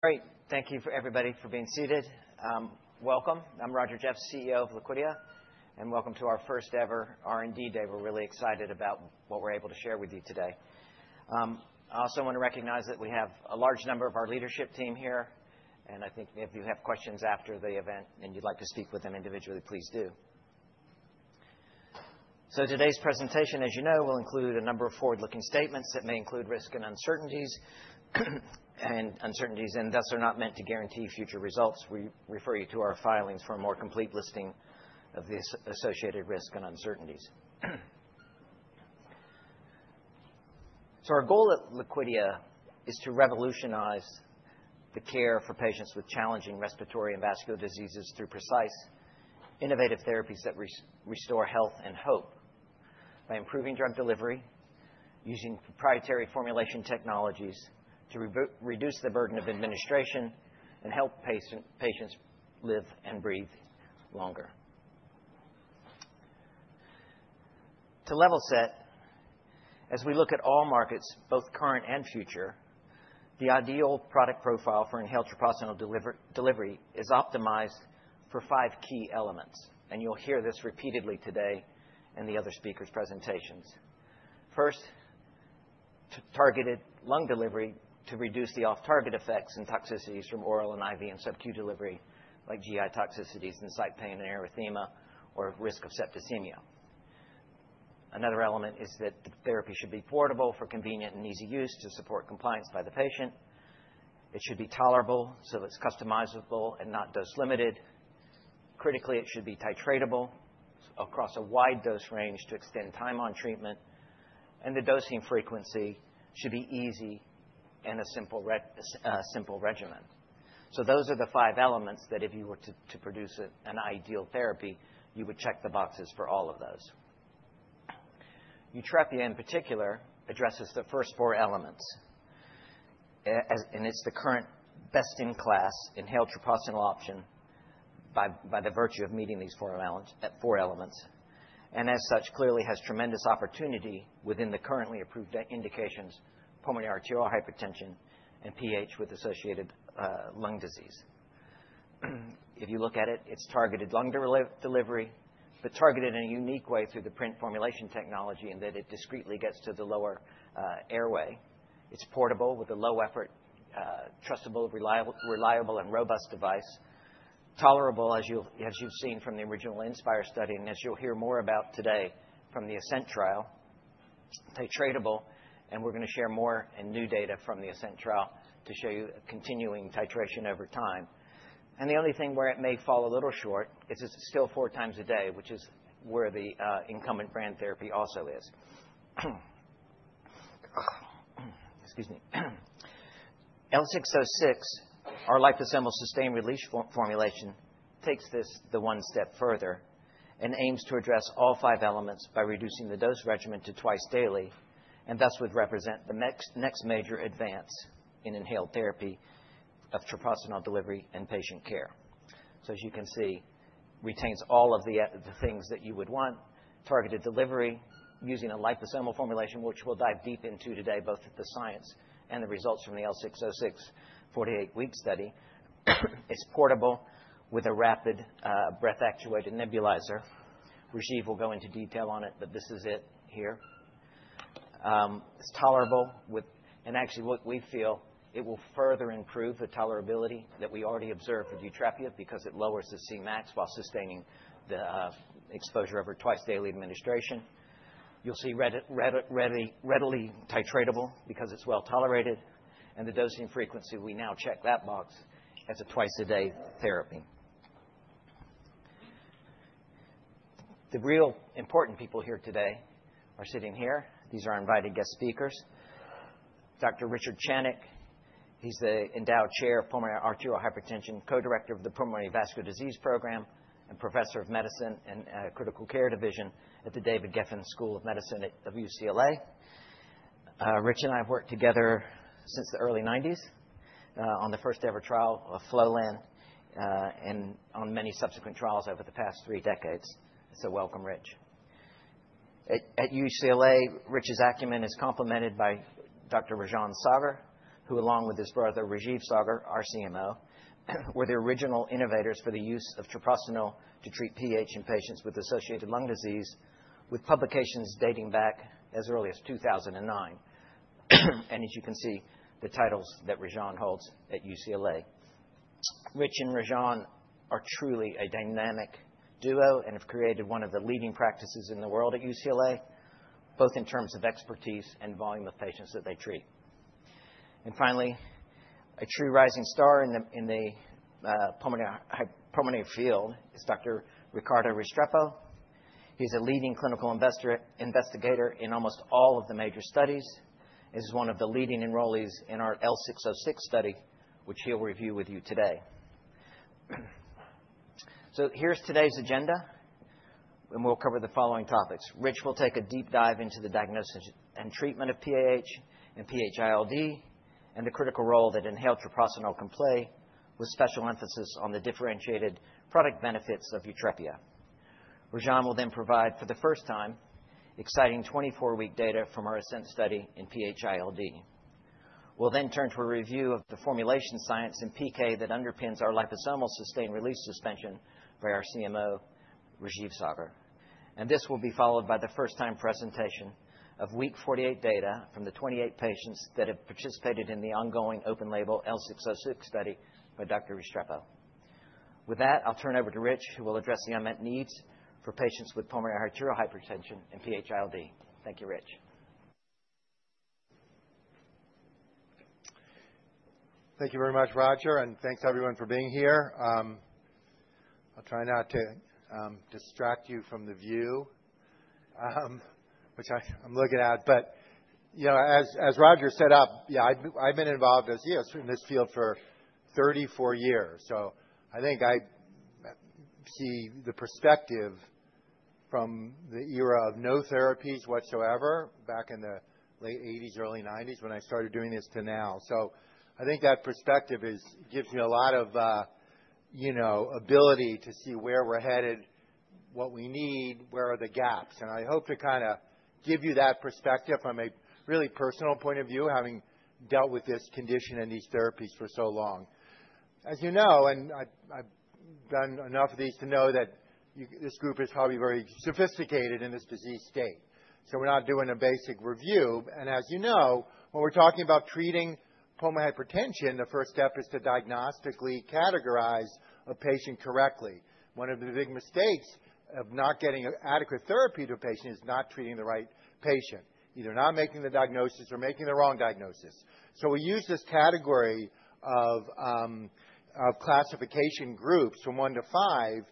Great. Thank you, everybody, for being seated. Welcome. I'm Roger Jeffs, CEO of Liquidia, and welcome to our first-ever R&D Day. We're really excited about what we're able to share with you today. I also want to recognize that we have a large number of our leadership team here, and I think if you have questions after the event and you'd like to speak with them individually, please do. So today's presentation, as you know, will include a number of forward-looking statements that may include risk and uncertainties, and uncertainties thus are not meant to guarantee future results. We refer you to our filings for a more complete listing of the associated risk and uncertainties. So our goal at Liquidia is to revolutionize the care for patients with challenging respiratory and vascular diseases through precise, innovative therapies that restore health and hope by improving drug delivery, using proprietary formulation technologies to reduce the burden of administration and help patients live and breathe longer. To level set, as we look at all markets, both current and future, the ideal product profile for inhaled treprostinil delivery is optimized for five key elements, and you'll hear this repeatedly today in the other speakers' presentations. First, targeted lung delivery to reduce the off-target effects and toxicities from oral and IV and subcutaneous delivery, like GI toxicities and site pain and erythema or risk of septicemia. Another element is that the therapy should be portable for convenient and easy use to support compliance by the patient. It should be tolerable so it's customizable and not dose-limited. Critically, it should be titratable across a wide dose range to extend time on treatment, and the dosing frequency should be easy and a simple regimen. So those are the five elements that if you were to produce an ideal therapy, you would check the boxes for all of those. Yutrepia, in particular, addresses the first four elements, and it's the current best-in-class inhaled treprostinil option by virtue of meeting these four elements, and as such, clearly has tremendous opportunity within the currently approved indications: pulmonary arterial hypertension and PH with associated lung disease. If you look at it, it's targeted lung delivery, but targeted in a unique way through the PRINT formulation technology in that it discretely gets to the lower airway. It's portable with a low-effort, trustable, reliable, and robust device. Tolerable, as you've seen from the original INSPIRE study and as you'll hear more about today from the ASCENT trial. Titratable, and we're going to share more and new data from the ASCENT trial to show you continuing titration over time, and the only thing where it may fall a little short is it's still four times a day, which is where the incumbent brand therapy also is. Excuse me. L606, our lipid-assembled sustained release formulation, takes it one step further and aims to address all five elements by reducing the dose regimen to twice daily, and thus would represent the next major advance in inhaled therapy of treprostinil delivery and patient care. So, as you can see, it retains all of the things that you would want: targeted delivery using a liposomal formulation, which we'll dive deep into today, both the science and the result from the L606 48-week study. It's portable with a rapid breath-actuated nebulizer. Rajeev will go into detail on it, but this is it here. It's tolerable with, and actually, we feel it will further improve the tolerability that we already observed with Yutrepia because it lowers the Cmax while sustaining the exposure over twice-daily administration. You'll see readily titratable because it's well tolerated, and the dosing frequency, we now check that box, as a twice-a-day therapy. The real important people here today are sitting here. These are our invited guest speakers: Dr. Richard Channick. He's the Endowed Chair of Pulmonary Arterial Hypertension, co-director of the Pulmonary Vascular Disease Program, and Professor of Medicine in Critical Care Division at the David Geffen School of Medicine at UCLA. Rich and I have worked together since the early 1990s on the first-ever trial of Flolan and on many subsequent trials over the past three decades. So welcome, Rich. At UCLA, Rich's acumen is complemented by Dr. Rajan Saggar, who, along with his brother Rajeev Saggar, our CMO, were the original innovators for the use of treprostinil to treat PH in patients with associated lung disease, with publications dating back as early as 2009, and as you can see, the titles that Rajan holds at UCLA. Rich and Rajan are truly a dynamic duo and have created one of the leading practices in the world at UCLA, both in terms of expertise and volume of patients that they treat. And finally, a true rising star in the pulmonary field is Dr. Ricardo Restrepo. He's a leading clinical investigator in almost all of the major studies. He's one of the leading enrollers in our L606 study, which he'll review with you today. So here's today's agenda, and we'll cover the following topics. Rich will take a deep dive into the diagnosis and treatment of PAH and PH-ILD and the critical role that inhaled treprostinil can play, with special emphasis on the differentiated product benefits of Yutrepia. Rajan will then provide, for the first time, exciting 24-week data from our ASCENT study in PH-ILD. We'll then turn to a review of the formulation science and PK that underpins our liposomal sustained release suspension by our CMO, Rajeev Saggar, and this will be followed by the first-time presentation of Week 48 data from the 28 patients that have participated in the ongoing open-label L606 study by Dr. Restrepo. With that, I'll turn over to Rich, who will address the unmet needs for patients with pulmonary arterial hypertension and PH-ILD. Thank you, Rich. Thank you very much, Roger, and thanks, everyone, for being here. I'll try not to distract you from the view which I'm looking at, but as Roger set up, yeah, I've been involved in this field for 34 years. So I think I see the perspective from the era of no therapies whatsoever, back in the late 1980s, early 1990s when I started doing this, to now. So I think that perspective gives me a lot of ability to see where we're headed, what we need, where are the gaps, and I hope to kind of give you that perspective from a really personal point of view, having dealt with this condition and these therapies for so long. As you know, and I've done enough of these to know that this group is probably very sophisticated in this disease state, so we're not doing a basic review. And as you know, when we're talking about treating pulmonary hypertension, the first step is to diagnostically categorize a patient correctly. One of the big mistakes of not getting adequate therapy to a patient is not treating the right patient, either not making the diagnosis or making the wrong diagnosis. So we use this category of classification groups from one to five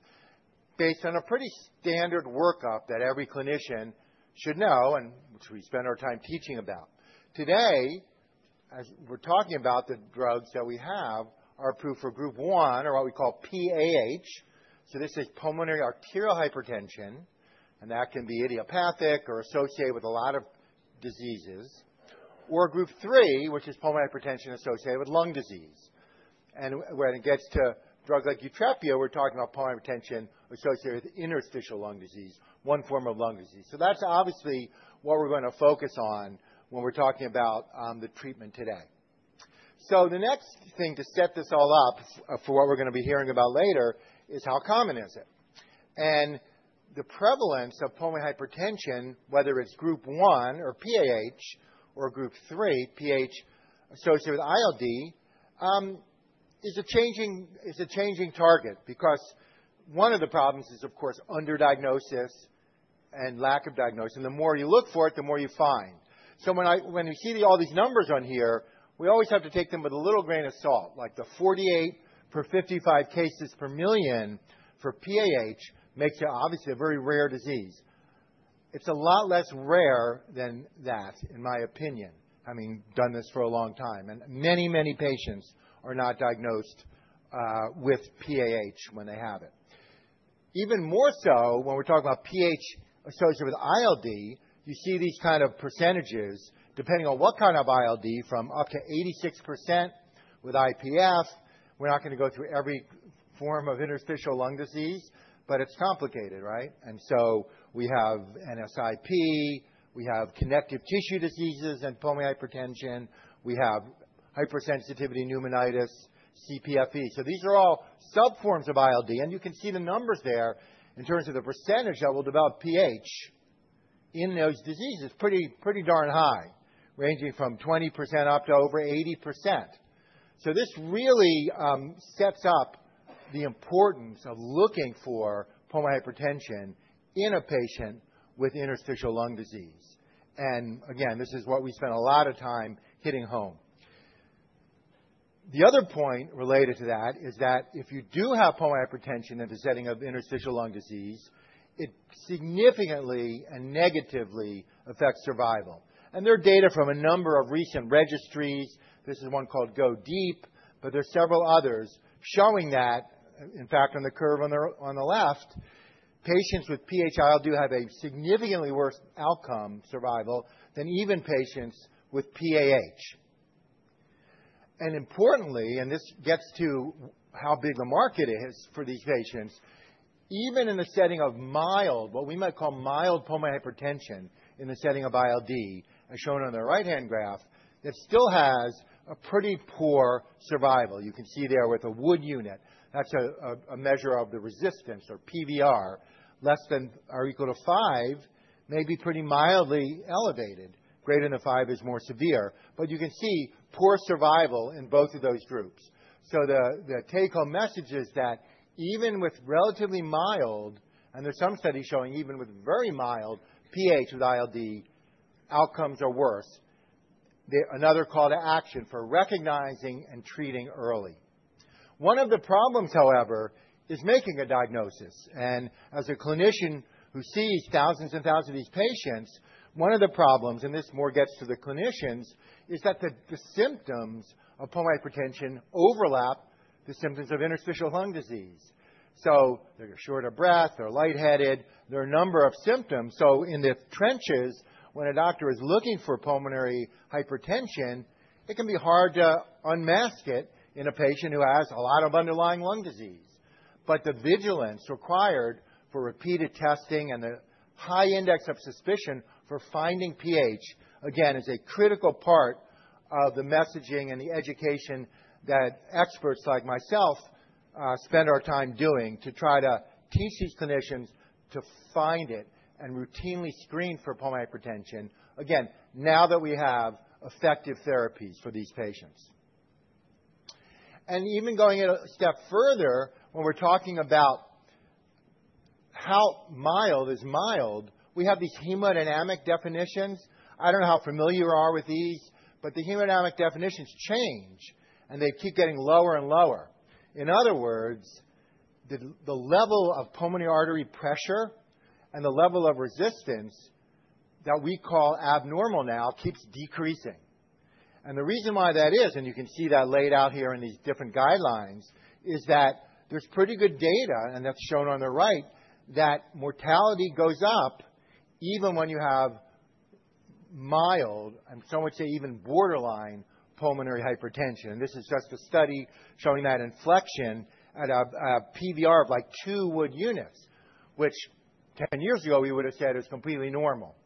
based on a pretty standard workup that every clinician should know and which we spend our time teaching about. Today, as we're talking about, the drugs that we have are approved for Group 1 or what we call PAH. So this is pulmonary arterial hypertension, and that can be idiopathic or associated with a lot of diseases, or Group 3, which is pulmonary hypertension associated with lung disease. And when it gets to drugs like Yutrepia, we're talking about pulmonary hypertension associated with interstitial lung disease, one form of lung disease. So that's obviously what we're going to focus on when we're talking about the treatment today. So the next thing to set this all up for what we're going to be hearing about later is how common is it. And the prevalence of pulmonary hypertension, whether it's Group 1 or PH or Group 3, PH associated with ILD, is a changing target because one of the problems is, of course, underdiagnosis and lack of diagnosis, and the more you look for it, the more you find. So when we see all these numbers on here, we always have to take them with a little grain of salt. Like the 48 per 55 cases per million for PH makes it obviously a very rare disease. It's a lot less rare than that, in my opinion. I mean, I've done this for a long time, and many, many patients are not diagnosed with PH when they have it. Even more so when we're talking about PH associated with ILD, you see these kind of percentages depending on what kind of ILD, from up to 86% with IPF. We're not going to go through every form of interstitial lung disease, but it's complicated, right, and so we have NSIP, we have connective tissue diseases and pulmonary hypertension, we have hypersensitivity pneumonitis, CPFE, so these are all subforms of ILD, and you can see the numbers there in terms of the percentage that will develop PH in those diseases pretty darn high, ranging from 20% up to over 80%, so this really sets up the importance of looking for pulmonary hypertension in a patient with interstitial lung disease. And again, this is what we spend a lot of time hitting home. The other point related to that is that if you do have pulmonary hypertension in the setting of interstitial lung disease, it significantly and negatively affects survival. And there are data from a number of recent registries. This is one called GoDeep, but there are several others showing that, in fact, on the curve on the left, patients with PH-ILD have a significantly worse outcome survival than even patients with PAH. And importantly, and this gets to how big the market is for these patients, even in the setting of mild, what we might call mild pulmonary hypertension in the setting of ILD, as shown on the right-hand graph, that still has a pretty poor survival. You can see there with a Wood unit, that's a measure of the resistance or PVR, less than or equal to five may be pretty mildly elevated. Greater than five is more severe, but you can see poor survival in both of those groups, so the take-home message is that even with relatively mild, and there's some studies showing even with very mild PH with ILD, outcomes are worse. Another call-to-action for recognizing and treating early. One of the problems, however, is making a diagnosis, and as a clinician who sees thousands and thousands of these patients, one of the problems, and this more gets to the clinicians, is that the symptoms of pulmonary hypertension overlap the symptoms of interstitial lung disease, so they're short of breath, they're lightheaded, there are a number of symptoms. In the trenches, when a doctor is looking for pulmonary hypertension, it can be hard to unmask it in a patient who has a lot of underlying lung disease. But the vigilance required for repeated testing and the high index of suspicion for finding PH, again, is a critical part of the messaging and the education that experts like myself spend our time doing to try to teach these clinicians to find it and routinely screen for pulmonary hypertension, again, now that we have effective therapies for these patients. Even going a step further, when we're talking about how mild is mild, we have these hemodynamic definitions. I don't know how familiar you are with these, but the hemodynamic definitions change, and they keep getting lower and lower. In other words, the level of pulmonary artery pressure and the level of resistance that we call abnormal now keeps decreasing, and the reason why that is, and you can see that laid out here in these different guidelines, is that there's pretty good data, and that's shown on the right, that mortality goes up even when you have mild, and some would say even borderline pulmonary hypertension. This is just a study showing that inflection at a PVR of like two Wood units, which 10 years ago we would have said is completely normal.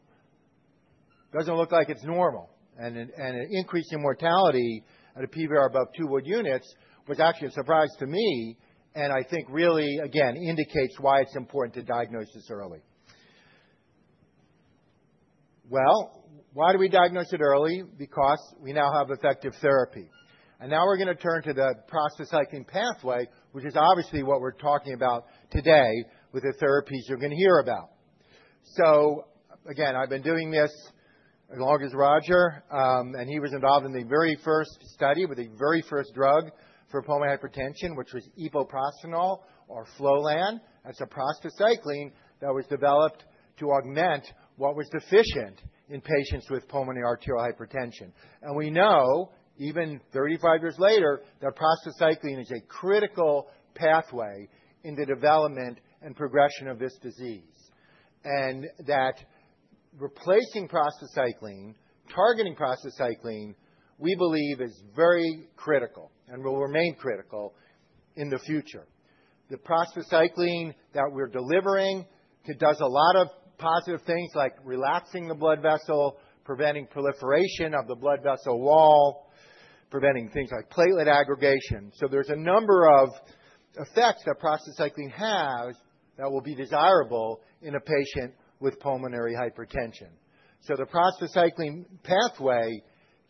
Doesn't look like it's normal, and an increase in mortality at a PVR above two Wood units was actually a surprise to me, and I think really, again, indicates why it's important to diagnose this early. Well, why do we diagnose it early? Because we now have effective therapy. And now we're going to turn to the prostacyclin pathway, which is obviously what we're talking about today with the therapies you're going to hear about. So again, I've been doing this as long as Roger, and he was involved in the very first study with the very first drug for pulmonary hypertension, which was epoprostenol or Flolan. That's a prostacyclin that was developed to augment what was deficient in patients with pulmonary arterial hypertension. And we know, even 35 years later, that prostacyclin is a critical pathway in the development and progression of this disease, and that replacing prostacyclin, targeting prostacyclin, we believe is very critical and will remain critical in the future. The prostacyclin that we're delivering, it does a lot of positive things like relaxing the blood vessel, preventing proliferation of the blood vessel wall, preventing things like platelet aggregation. So there's a number of effects that prostacyclin has that will be desirable in a patient with pulmonary hypertension. So the prostacyclin pathway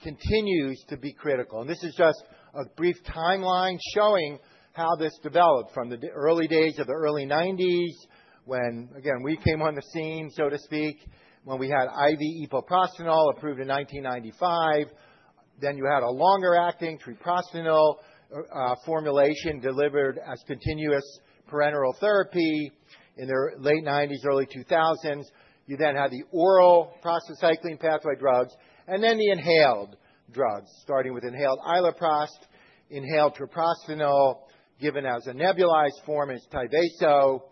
continues to be critical. And this is just a brief timeline showing how this developed from the early days of the early 1990s when, again, we came on the scene, so to speak, when we had IV epoprostenol approved in 1995. Then you had a longer-acting treprostinil formulation delivered as continuous parenteral therapy in the late 1990s, early 2000s. You then had the oral prostacyclin pathway drugs and then the inhaled drugs, starting with inhaled iloprost, inhaled treprostinil given as a nebulized form, Tyvaso,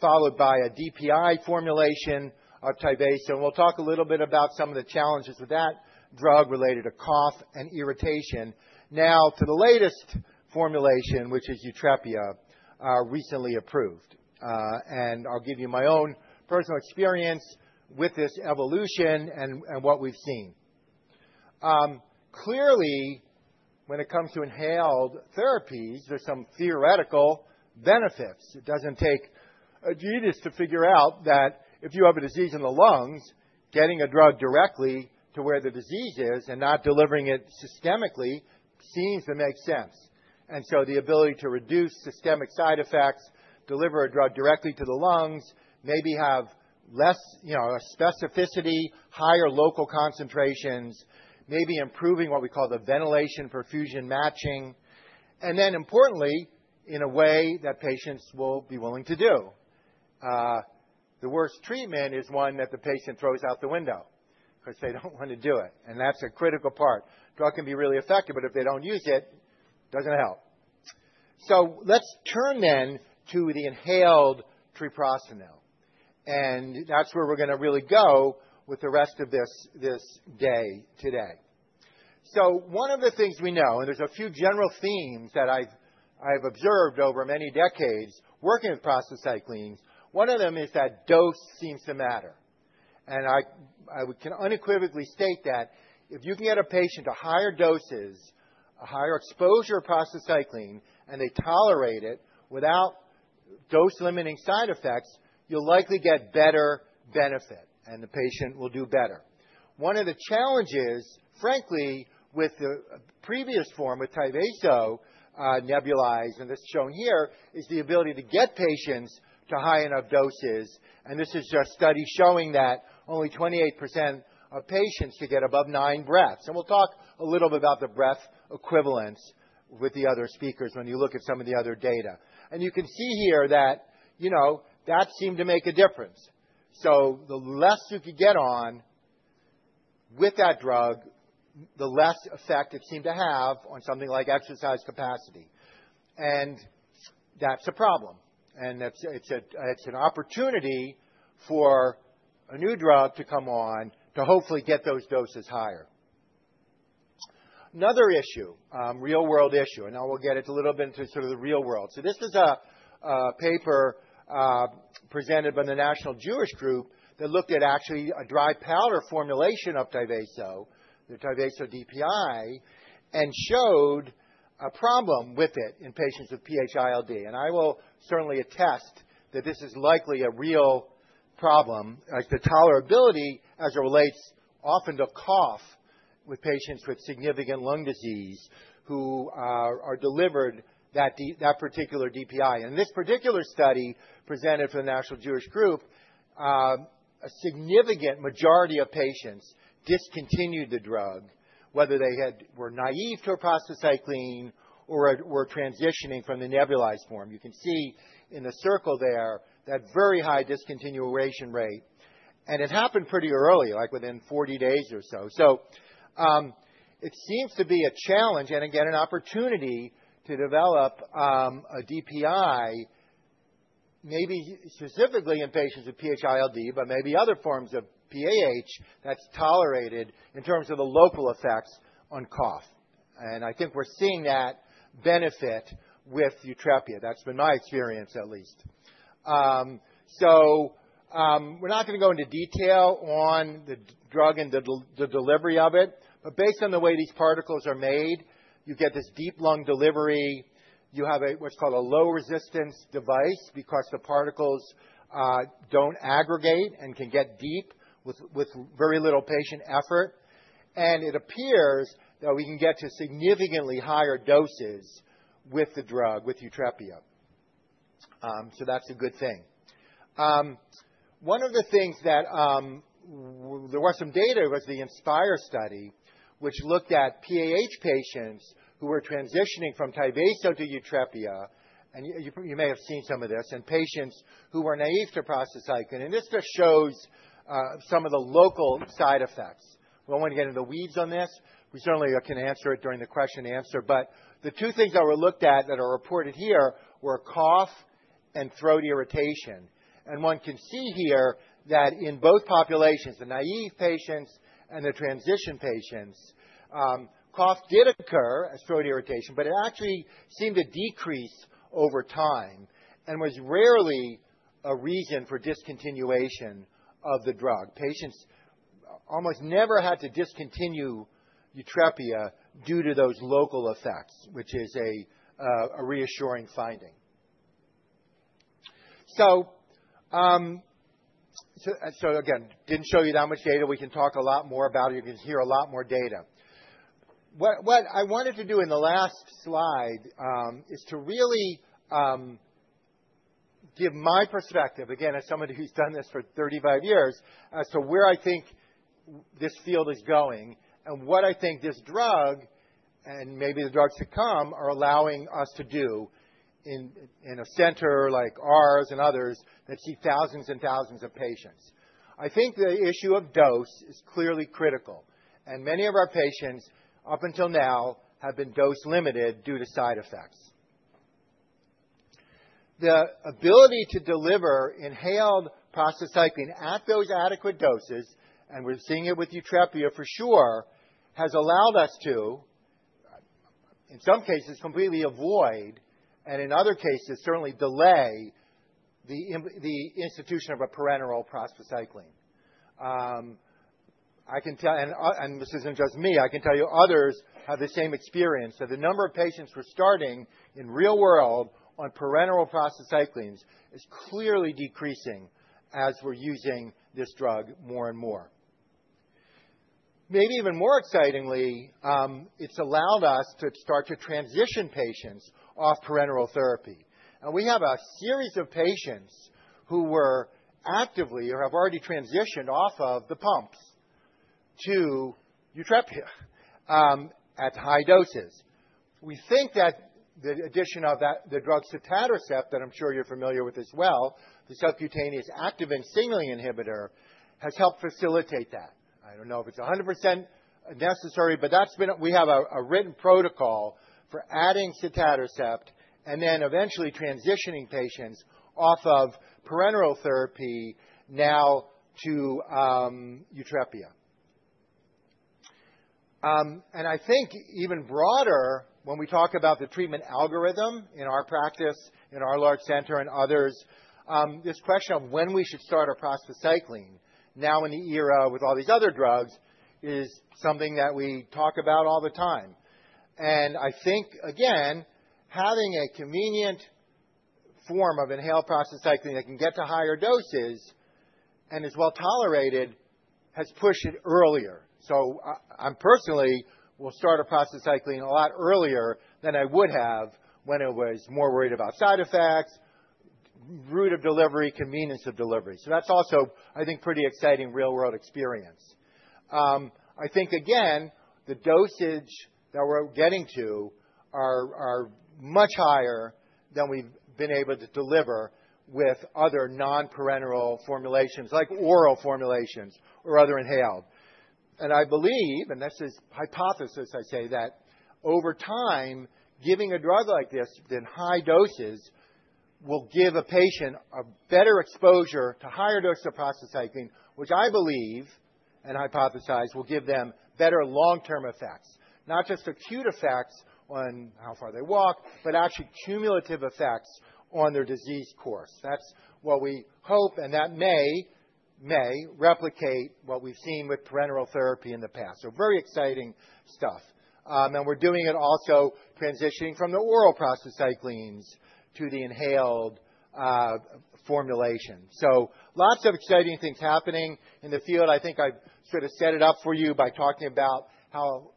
followed by a DPI formulation of Tyvaso. And we'll talk a little bit about some of the challenges with that drug related to cough and irritation. Now to the latest formulation, which is Yutrepia, recently approved, and I'll give you my own personal experience with this evolution and what we've seen. Clearly, when it comes to inhaled therapies, there's some theoretical benefits. It doesn't take a genius to figure out that if you have a disease in the lungs, getting a drug directly to where the disease is and not delivering it systemically seems to make sense, and so the ability to reduce systemic side effects, deliver a drug directly to the lungs, maybe have less specificity, higher local concentrations, maybe improving what we call the ventilation-perfusion matching, and then importantly, in a way that patients will be willing to do. The worst treatment is one that the patient throws out the window because they don't want to do it, and that's a critical part. Drug can be really effective, but if they don't use it, it doesn't help. So let's turn then to the inhaled treprostinil, and that's where we're going to really go with the rest of this day today. So one of the things we know, and there's a few general themes that I've observed over many decades working with prostacyclin, one of them is that dose seems to matter. And I can unequivocally state that if you can get a patient to higher doses, a higher-exposure prostacyclin, and they tolerate it without dose-limiting side effects, you'll likely get better benefit, and the patient will do better. One of the challenges, frankly, with the previous form, with Tyvaso nebulized, and this is shown here, is the ability to get patients to high enough doses, and this is just studies showing that only 28% of patients could get above nine breaths, and we'll talk a little bit about the breath equivalence with the other speakers when you look at some of the other data, and you can see here that that seemed to make a difference, so the less you could get on with that drug, the less effect it seemed to have on something like exercise capacity, and that's a problem, and it's an opportunity for a new drug to come on to hopefully get those doses higher. Another issue, real-world issue, and I will get into a little bit into sort of the real world. So this is a paper presented by the National Jewish Health that looked at actually a dry powder formulation of Tyvaso, the Tyvaso DPI, and showed a problem with it in patients with PH-ILD. And I will certainly attest that this is likely a real problem, the tolerability as it relates often to cough with patients with significant lung disease who are delivered that particular DPI. And in this particular study presented by the National Jewish Health, a significant majority of patients discontinued the drug, whether they were naive to prostacyclin or were transitioning from the nebulized form. You can see in the circle there that very high discontinuation rate, and it happened pretty early, like within 40 days or so. So it seems to be a challenge and, again, an opportunity to develop a DPI, maybe specifically in patients with PH-ILD, but maybe other forms of PAH that's tolerated in terms of the local effects on cough, and I think we're seeing that benefit with Yutrepia. That's been my experience, at least. We're not going to go into detail on the drug and the delivery of it, but based on the way these particles are made, you get this deep lung delivery. You have what's called a low-resistance device because the particles don't aggregate and can get deep with very little patient effort, and it appears that we can get to significantly higher doses with the drug, with Yutrepia, so that's a good thing. One of the things that there was some data was the INSPIRE study, which looked at PH patients who were transitioning from Tyvaso to Yutrepia, and you may have seen some of this, and patients who were naive to prostacyclin. And this just shows some of the local side effects. I won't get into the weeds on this. We certainly can answer it during the question and answer, but the two things that were looked at that are reported here were cough and throat irritation. And one can see here that in both populations, the naive patients and the transition patients, cough did occur, as did throat irritation, but it actually seemed to decrease over time and was rarely a reason for discontinuation of the drug. Patients almost never had to discontinue Yutrepia due to those local effects, which is a reassuring finding. So again, didn't show you that much data. We can talk a lot more about it. You can hear a lot more data. What I wanted to do in the last slide is to really give my perspective, again, as somebody who's done this for 35 years, as to where I think this field is going and what I think this drug and maybe the drugs to come are allowing us to do in a center like ours and others that see thousands and thousands of patients. I think the issue of dose is clearly critical, and many of our patients up until now have been dose-limited due to side effects. The ability to deliver inhaled prostacyclin at those adequate doses, and we're seeing it with Yutrepia for sure, has allowed us to, in some cases, completely avoid, and in other cases, certainly delay the institution of a parenteral prostacyclin. And this isn't just me. I can tell you others have the same experience. So the number of patients we're starting in real-world on parenteral prostacyclins is clearly decreasing as we're using this drug more and more. Maybe even more excitingly, it's allowed us to start to transition patients off parenteral therapy. And we have a series of patients who were actively or have already transitioned off of the pumps to Yutrepia at high doses. We think that the addition of the drug sotatercept, that I'm sure you're familiar with as well, the subcutaneous activin signaling inhibitor, has helped facilitate that. I don't know if it's 100% necessary, but we have a written protocol for adding sotatercept and then eventually transitioning patients off of parenteral therapy now to Yutrepia. And I think even broader, when we talk about the treatment algorithm in our practice, in our large center and others, this question of when we should start prostacyclin now in the era with all these other drugs is something that we talk about all the time. And I think, again, having a convenient form of inhaled prostacyclin that can get to higher doses and is well tolerated has pushed it earlier. So I'm personally will start prostacyclin a lot earlier than I would have when I was more worried about side effects, route of delivery, convenience of delivery. So that's also, I think, pretty exciting real-world experience. I think, again, the dosage that we're getting to are much higher than we've been able to deliver with other non-parenteral formulations like oral formulations or other inhaled, and I believe, and this is hypothesis, I say that, over time, giving a drug like this in high doses will give a patient a better exposure to higher dose of prostacyclin, which I believe and hypothesize will give them better long-term effects, not just acute effects on how far they walk, but actually cumulative effects on their disease course. That's what we hope, and that may replicate what we've seen with parenteral therapy in the past, so very exciting stuff. We're doing it also transitioning from the oral prostacyclins to the inhaled formulation, so lots of exciting things happening in the field. I think I've sort of set it up for you by talking about how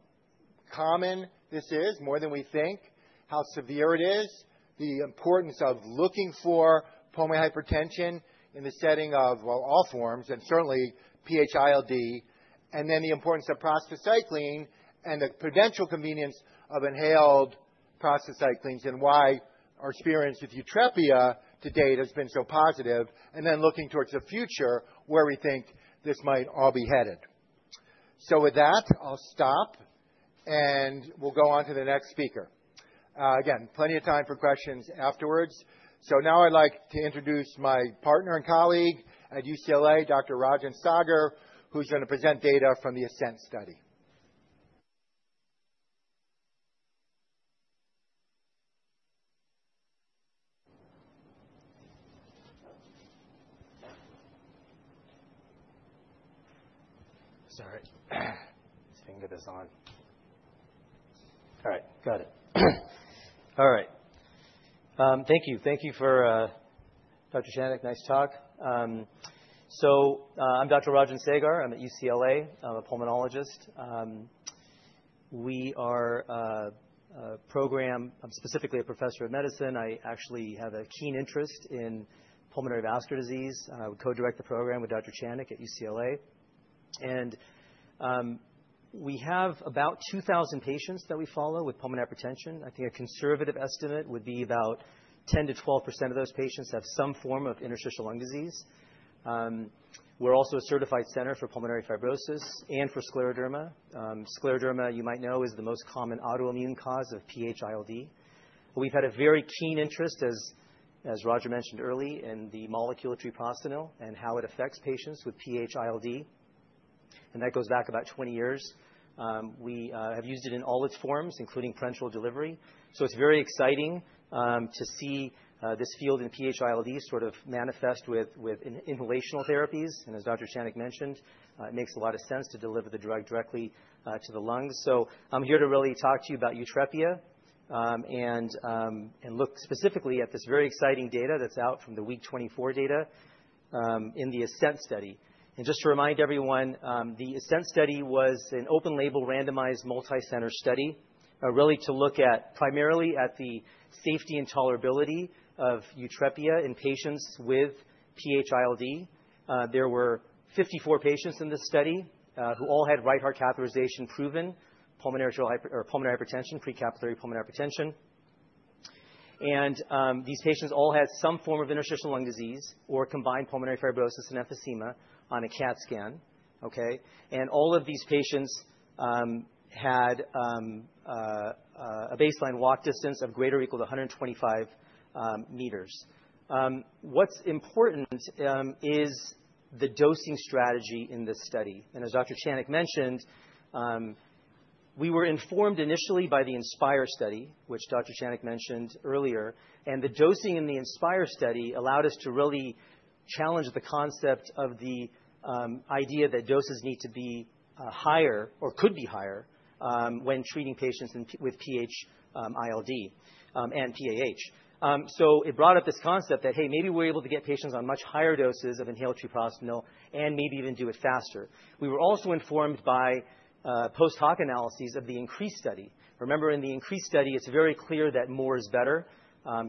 common this is, more than we think, how severe it is, the importance of looking for pulmonary hypertension in the setting of all forms and certainly PH-ILD, and then the importance of prostacyclin and the potential convenience of inhaled prostacyclins and why our experience with Yutrepia to date has been so positive, and then looking towards the future where we think this might all be headed. So with that, I'll stop, and we'll go on to the next speaker. Again, plenty of time for questions afterwards. So now I'd like to introduce my partner and colleague at UCLA, Dr. Rajan Saggar, who's going to present data from the ASCENT study. Sorry. Just hanging this on. All right. Got it. All right. Thank you. Thank you, Dr. Channick, nice talk. So I'm Dr. Rajan Saggar. I'm at UCLA. I'm a pulmonologist. We are a program, I'm specifically a Professor of Medicine. I actually have a keen interest in pulmonary vascular disease. I would co-direct the program with Dr. Channick at UCLA and we have about 2,000 patients that we follow with pulmonary hypertension. I think a conservative estimate would be about 10%-12% of those patients have some form of interstitial lung disease. We're also a certified center for pulmonary fibrosis and for scleroderma. Scleroderma, you might know, is the most common autoimmune cause of PH-ILD but we've had a very keen interest, as Roger mentioned early, in the molecule of treprostinil and how it affects patients with PH-ILD and that goes back about 20 years. We have used it in all its forms, including parenteral delivery. So it's very exciting to see this field in PH-ILD sort of manifest with inhalational therapies, and as Dr. Channick mentioned, it makes a lot of sense to deliver the drug directly to the lungs, so I'm here to really talk to you about Yutrepia and look specifically at this very exciting data that's out from the Week 24 data in the ASCENT study, and just to remind everyone, the ASCENT study was an open-label randomized multi-center study really to look at primarily at the safety and tolerability of Yutrepia in patients with PH-ILD. There were 54 patients in this study who all had right heart catheterization proven, pulmonary hypertension, pre-capillary pulmonary hypertension, and these patients all had some form of interstitial lung disease or combined pulmonary fibrosis and emphysema on a CAT scan. Okay? And all of these patients had a baseline walk distance of greater or equal to 125 meters. What's important is the dosing strategy in this study. And as Dr. Channick mentioned, we were informed initially by the INSPIRE study, which Dr. Channick mentioned earlier, and the dosing in the INSPIRE study allowed us to really challenge the concept of the idea that doses need to be higher or could be higher when treating patients with PH-ILD and PAH. So it brought up this concept that, hey, maybe we're able to get patients on much higher doses of inhaled treprostinil and maybe even do it faster. We were also informed by post-hoc analyses of the INCREASE study. Remember, in the INCREASE study, it's very clear that more is better.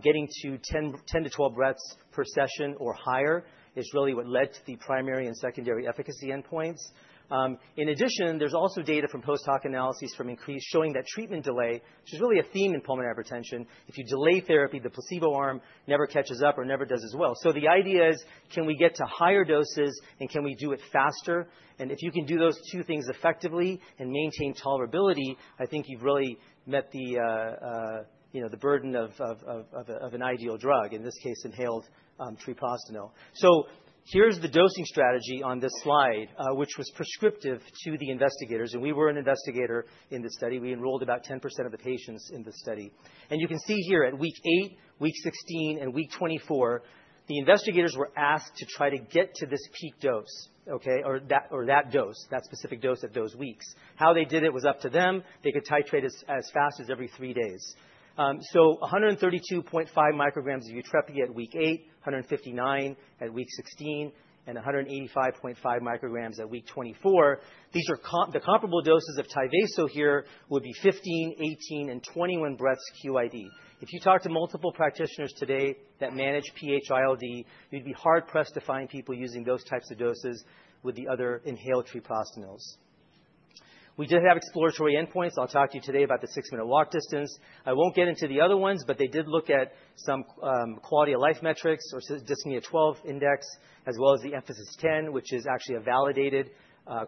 Getting to 10 to 12 breaths per session or higher is really what led to the primary and secondary efficacy endpoints. In addition, there's also data from post-hoc analyses from INCREASE showing that treatment delay, which is really a theme in pulmonary hypertension, if you delay therapy, the placebo arm never catches up or never does as well. So the idea is, can we get to higher doses and can we do it faster? And if you can do those two things effectively and maintain tolerability, I think you've really met the burden of an ideal drug, in this case, inhaled treprostinil. So here's the dosing strategy on this slide, which was prescriptive to the investigators. And we were an investigator in this study. We enrolled about 10% of the patients in this study. And you can see here at Week 8, Week 16, and Week 24, the investigators were asked to try to get to this peak dose, okay, or that dose, that specific dose at those weeks. How they did it was up to them. They could titrate as fast as every three days. So 132.5 micrograms of Yutrepia at Week 8, 159 at Week 16, and 185.5 micrograms at Week 24. The comparable doses of Tyvaso here would be 15, 18, and 21 breaths q.i.d. If you talk to multiple practitioners today that manage PH-ILD, you'd be hard-pressed to find people using those types of doses with the other inhaled treprostinils. We did have exploratory endpoints. I'll talk to you today about the six-minute walk distance. I won't get into the other ones, but they did look at some quality of life metrics or Dyspnea-12 index, as well as the emPHasis-10, which is actually a validated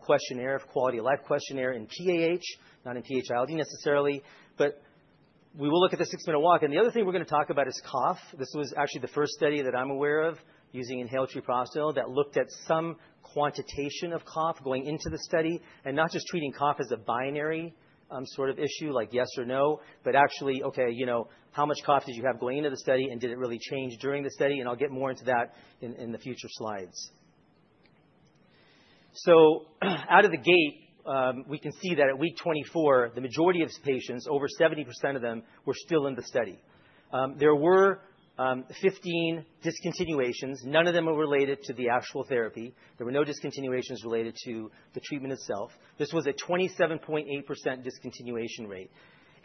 questionnaire, a quality of life questionnaire in PAH, not in PH-ILD necessarily. But we will look at the six-minute walk. The other thing we're going to talk about is cough. This was actually the first study that I'm aware of using inhaled treprostinil that looked at some quantitation of cough going into the study and not just treating cough as a binary sort of issue like yes or no, but actually, okay, how much cough did you have going into the study, and did it really change during the study? And I'll get more into that in the future slides. So out of the gate, we can see that at Week 24, the majority of patients, over 70% of them, were still in the study. There were 15 discontinuations. None of them were related to the actual therapy. There were no discontinuations related to the treatment itself. This was a 27.8% discontinuation rate.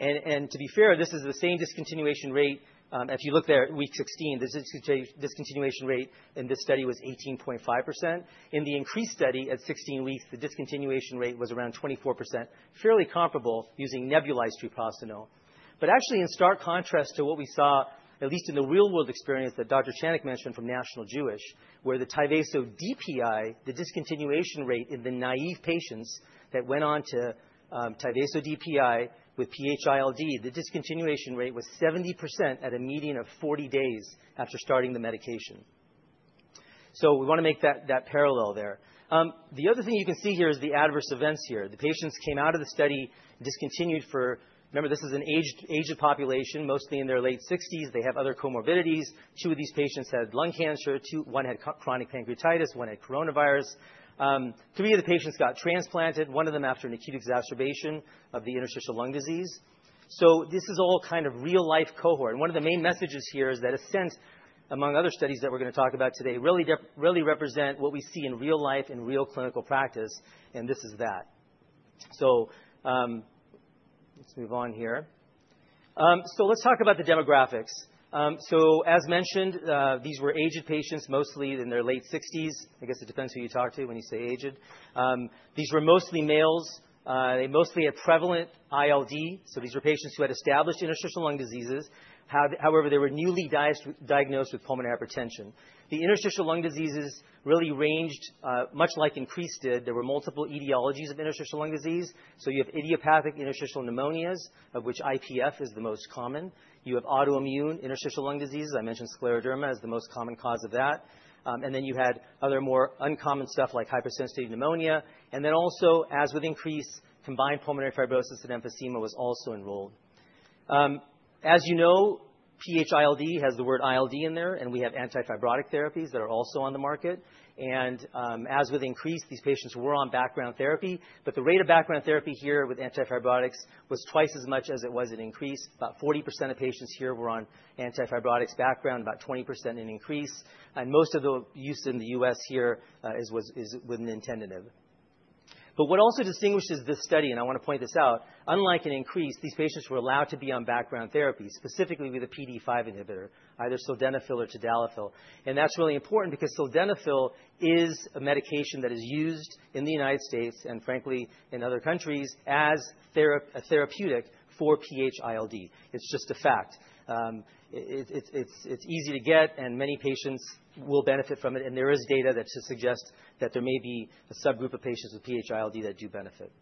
And to be fair, this is the same discontinuation rate. If you look there at Week 16, the discontinuation rate in this study was 18.5%. In the INCREASE study at 16 weeks, the discontinuation rate was around 24%, fairly comparable using nebulized treprostinil. But actually, in stark contrast to what we saw, at least in the real-world experience that Dr. Channick mentioned from National Jewish Health, where the Tyvaso DPI, the discontinuation rate in the naive patients that went on to Tyvaso DPI with PH-ILD, the discontinuation rate was 70% at a median of 40 days after starting the medication. So we want to make that parallel there. The other thing you can see here is the adverse events here. The patients came out of the study, discontinued for, remember, this is an aged population, mostly in their late 60s. They have other comorbidities. Two of these patients had lung cancer. One had chronic pancreatitis. One had coronavirus. Three of the patients got transplanted, one of them after an acute exacerbation of the interstitial lung disease. So this is all kind of real-life cohort. And one of the main messages here is that ASCENT, among other studies that we're going to talk about today, really represent what we see in real life in real clinical practice. And this is that. So let's move on here. So let's talk about the demographics. So as mentioned, these were aged patients, mostly in their late 60s. I guess it depends who you talk to when you say aged. These were mostly males. They mostly had prevalent ILD. So these were patients who had established interstitial lung diseases. However, they were newly diagnosed with pulmonary hypertension. The interstitial lung diseases really ranged much like INCREASE did. There were multiple etiologies of interstitial lung disease. So you have idiopathic interstitial pneumonias, of which IPF is the most common. You have autoimmune interstitial lung diseases. I mentioned scleroderma as the most common cause of that. And then you had other more uncommon stuff like hypersensitivity pneumonitis. And then also, as with INCREASE, combined pulmonary fibrosis and emphysema was also enrolled. As you know, PH-ILD has the word ILD in there, and we have antifibrotic therapies that are also on the market. And as with INCREASE, these patients were on background therapy. But the rate of background therapy here with antifibrotics was twice as much as it was in INCREASE. About 40% of patients here were on antifibrotics background, about 20% in INCREASE. And most of the use in the U.S. here is with nintedanib But what also distinguishes this study, and I want to point this out, unlike in INCREASE, these patients were allowed to be on background therapy, specifically with a PDE5 inhibitor, either sildenafil or tadalafil, and that's really important because sildenafil is a medication that is used in the United States and, frankly, in other countries as a therapeutic for PH-ILD. It's just a fact. It's easy to get, and many patients will benefit from it, and there is data that suggests that there may be a subgroup of patients with PH-ILD that do benefit.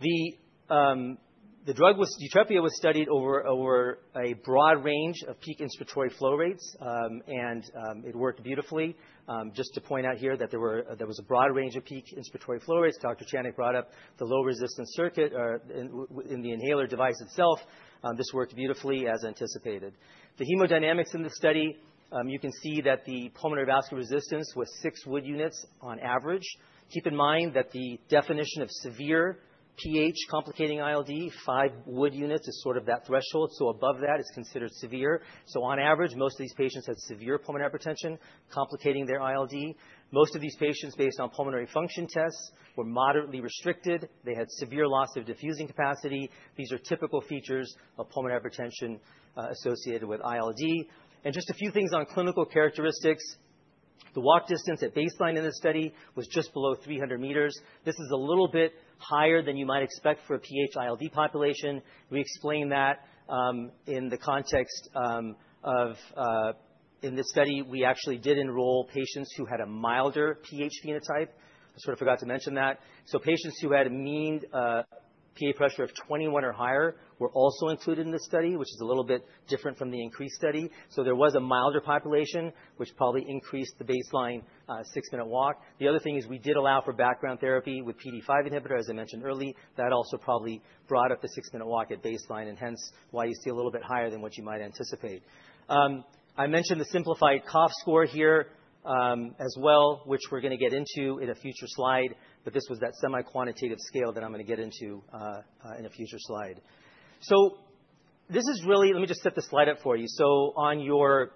The drug Yutrepia was studied over a broad range of peak inspiratory flow rates, and it worked beautifully. Just to point out here that there was a broad range of peak inspiratory flow rates. Dr. Channick brought up the low resistance circuit in the inhaler device itself. This worked beautifully as anticipated. The hemodynamics in the study, you can see that the pulmonary vascular resistance was six Wood Units on average. Keep in mind that the definition of severe PH complicating ILD. Five Wood Units is sort of that threshold. So above that is considered severe. So on average, most of these patients had severe pulmonary hypertension complicating their ILD. Most of these patients, based on pulmonary function tests, were moderately restricted. They had severe loss of diffusing capacity. These are typical features of pulmonary hypertension associated with ILD. And just a few things on clinical characteristics. The walk distance at baseline in this study was just below 300 meters. This is a little bit higher than you might expect for a PH-ILD population. We explain that in the context of, in this study, we actually did enroll patients who had a milder PH phenotype. I sort of forgot to mention that, so patients who had a mean PA pressure of 21 or higher were also included in this study, which is a little bit different from the INCREASE study, so there was a milder population, which probably increased the baseline six-minute walk. The other thing is we did allow for background therapy with PDE5 inhibitor, as I mentioned earlier. That also probably brought up the six-minute walk at baseline, and hence why you see a little bit higher than what you might anticipate. I mentioned the simplified cough score here as well, which we're going to get into in a future slide, but this was that semi-quantitative scale that I'm going to get into in a future slide. This is really, let me just set the slide up for you, so on your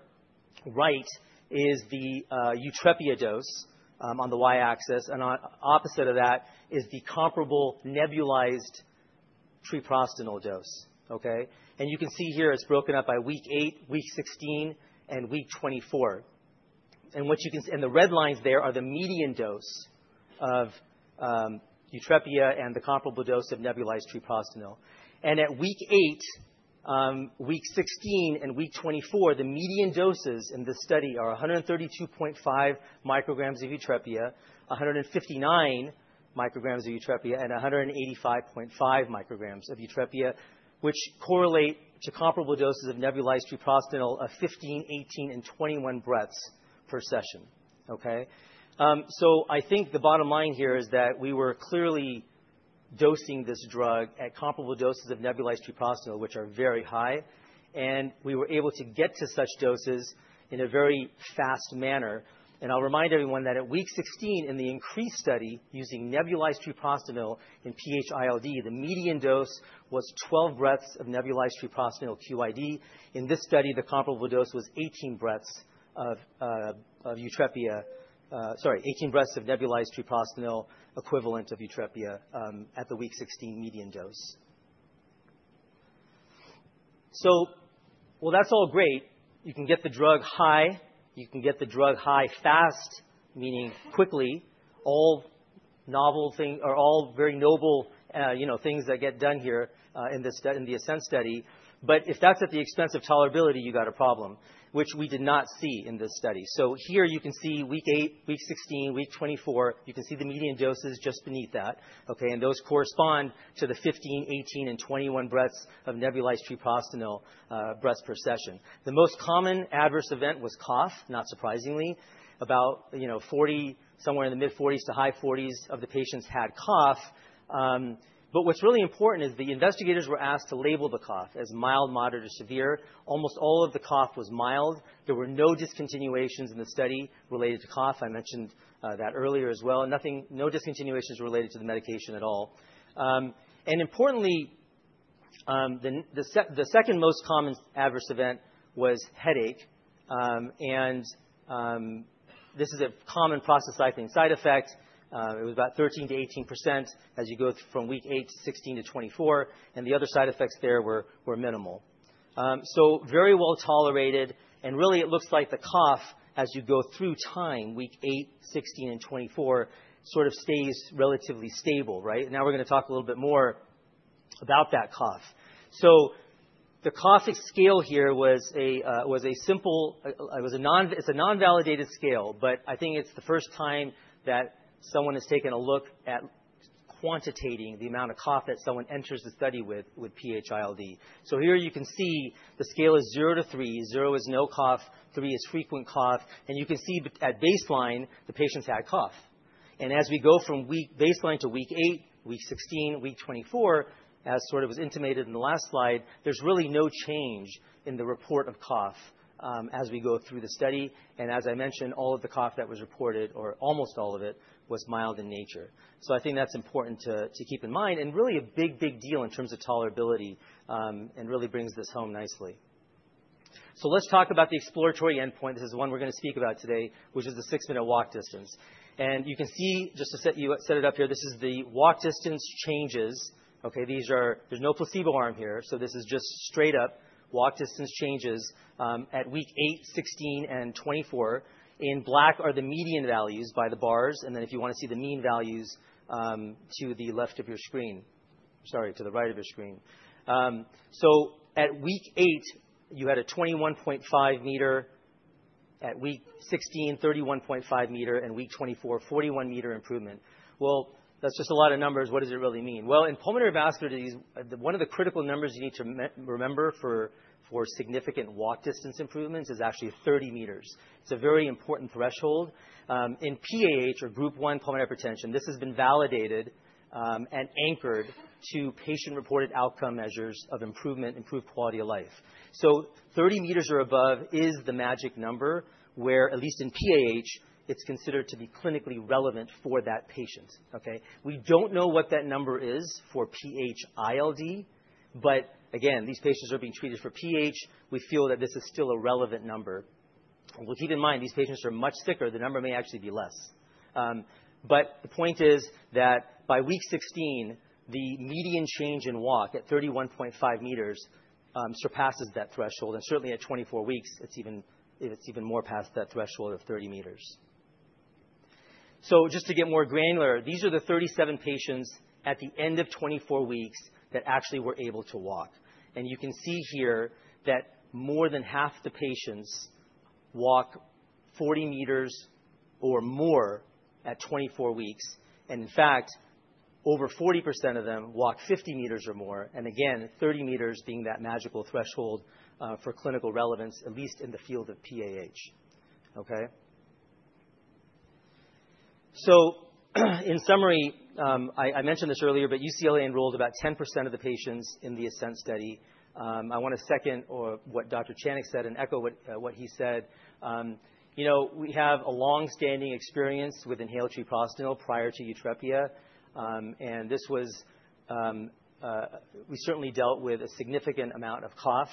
right is the Yutrepia dose on the y-axis. And opposite of that is the comparable nebulized treprostinil dose. Okay? And you can see here it's broken up by Week 8, Week 16, and Week 24. And what you can, and the red lines there are the median dose of Yutrepia and the comparable dose of nebulized treprostinil. And at Week 8, Week 16, and Week 24, the median doses in this study are 132.5 micrograms of Yutrepia, 159 micrograms of Yutrepia, and 185.5 micrograms of Yutrepia, which correlate to comparable doses of nebulized treprostinil of 15, 18, and 21 breaths per session. Okay? So I think the bottom line here is that we were clearly dosing this drug at comparable doses of nebulized treprostinil, which are very high. And we were able to get to such doses in a very fast manner. I'll remind everyone that at Week 16 in the INCREASE study using nebulized treprostinil in PH-ILD, the median dose was 12 breaths of nebulized treprostinil q.i.d. In this study, the comparable dose was 18 breaths of Yutrepia, sorry, 18 breaths of nebulized treprostinil equivalent of Yutrepia at the Week 16 median dose. So, well, that's all great. You can get the drug high. You can get the drug high fast, meaning quickly. All very noble things that get done here in the ASCENT study. But if that's at the expense of tolerability, you got a problem, which we did not see in this study. So here you can see Week 8, Week 16, Week 24. You can see the median doses just beneath that. Okay? And those correspond to the 15, 18, and 21 breaths of nebulized treprostinil breaths per session. The most common adverse event was cough, not surprisingly. About 40, somewhere in the mid-40s to high 40s of the patients had cough. But what's really important is the investigators were asked to label the cough as mild, moderate, or severe. Almost all of the cough was mild. There were no discontinuations in the study related to cough. I mentioned that earlier as well. No discontinuations related to the medication at all. And importantly, the second most common adverse event was headache. And this is a common prostacyclin side effect. It was about 13%-18% as you go from Week 8 to 16 to 24. And the other side effects there were minimal. So very well tolerated. And really, it looks like the cough, as you go through time, Week 8, 16, and 24, sort of stays relatively stable, right? Now we're going to talk a little bit more about that cough. So the cough scale here was a simple, it was a non-validated scale, but I think it's the first time that someone has taken a look at quantitating the amount of cough that someone enters the study with PH-ILD, so here you can see the scale is 0 to 3. 0 is no cough. 3 is frequent cough, and you can see at baseline, the patients had cough, and as we go from week baseline to Week 8, Week 16, Week 24, as sort of was intimated in the last slide, there's really no change in the report of cough as we go through the study, and as I mentioned, all of the cough that was reported, or almost all of it, was mild in nature, so I think that's important to keep in mind. And really a big, big deal in terms of tolerability and really brings this home nicely. So let's talk about the exploratory endpoint. This is the one we're going to speak about today, which is the six-minute walk distance. And you can see, just to set it up here, this is the walk distance changes. Okay? There's no placebo arm here. So this is just straight up walk distance changes at Week 8, 16, and 24. In black are the median values by the bars. And then if you want to see the mean values to the left of your screen, sorry, to the right of your screen. So at Week 8, you had a 21.5 meter. At Week 16, 31.5 meter. And Week 24, 41 meter improvement. Well, that's just a lot of numbers. What does it really mean? In pulmonary vascular disease, one of the critical numbers you need to remember for significant walk distance improvements is actually 30 meters. It's a very important threshold. In PAH, or Group 1 pulmonary hypertension, this has been validated and anchored to patient-reported outcome measures of improvement, improved quality of life. So 30 meters or above is the magic number where, at least in PAH, it's considered to be clinically relevant for that patient. Okay? We don't know what that number is for PH-ILD. But again, these patients are being treated for PH. We feel that this is still a relevant number. And keep in mind, these patients are much sicker. The number may actually be less. But the point is that by Week 16, the median change in walk at 31.5 meters surpasses that threshold. And certainly at 24 weeks, it's even more past that threshold of 30 meters. So just to get more granular, these are the 37 patients at the end of 24 weeks that actually were able to walk. And you can see here that more than half the patients walk 40 meters or more at 24 weeks. And in fact, over 40% of them walk 50 meters or more. And again, 30 meters being that magical threshold for clinical relevance, at least in the field of PAH. Okay? So in summary, I mentioned this earlier, but UCLA enrolled about 10% of the patients in the ASCENT study. I want to second what Dr. Channick said and echo what he said. We have a long-standing experience with inhaled treprostinil prior to Yutrepia. We certainly dealt with a significant amount of cough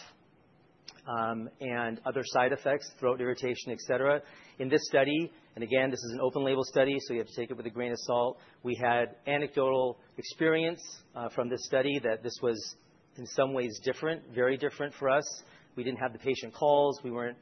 and other side effects, throat irritation, etc. In this study, and again, this is an open-label study, so you have to take it with a grain of salt. We had anecdotal experience from this study that this was in some ways different, very different for us. We didn't have the patient calls. They weren't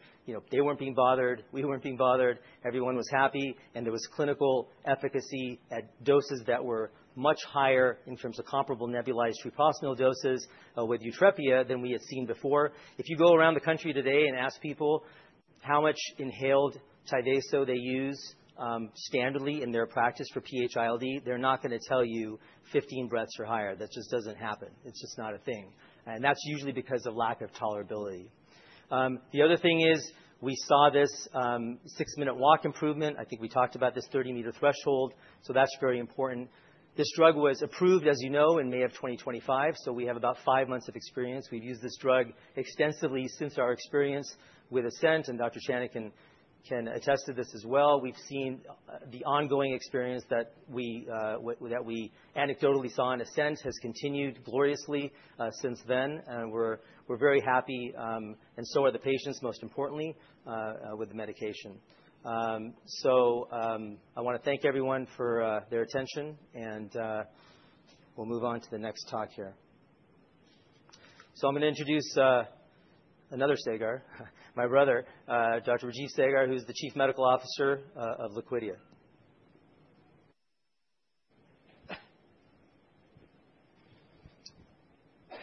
being bothered. We weren't being bothered. Everyone was happy, and there was clinical efficacy at doses that were much higher in terms of comparable nebulized treprostinil doses with Yutrepia than we had seen before. If you go around the country today and ask people how much inhaled Tyvaso they use standardly in their practice for PH-ILD, they're not going to tell you 15 breaths or higher. That just doesn't happen. It's just not a thing, and that's usually because of lack of tolerability. The other thing is we saw this six-minute walk improvement. I think we talked about this 30-meter threshold. So that's very important. This drug was approved, as you know, in May of 2025. So we have about five months of experience. We've used this drug extensively since our experience with ASCENT. And Dr. Channick can attest to this as well. We've seen the ongoing experience that we anecdotally saw in ASCENT has continued gloriously since then. And we're very happy. And so are the patients, most importantly, with the medication. So I want to thank everyone for their attention. And we'll move on to the next talk here. So I'm going to introduce another Saggar, my brother, Dr. Rajeev Saggar, who's the Chief Medical Officer of Liquidia.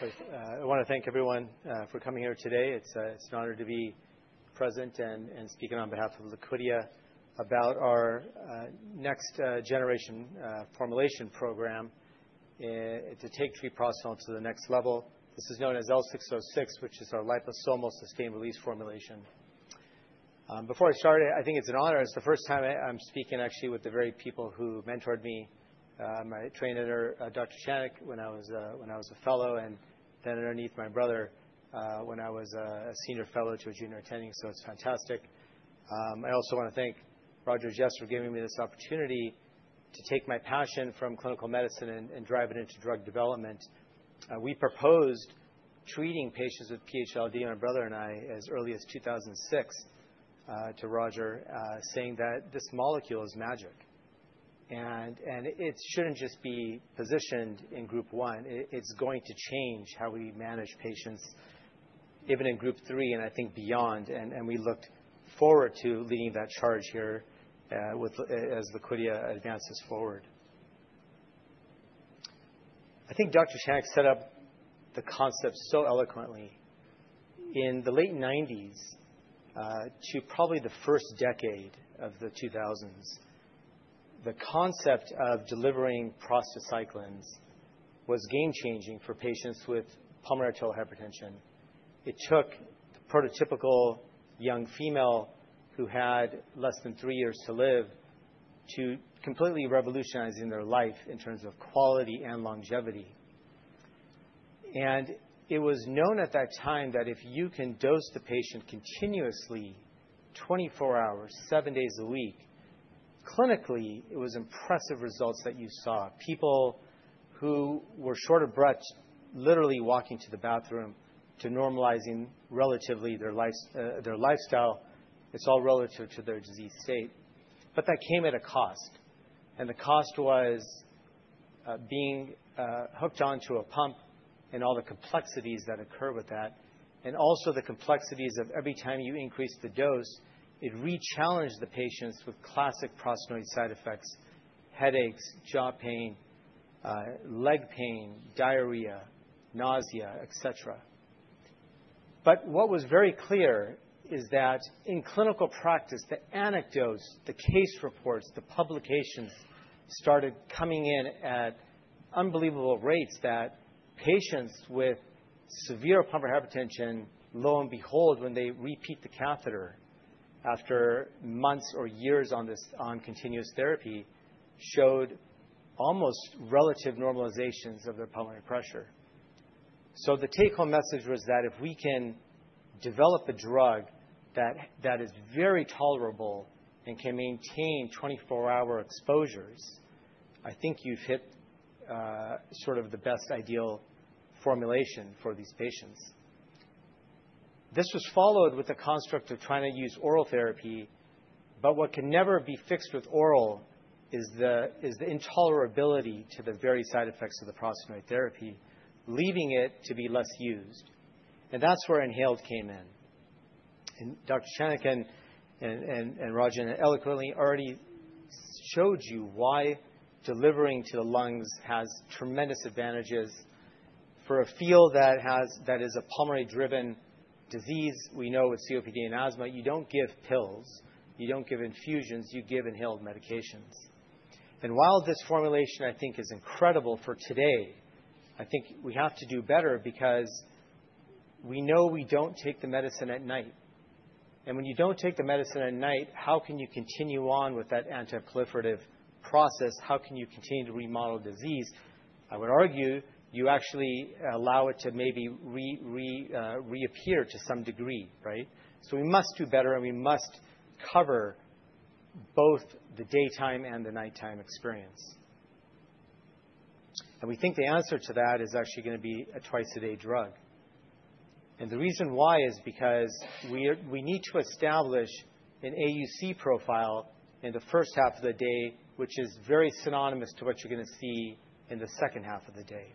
I want to thank everyone for coming here today. It's an honor to be present and speaking on behalf of Liquidia about our next generation formulation program to take treprostinil to the next level. This is known as L606, which is our liposomal sustained release formulation. Before I start, I think it's an honor. It's the first time I'm speaking actually with the very people who mentored me. My trainer, Dr. Channick, when I was a fellow, and then underneath my brother when I was a senior fellow to a junior attending. So it's fantastic. I also want to thank Roger Jeffs for giving me this opportunity to take my passion from clinical medicine and drive it into drug development. We proposed treating patients with PH-ILD, my brother and I, as early as 2006 to Roger, saying that this molecule is magic, and it shouldn't just be positioned in Group 1. It's going to change how we manage patients, even in Group 3 and I think beyond, and we looked forward to leading that charge here as Liquidia advances forward. I think Dr. Channick set up the concept so eloquently in the late 1990s to probably the first decade of the 2000s. The concept of delivering prostacyclins was game-changing for patients with pulmonary arterial hypertension. It took the prototypical young female who had less than three years to live to completely revolutionizing their life in terms of quality and longevity, and it was known at that time that if you can dose the patient continuously 24 hours, seven days a week, clinically, it was impressive results that you saw. People who were short of breath literally walking to the bathroom to normalizing relatively their lifestyle, it's all relative to their disease state But that came at a cost, and the cost was being hooked onto a pump and all the complexities that occur with that. And also the complexities of every time you increase the dose, it re-challenged the patients with classic prostacyclin side effects, headaches, jaw pain, leg pain, diarrhea, nausea, etc. But what was very clear is that in clinical practice, the anecdotes, the case reports, the publications started coming in at unbelievable rates, that patients with severe pulmonary hypertension, lo and behold, when they repeat the catheter after months or years on continuous therapy showed almost relative normalizations of their pulmonary pressure. So the take-home message was that if we can develop a drug that is very tolerable and can maintain 24-hour exposures, I think you've hit sort of the best ideal formulation for these patients. This was followed with the construct of trying to use oral therapy. But what can never be fixed with oral is the intolerability to the very side effects of the prostacyclin therapy, leaving it to be less used. And that's where inhaled came in. And Dr. Channick and Rajan eloquently already showed you why delivering to the lungs has tremendous advantages. For a field that is a pulmonary-driven disease, we know with COPD and asthma, you don't give pills. You don't give infusions. You give inhaled medications. And while this formulation, I think, is incredible for today, I think we have to do better because we know we don't take the medicine at night. And when you don't take the medicine at night, how can you continue on with that antiproliferative process? How can you continue to remodel disease? I would argue you actually allow it to maybe reappear to some degree, right? So we must do better and we must cover both the daytime and the nighttime experience. And we think the answer to that is actually going to be a twice-a-day drug. The reason why is because we need to establish an AUC profile in the first half of the day, which is very synonymous to what you're going to see in the second half of the day.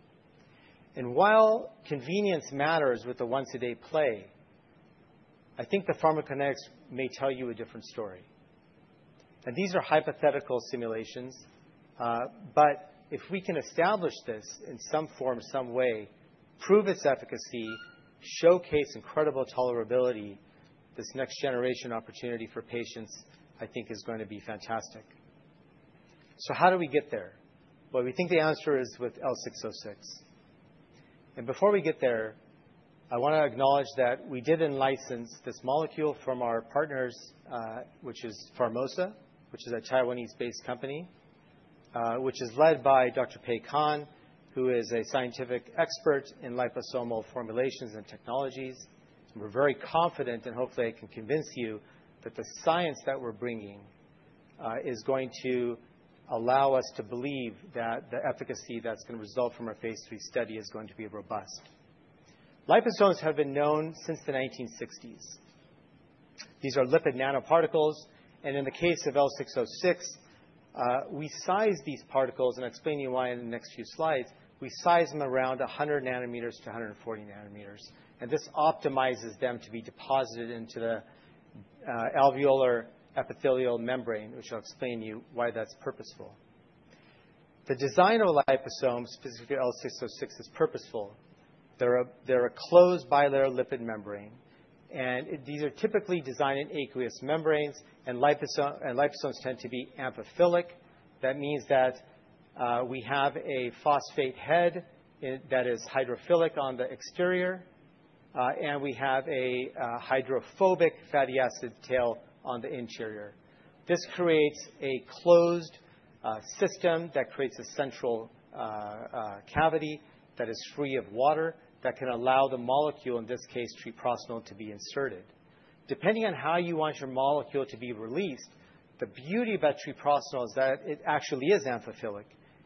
While convenience matters with the once-a-day play, I think the pharmacokinetics may tell you a different story. And these are hypothetical simulations. But if we can establish this in some form, some way, prove its efficacy, showcase incredible tolerability, this next-generation opportunity for patients, I think, is going to be fantastic. So how do we get there? Well, we think the answer is with L606. Before we get there, I want to acknowledge that we did license this molecule from our partners, which is Pharmosa Biopharm, which is a Taiwanese-based company, which is led by Dr. Pei Kan, who is a scientific expert in liposomal formulations and technologies. And we're very confident, and hopefully, I can convince you that the science that we're bringing is going to allow us to believe that the efficacy that's going to result from our phase III study is going to be robust. Liposomes have been known since the 1960s. These are lipid nanoparticles. And in the case of L606, we sized these particles, and I'll explain to you why in the next few slides. We sized them around 100-140 nanometers. And this optimizes them to be deposited into the alveolar epithelial membrane, which I'll explain to you why that's purposeful. The design of liposomes, specifically L606, is purposeful. They're a closed bilayer lipid membrane. And these are typically designed in aqueous membranes. And liposomes tend to be amphiphilic. That means that we have a phosphate head that is hydrophilic on the exterior. And we have a hydrophobic fatty acid tail on the interior. This creates a closed system that creates a central cavity that is free of water that can allow the molecule, in this case, treprostinil, to be inserted. Depending on how you want your molecule to be released, the beauty about treprostinil is that it actually is amphiphilic.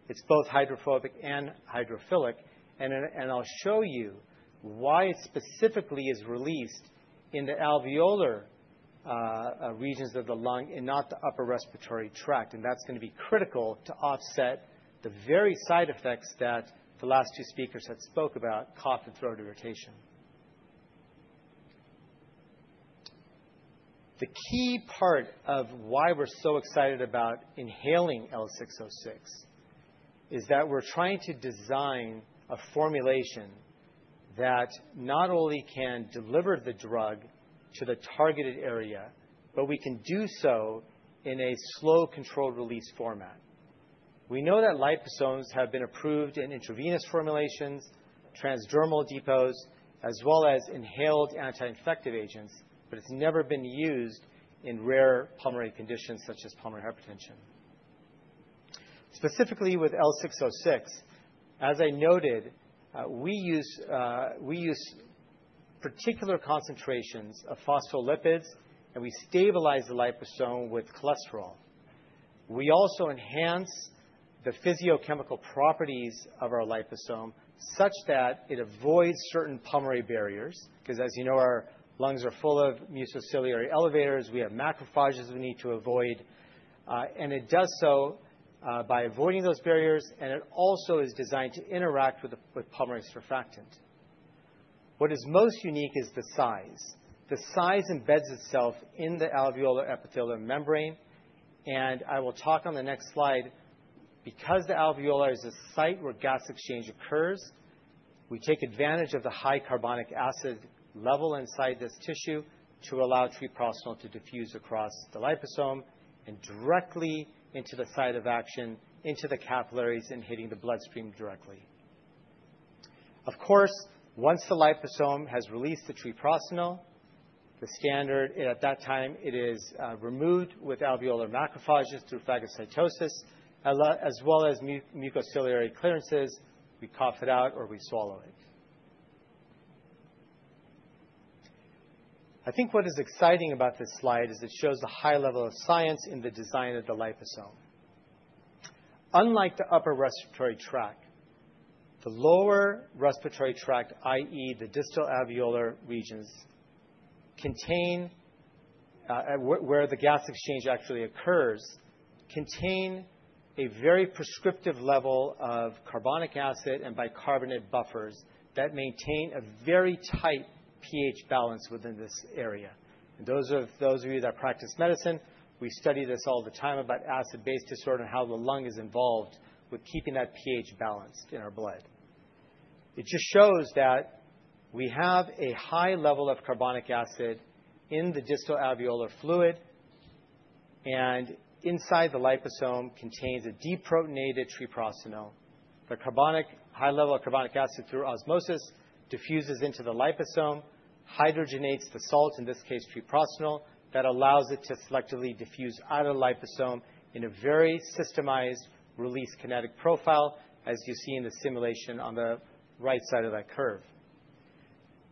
It's both hydrophobic and hydrophilic. And I'll show you why it specifically is released in the alveolar regions of the lung and not the upper respiratory tract. And that's going to be critical to offset the very side effects that the last two speakers had spoke about, cough and throat irritation. The key part of why we're so excited about inhaling L606 is that we're trying to design a formulation that not only can deliver the drug to the targeted area, but we can do so in a slow, controlled-release format. We know that liposomes have been approved in intravenous formulations, transdermal depots, as well as inhaled anti-infective agents. But it's never been used in rare pulmonary conditions such as pulmonary hypertension. Specifically with L606, as I noted, we use particular concentrations of phospholipids. And we stabilize the liposome with cholesterol. We also enhance the physiochemical properties of our liposome such that it avoids certain pulmonary barriers. Because as you know, our lungs are full of mucociliary escalator. We have macrophages we need to avoid. And it does so by avoiding those barriers. And it also is designed to interact with pulmonary surfactant. What is most unique is the size. The size embeds itself in the alveolar epithelial membrane. And I will talk on the next slide. Because the alveolus is a site where gas exchange occurs, we take advantage of the high carbonic acid level inside this tissue to allow treprostinil to diffuse across the liposome and directly into the site of action, into the capillaries and hitting the bloodstream directly. Of course, once the liposome has released the treprostinil, the standard at that time is removed with alveolar macrophages through phagocytosis, as well as mucociliary clearances. We cough it out or we swallow it. I think what is exciting about this slide is it shows the high level of science in the design of the liposome. Unlike the upper respiratory tract, the lower respiratory tract, i.e., the distal alveolar regions where the gas exchange actually occurs, contain a very prescriptive level of carbonic acid and bicarbonate buffers that maintain a very tight pH balance within this area, and those of you that practice medicine, we study this all the time about acid-base disorder and how the lung is involved with keeping that pH balanced in our blood. It just shows that we have a high level of carbonic acid in the distal alveolar fluid, and inside the liposome contains a deprotonated treprostinil. The high level of carbonic acid through osmosis diffuses into the liposome, hydrogenates the salt, in this case, treprostinil, that allows it to selectively diffuse out of the liposome in a very systemized release kinetic profile, as you see in the simulation on the right side of that curve.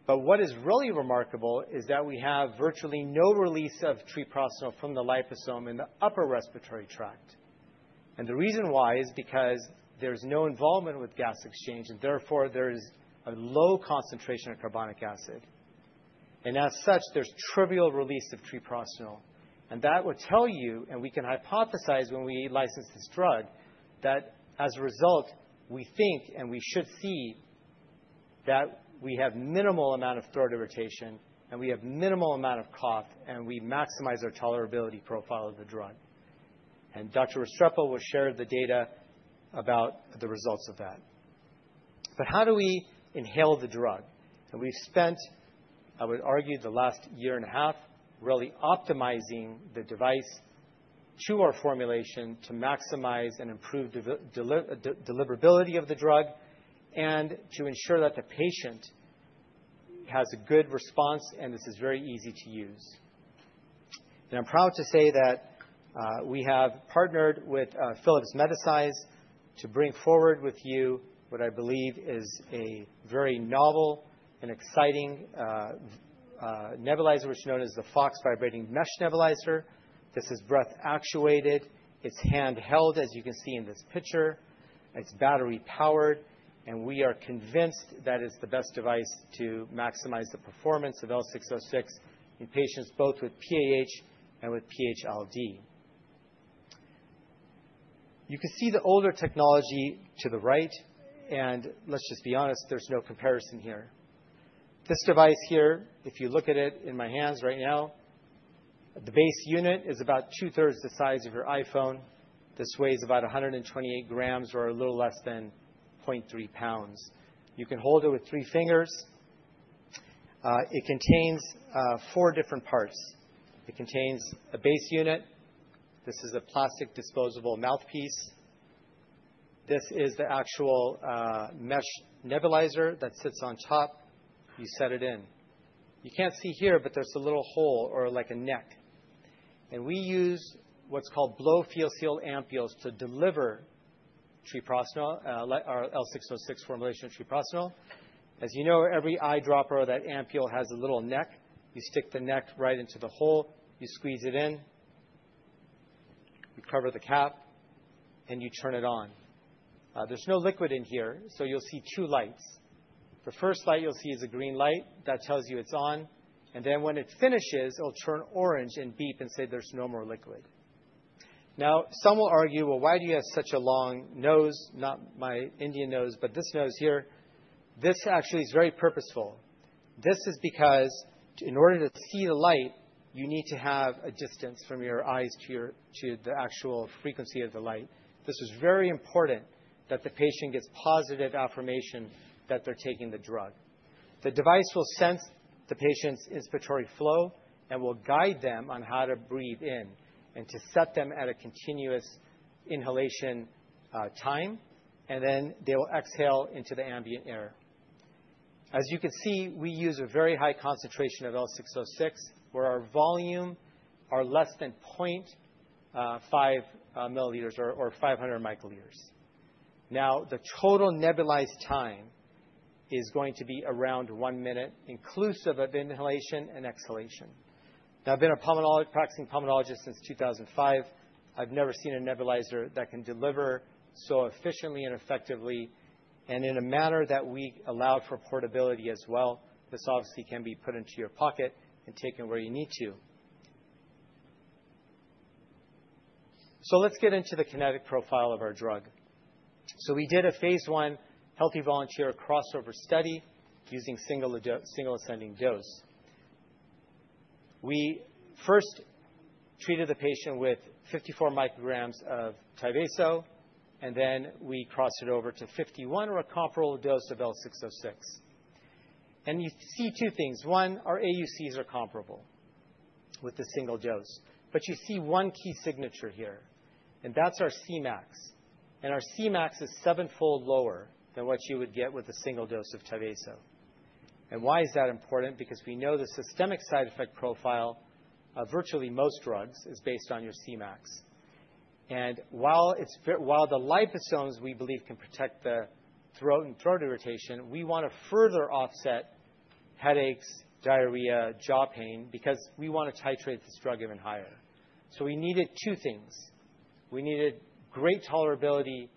But what is really remarkable is that we have virtually no release of treprostinil from the liposome in the upper respiratory tract. And the reason why is because there's no involvement with gas exchange. And therefore, there is a low concentration of carbonic acid. And as such, there's trivial release of treprostinil. And that will tell you, and we can hypothesize when we license this drug, that as a result, we think and we should see that we have minimal amount of throat irritation. And we have minimal amount of cough. And we maximize our tolerability profile of the drug. And Dr. Restrepo will share the data about the results of that. But how do we inhale the drug? We've spent, I would argue, the last year and a half really optimizing the device to our formulation to maximize and improve deliverability of the drug and to ensure that the patient has a good response and this is very easy to use. I'm proud to say that we have partnered with Phillips-Medisize to bring forward with you what I believe is a very novel and exciting nebulizer, which is known as the Fox Vibrating Mesh Nebulizer. This is breath-actuated. It's handheld, as you can see in this picture. It's battery-powered. We are convinced that it's the best device to maximize the performance of L606 in patients both with PAH and with PH-ILD. You can see the older technology to the right. Let's just be honest, there's no comparison here. This device here, if you look at it in my hands right now, the base unit is about two-thirds the size of your iPhone. This weighs about 128 grams or a little less than 0.3 pounds. You can hold it with three fingers. It contains four different parts. It contains a base unit. This is a plastic disposable mouthpiece. This is the actual mesh nebulizer that sits on top. You set it in. You can't see here, but there's a little hole or like a neck. And we use what's called blow-fill-seal ampoules to deliver our L606 formulation treprostinil. As you know, every eyedropper or that ampoule has a little neck. You stick the neck right into the hole. You squeeze it in. You cover the cap. And you turn it on. There's no liquid in here. So you'll see two lights. The first light you'll see is a green light. That tells you it's on, and then when it finishes, it'll turn orange and beep and say there's no more liquid. Now, some will argue, well, why do you have such a long nose? Not my Indian nose, but this nose here. This actually is very purposeful. This is because in order to see the light, you need to have a distance from your eyes to the actual frequency of the light. This is very important that the patient gets positive affirmation that they're taking the drug. The device will sense the patient's inspiratory flow and will guide them on how to breathe in and to set them at a continuous inhalation time, and then they will exhale into the ambient air. As you can see, we use a very high concentration of L606, where our volumes are less than 0.5 milliliters or 500 microliters. Now, the total nebulized time is going to be around one minute, inclusive of inhalation and exhalation. Now, I've been a practicing pulmonologist since 2005. I've never seen a nebulizer that can deliver so efficiently and effectively and in a manner that we allow for portability as well. This obviously can be put into your pocket and taken where you need to. So let's get into the kinetic profile of our drug. So we did a phase I healthy volunteer crossover study using single ascending dose. We first treated the patient with 54 micrograms of Tyvaso. And then we crossed it over to 51 or a comparable dose of L606. And you see two things. One, our AUCs are comparable with the single dose. But you see one key signature here. And that's our Cmax. And our Cmax is seven-fold lower than what you would get with a single dose of Tyvaso. And why is that important? Because we know the systemic side effect profile of virtually most drugs is based on your Cmax. And while the liposomes, we believe, can protect the throat and throat irritation, we want to further offset headaches, diarrhea, jaw pain because we want to titrate this drug even higher. So we needed two things. We needed great tolerability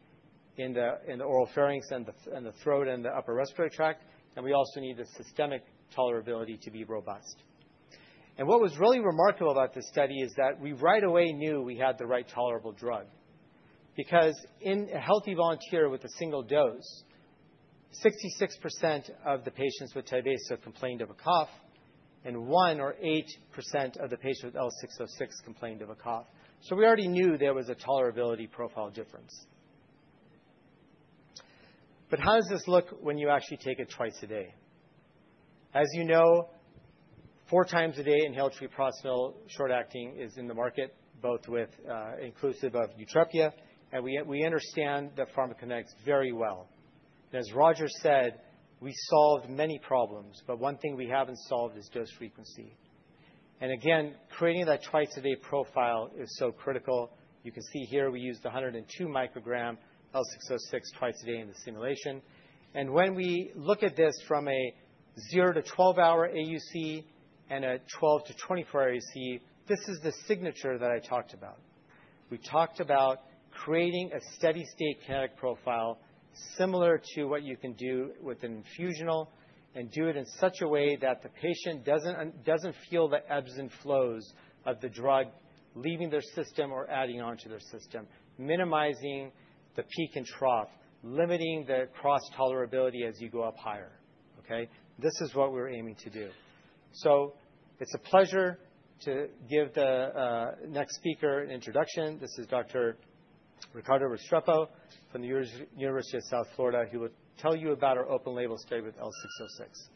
in the oropharynx and the throat and the upper respiratory tract. And we also need the systemic tolerability to be robust. And what was really remarkable about this study is that we right away knew we had the right tolerable drug. Because in a healthy volunteer with a single dose, 66% of the patients with Tyvaso complained of a cough and one or 8% of the patients with L606 complained of a cough. So we already knew there was a tolerability profile difference. But how does this look when you actually take it twice a day? As you know, four times a day, inhaled treprostinil short-acting is in the market, both inclusive of Yutrepia. And we understand the pharmacokinetics very well. And as Roger said, we solved many problems. But one thing we haven't solved is dose frequency. And again, creating that twice-a-day profile is so critical. You can see here we used 102 microgram L606 twice a day in the simulation. And when we look at this from a 0-12-hour AUC and a 12-24-hour AUC, this is the signature that I talked about. We talked about creating a steady-state kinetic profile similar to what you can do with an infusional and do it in such a way that the patient doesn't feel the ebbs and flows of the drug leaving their system or adding on to their system, minimizing the peak and trough, limiting the cross-tolerability as you go up higher. This is what we're aiming to do. So it's a pleasure to give the next speaker an introduction. This is Dr. Ricardo Restrepo from the University of South Florida, who will tell you about our open-label study with L606.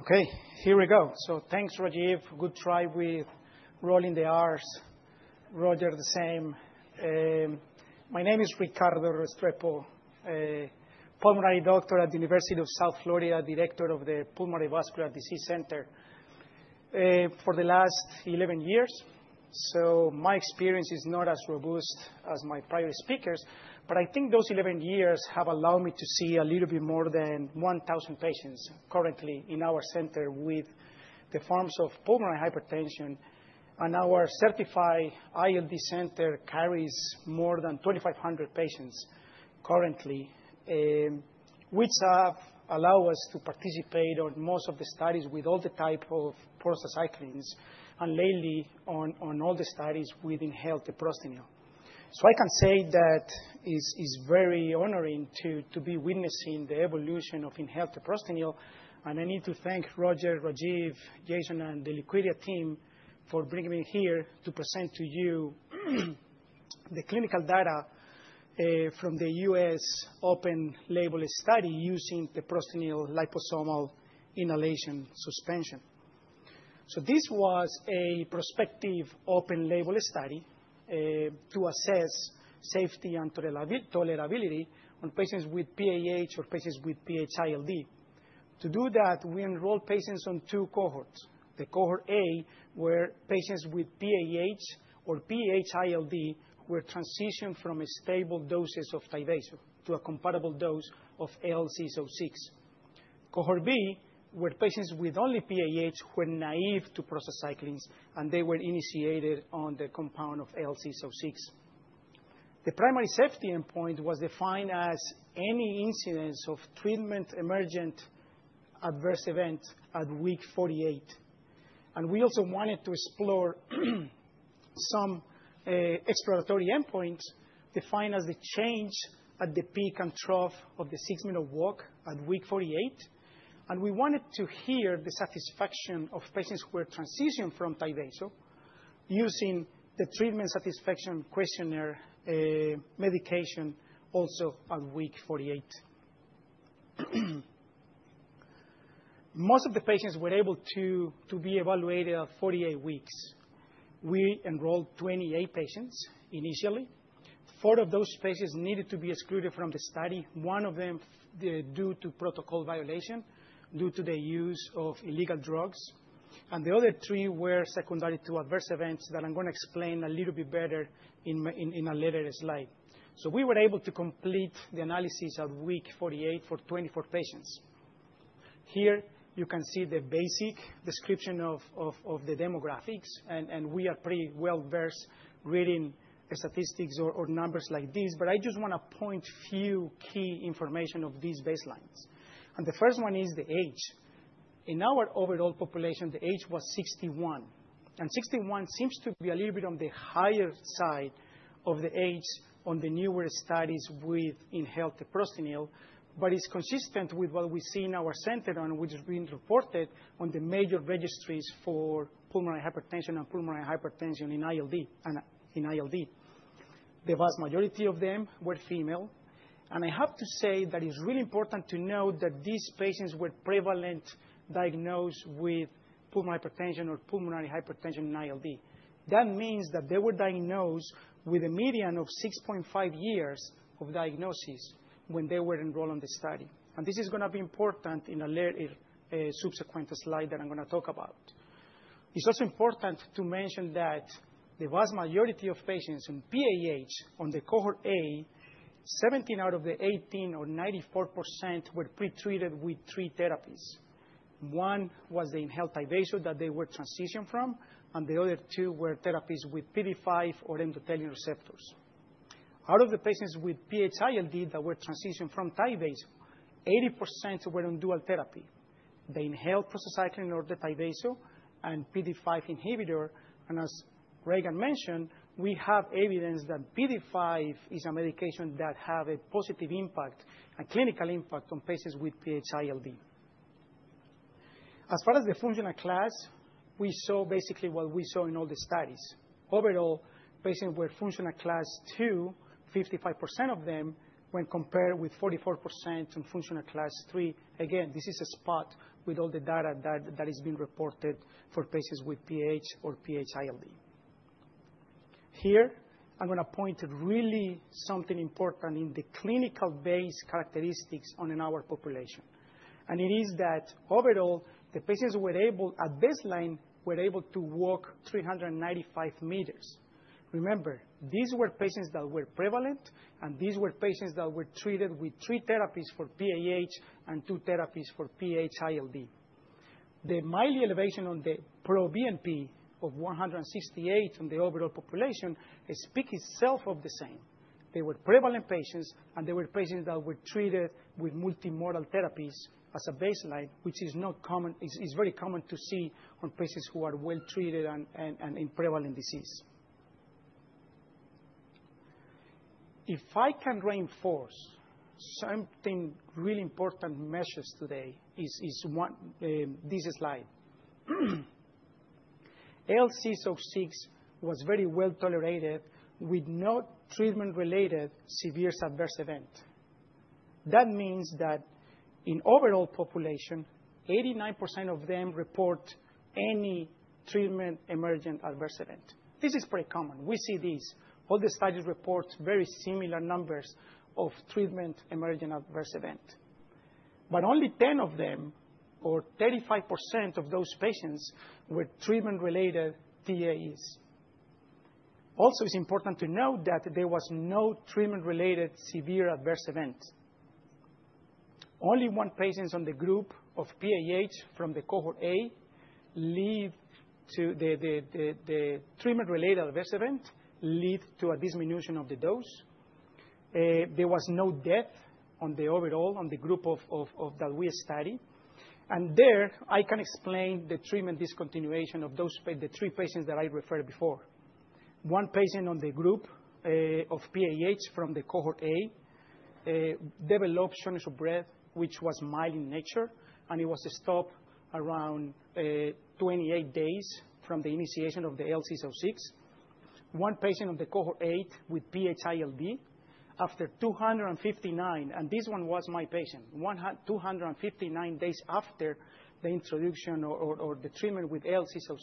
OK, here we go. So thanks, Rajeev. Good try with rolling the Rs. Roger, the same. My name is Ricardo Restrepo, pulmonary doctor at the University of South Florida, director of the Pulmonary Vascular Disease Center for the last 11 years. So my experience is not as robust as my prior speakers. But I think those 11 years have allowed me to see a little bit more than 1,000 patients currently in our center with the forms of pulmonary hypertension. And our certified ILD center carries more than 2,500 patients currently, which have allowed us to participate on most of the studies with all the type of prostacyclins and lately on all the studies with inhaled treprostinil. So I can say that it's very honoring to be witnessing the evolution of inhaled treprostinil. And I need to thank Roger, Rajeev, Jason, and the Liquidia team for bringing me here to present to you the clinical data from the U.S. open-label study using treprostinil liposomal inhalation suspension. So this was a prospective open-label study to assess safety and tolerability on patients with PAH or patients with PH-ILD. To do that, we enrolled patients on two cohorts. Cohort A, where patients with PAH or PH-ILD were transitioned from a stable dose of Tyvaso to a compatible dose of L606. Cohort B, where patients with only PAH were naive to prostacyclins. They were initiated on the compound of L606. The primary safety endpoint was defined as any incidence of treatment-emergent adverse event at Week 48. We also wanted to explore some exploratory endpoints defined as the change at the peak and trough of the six-minute walk at Week 48. We wanted to hear the satisfaction of patients who were transitioned from Tyvaso using the Treatment Satisfaction Questionnaire for Medication also at Week 48. Most of the patients were able to be evaluated at 48 weeks. We enrolled 28 patients initially. Four of those patients needed to be excluded from the study, one of them due to protocol violation due to the use of illegal drugs. And the other three were secondary to adverse events that I'm going to explain a little bit better in a later slide. So we were able to complete the analysis at Week 48 for 24 patients. Here, you can see the basic description of the demographics. And we are pretty well-versed reading statistics or numbers like these. But I just want to point a few key pieces of information of these baselines. And the first one is the age. In our overall population, the age was 61. And 61 seems to be a little bit on the higher side of the age on the newer studies with inhaled treprostinil. But it's consistent with what we see in our center and what has been reported on the major registries for pulmonary hypertension and pulmonary hypertension in ILD. The vast majority of them were female. I have to say that it's really important to note that these patients were prevalently diagnosed with pulmonary hypertension or pulmonary hypertension in ILD. That means that they were diagnosed with a median of 6.5 years of diagnosis when they were enrolled on the study. This is going to be important in a later subsequent slide that I'm going to talk about. It's also important to mention that the vast majority of patients in PAH on the Cohort A, 17 out of the 18 or 94% were pretreated with three therapies. One was the inhaled Tyvaso that they were transitioned from. The other two were therapies with PDE5 or endothelin receptors. Out of the patients with PH-ILD that were transitioned from Tyvaso, 80% were on dual therapy, the inhaled prostacyclin or the Tyvaso and PDE5 inhibitor. As Rajan mentioned, we have evidence that PDE5 is a medication that has a positive impact, a clinical impact on patients with PH-ILD. As far as the functional class, we saw basically what we saw in all the studies. Overall, patients were functional class 2, 55% of them, when compared with 44% in functional class 3. Again, this is spot-on with all the data that is being reported for patients with PH or PH-ILD. Here, I'm going to point to really something important in the clinical-based characteristics in our population. It is that overall, the patients at baseline were able to walk 395 meters. Remember, these were patients that were prevalent. These were patients that were treated with three therapies for PAH and two therapies for PH-ILD. The mild elevation in proBNP of 168 in the overall population speaks for itself of the same. They were prevalent patients. And they were patients that were treated with multimodal therapies as a baseline, which is very common to see in patients who are well-treated and in prevalent disease. If I can reinforce something really important message today, it's this slide. L606 was very well tolerated with no treatment-related severe adverse event. That means that in the overall population, 89% of them report any treatment-emergent adverse event. This is pretty common. We see this. All the studies report very similar numbers of treatment-emergent adverse event. But only 10 of them, or 35% of those patients, were treatment-related TAEs. Also, it's important to note that there was no treatment-related severe adverse event. Only one patient in the group of PAH from the cohort A to the treatment-related adverse event led to a diminution of the dose. There was no death overall in the group that we studied. There, I can explain the treatment discontinuation of the three patients that I referred before. One patient on the group of PAH from the cohort A developed shortness of breath, which was mild in nature. It was stopped around 28 days from the initiation of the L606. One patient on the cohort A with PH-ILD, after 259, and this one was my patient, 259 days after the introduction or the treatment with L606,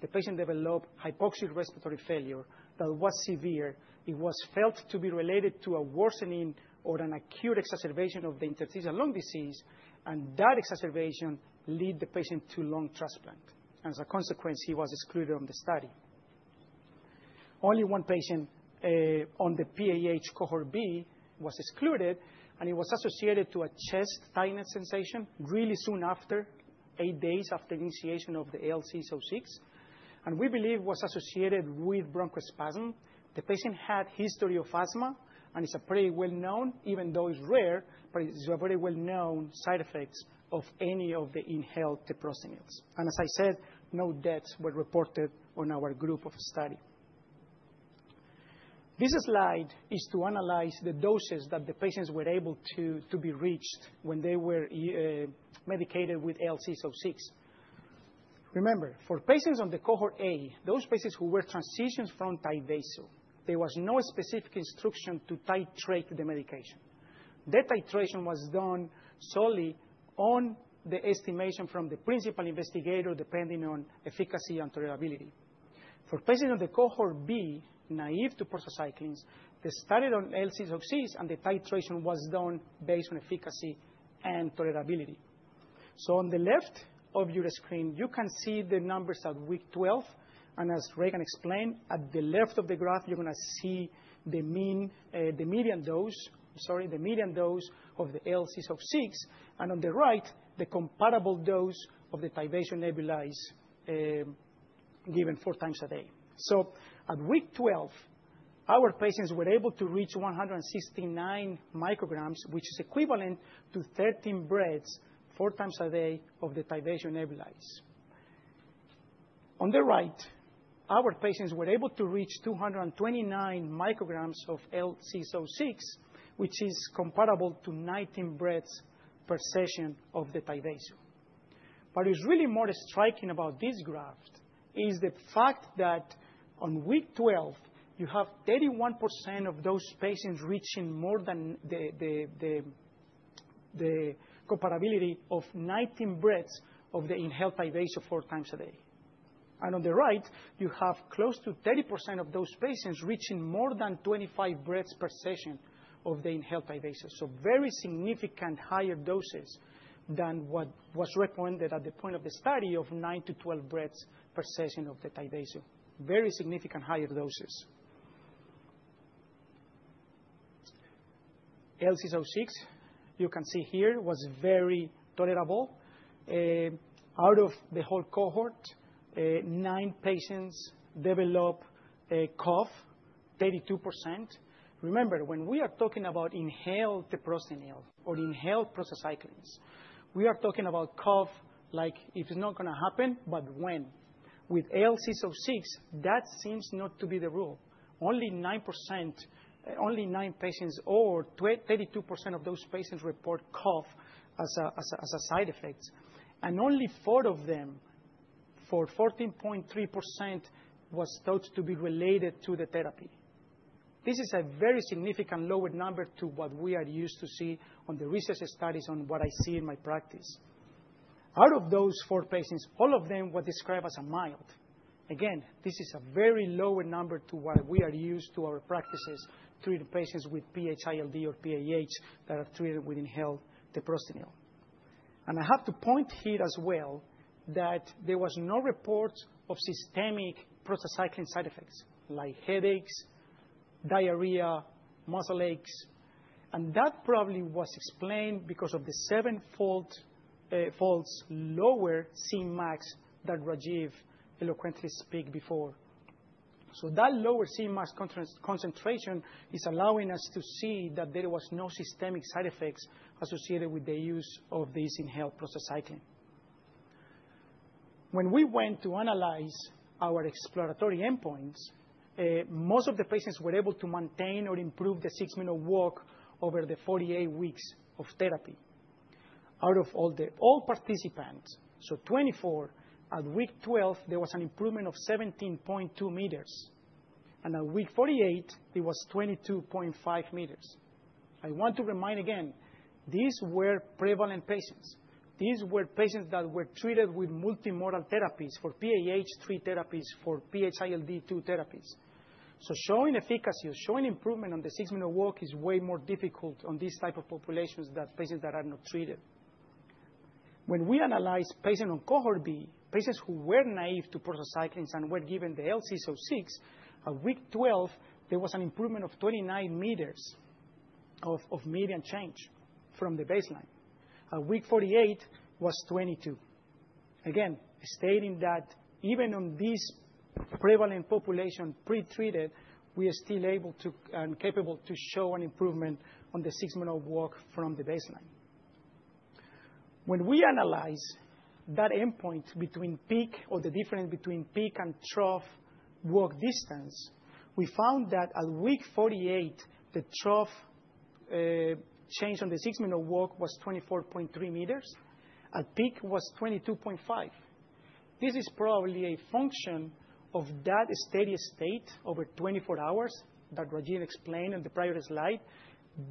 the patient developed hypoxic respiratory failure that was severe. It was felt to be related to a worsening or an acute exacerbation of the interstitial lung disease. That exacerbation led the patient to lung transplant. As a consequence, he was excluded from the study. Only one patient on the PAH cohort B was excluded. It was associated with a chest tightness sensation really soon after, eight days after initiation of the L606. We believe it was associated with bronchospasm. The patient had a history of asthma. It's pretty well known, even though it's rare, but it's a very well-known side effect of any of the inhaled treprostinils. As I said, no deaths were reported on our group of study. This slide is to analyze the doses that the patients were able to be reached when they were medicated with L606. Remember, for patients on the cohort A, those patients who were transitioned from Tyvaso, there was no specific instruction to titrate the medication. That titration was done solely on the estimation from the principal investigator, depending on efficacy and tolerability. For patients on the cohort B, naive to prostacyclins, they started on L606. The titration was done based on efficacy and tolerability. On the left of your screen, you can see the numbers at Week 12. And as Rajan explained, at the left of the graph, you're going to see the median dose, sorry, the median dose of the L606. And on the right, the comparable dose of the Tyvaso nebulized given four times a day. So at Week 12, our patients were able to reach 169 micrograms, which is equivalent to 13 breaths four times a day of the Tyvaso nebulized. On the right, our patients were able to reach 229 micrograms of L606, which is comparable to 19 breaths per session of the Tyvaso. But what is really more striking about this graph is the fact that on Week 12, you have 31% of those patients reaching more than the comparability of 19 breaths of the inhaled Tyvaso four times a day. And on the right, you have close to 30% of those patients reaching more than 25 breaths per session of the inhaled Tyvaso. So very significant higher doses than what was recommended at the point of the study of nine to 12 breaths per session of the Tyvaso, very significant higher doses. L606, you can see here, was very tolerable. Out of the whole cohort, nine patients developed cough, 32%. Remember, when we are talking about inhaled treprostinil or inhaled prostacyclins, we are talking about cough like it's not going to happen, but when. With L606, that seems not to be the rule. Only 9%, only nine patients or 32% of those patients report cough as a side effect. And only four of them, for 14.3%, were thought to be related to the therapy. This is a very significant lower number to what we are used to seeing on the research studies on what I see in my practice. Out of those four patients, all of them were described as mild. Again, this is a very lower number to what we are used to in our practices treating patients with PH-ILD or PAH that are treated with inhaled treprostinil. And I have to point here as well that there was no report of systemic prostacyclin side effects like headaches, diarrhea, muscle aches. And that probably was explained because of the seven-fold lower Cmax that Rajeev eloquently spoke before. So that lower Cmax concentration is allowing us to see that there were no systemic side effects associated with the use of this inhaled prostacyclin. When we went to analyze our exploratory endpoints, most of the patients were able to maintain or improve the six-minute walk over the 48 weeks of therapy. Out of all participants, so 24, at Week 12, there was an improvement of 17.2 meters, and at Week 48, it was 22.5 meters. I want to remind again, these were prevalent patients. These were patients that were treated with multimodal therapies for PAH, three therapies, for PH-ILD, two therapies, so showing efficacy or showing improvement on the six-minute walk is way more difficult on this type of populations than patients that are not treated. When we analyze patients on Cohort B, patients who were naive to prostacyclins and were given the L606, at Week 12, there was an improvement of 29 meters of median change from the baseline. At Week 48, it was 22. Again, stating that even on this prevalent, pretreated population, we are still able to and capable to show an improvement on the six-minute walk from the baseline. When we analyze that endpoint between peak or the difference between peak and trough walk distance, we found that at Week 48, the trough change on the six-minute walk was 24.3 meters. At peak, it was 22.5. This is probably a function of that steady state over 24 hours that Rajeev explained on the prior slide.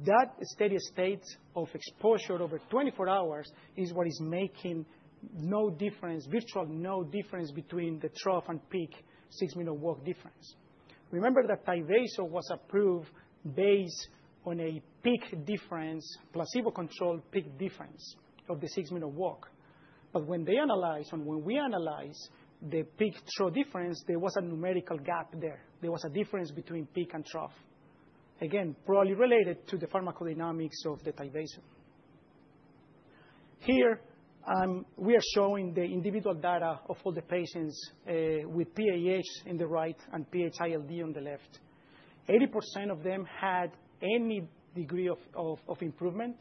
That steady state of exposure over 24 hours is what is making no difference, virtually no difference between the trough and peak six-minute walk difference. Remember that Tyvaso was approved based on a peak difference, placebo-controlled peak difference of the six-minute walk but when they analyzed and when we analyzed the peak-trough difference, there was a numerical gap there. There was a difference between peak and trough, again, probably related to the pharmacodynamics of the Tyvaso. Here, we are showing the individual data of all the patients with PAH in the right and PH-ILD on the left. 80% of them had any degree of improvement.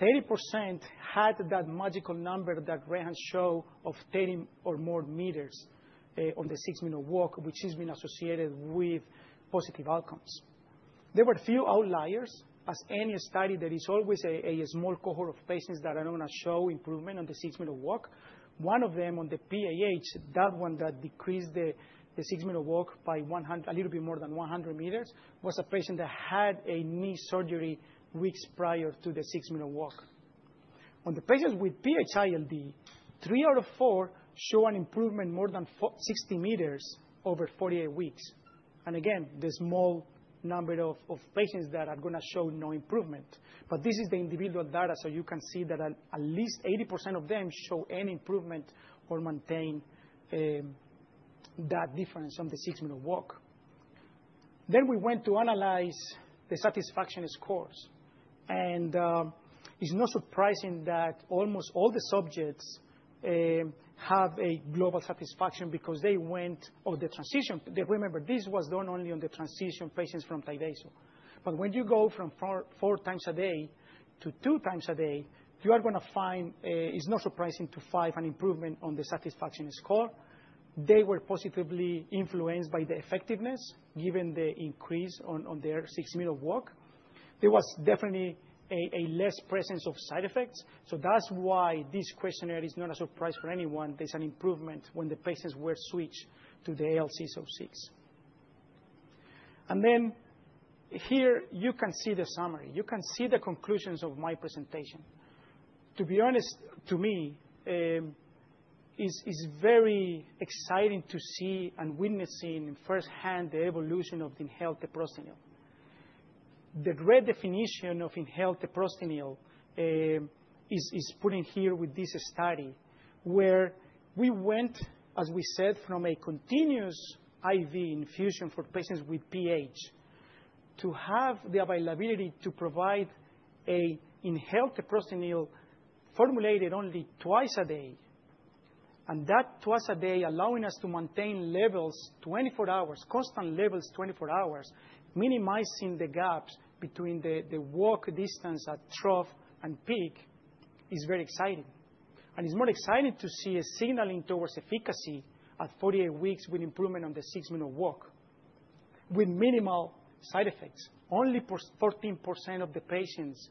30% had that magical number that Rajan showed of 30 or more meters on the six-minute walk, which has been associated with positive outcomes. There were a few outliers. As any study, there is always a small cohort of patients that are going to show improvement on the six-minute walk. One of them on the PAH, that one that decreased the six-minute walk by a little bit more than 100 meters, was a patient that had a knee surgery weeks prior to the six-minute walk. On the patients with PH-ILD, three out of four show an improvement of more than 60 meters over 48 weeks, and again, the small number of patients that are going to show no improvement, but this is the individual data, so you can see that at least 80% of them show any improvement or maintain that difference on the six-minute walk, then we went to analyze the satisfaction scores, and it's not surprising that almost all the subjects have a global satisfaction because they went on the transition. Remember, this was done only on the transition patients from Tyvaso, but when you go from four times a day to two times a day, you are going to find it's not surprising to find an improvement on the satisfaction score. They were positively influenced by the effectiveness given the increase on their six-minute walk. There was definitely a less presence of side effects, so that's why this questionnaire is not a surprise for anyone. There's an improvement when the patients were switched to the L606, and then here, you can see the summary. You can see the conclusions of my presentation. To be honest, to me, it's very exciting to see and witness firsthand the evolution of the inhaled treprostinil. The great definition of inhaled treprostinil is put in here with this study where we went, as we said, from a continuous IV infusion for patients with PAH to have the availability to provide an inhaled treprostinil formulated only twice a day, and that twice a day allowing us to maintain levels 24 hours, constant levels 24 hours, minimizing the gaps between the walk distance at trough and peak is very exciting. And it's more exciting to see a signaling toward efficacy at 48 weeks with improvement on the six-minute walk with minimal side effects. Only 13% of the patients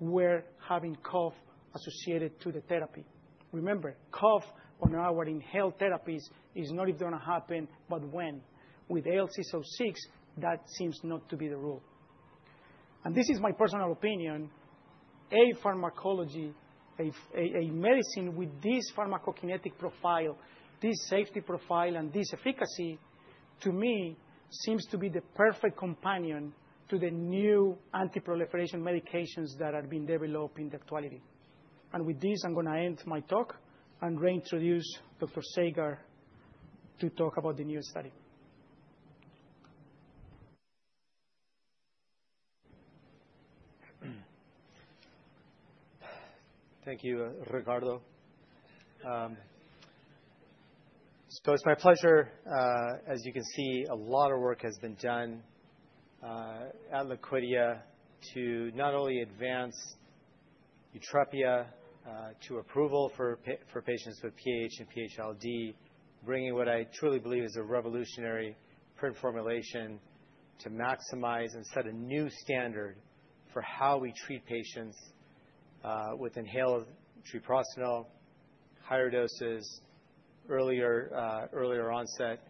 were having cough associated with the therapy. Remember, cough on our inhaled therapies is not if it's going to happen, but when. With L606, that seems not to be the rule. And this is my personal opinion. A medicine with this pharmacokinetic profile, this safety profile, and this efficacy, to me, seems to be the perfect companion to the new anti-proliferation medications that are being developed in actuality. And with this, I'm going to end my talk and reintroduce Dr. Saggar to talk about the new study. Thank you, Ricardo. So it's my pleasure, as you can see, a lot of work has been done at Liquidia to not only advance Yutrepia to approval for patients with PAH and PH-ILD, bringing what I truly believe is a revolutionary PRINT formulation to maximize and set a new standard for how we treat patients with inhaled treprostinil, higher doses, earlier onset,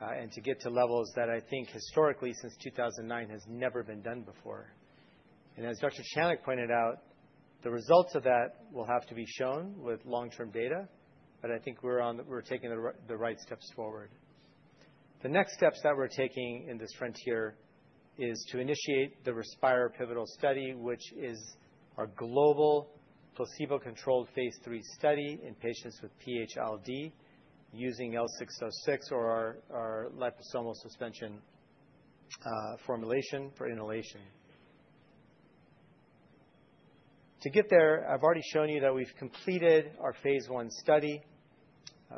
and to get to levels that I think historically, since 2009, have never been done before. And as Dr. Channick pointed out, the results of that will have to be shown with long-term data. But I think we're taking the right steps forward. The next steps that we're taking in this frontier is to initiate the RESPIRE pivotal study, which is our global placebo-controlled phase III study in patients with PH-ILD using L606 or our liposomal suspension formulation for inhalation. To get there, I've already shown you that we've completed our phase I study.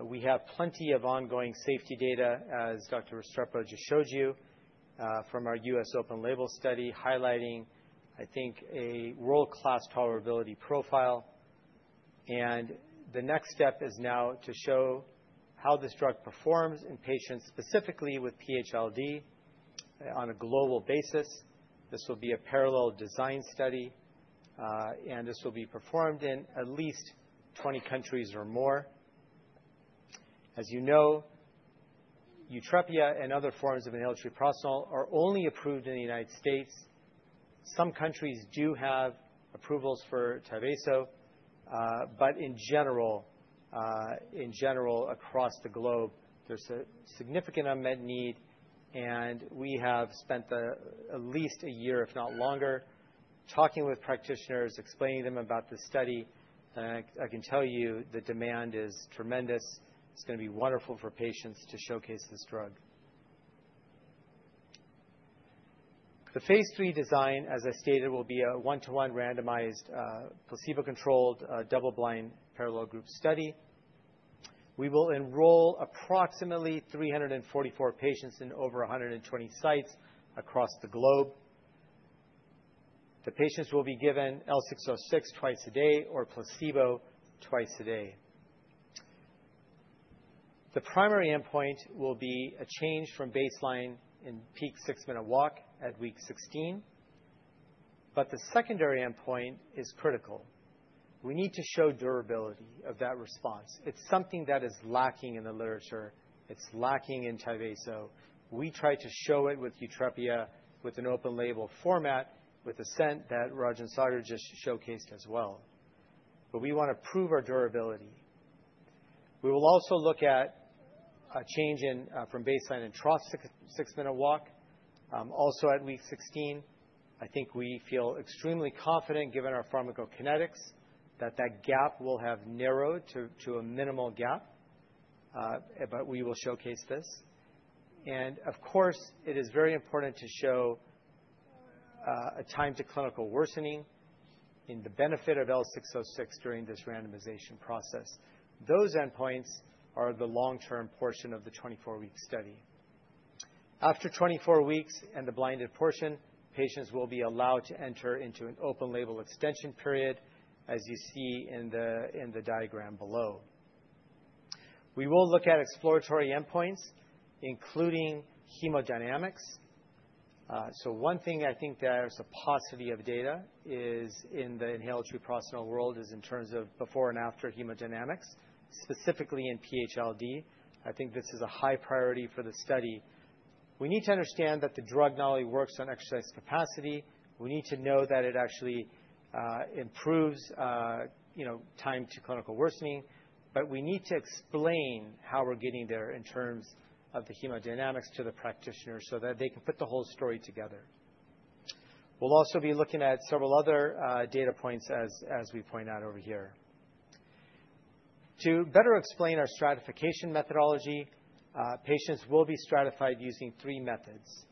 We have plenty of ongoing safety data, as Dr. Restrepo just showed you, from our U.S. open-label study highlighting, I think, a world-class tolerability profile, and the next step is now to show how this drug performs in patients specifically with PH-ILD on a global basis. This will be a parallel design study, and this will be performed in at least 20 countries or more. As you know, Yutrepia and other forms of inhaled treprostinil are only approved in the United States. Some countries do have approvals for Tyvaso, but in general, across the globe, there's a significant unmet need, and we have spent at least a year, if not longer, talking with practitioners, explaining to them about the study, and I can tell you the demand is tremendous. It's going to be wonderful for patients to showcase this drug. The phase III design, as I stated, will be a one-to-one randomized placebo-controlled double-blind parallel group study. We will enroll approximately 344 patients in over 120 sites across the globe. The patients will be given L606 twice a day or placebo twice a day. The primary endpoint will be a change from baseline in peak six-minute walk at Week 16. But the secondary endpoint is critical. We need to show durability of that response. It's something that is lacking in the literature. It's lacking in Tyvaso. We try to show it with Yutrepia with an open label format with the ASCENT that Rajan Saggar just showcased as well. But we want to prove our durability. We will also look at a change from baseline in trough six-minute walk. Also, at Week 16, I think we feel extremely confident, given our pharmacokinetics, that that gap will have narrowed to a minimal gap. But we will showcase this. And of course, it is very important to show a time to clinical worsening in the benefit of L606 during this randomization process. Those endpoints are the long-term portion of the 24-week study. After 24 weeks and the blinded portion, patients will be allowed to enter into an open-label extension period, as you see in the diagram below. We will look at exploratory endpoints, including hemodynamics. So one thing I think there's a paucity of data is in the inhaled treprostinil world is in terms of before and after hemodynamics, specifically in PH-ILD. I think this is a high priority for the study. We need to understand that the drug not only works on exercise capacity. We need to know that it actually improves time to clinical worsening. But we need to explain how we're getting there in terms of the hemodynamics to the practitioners so that they can put the whole story together. We'll also be looking at several other data points, as we point out over here. To better explain our stratification methodology, patients will be stratified using three methods.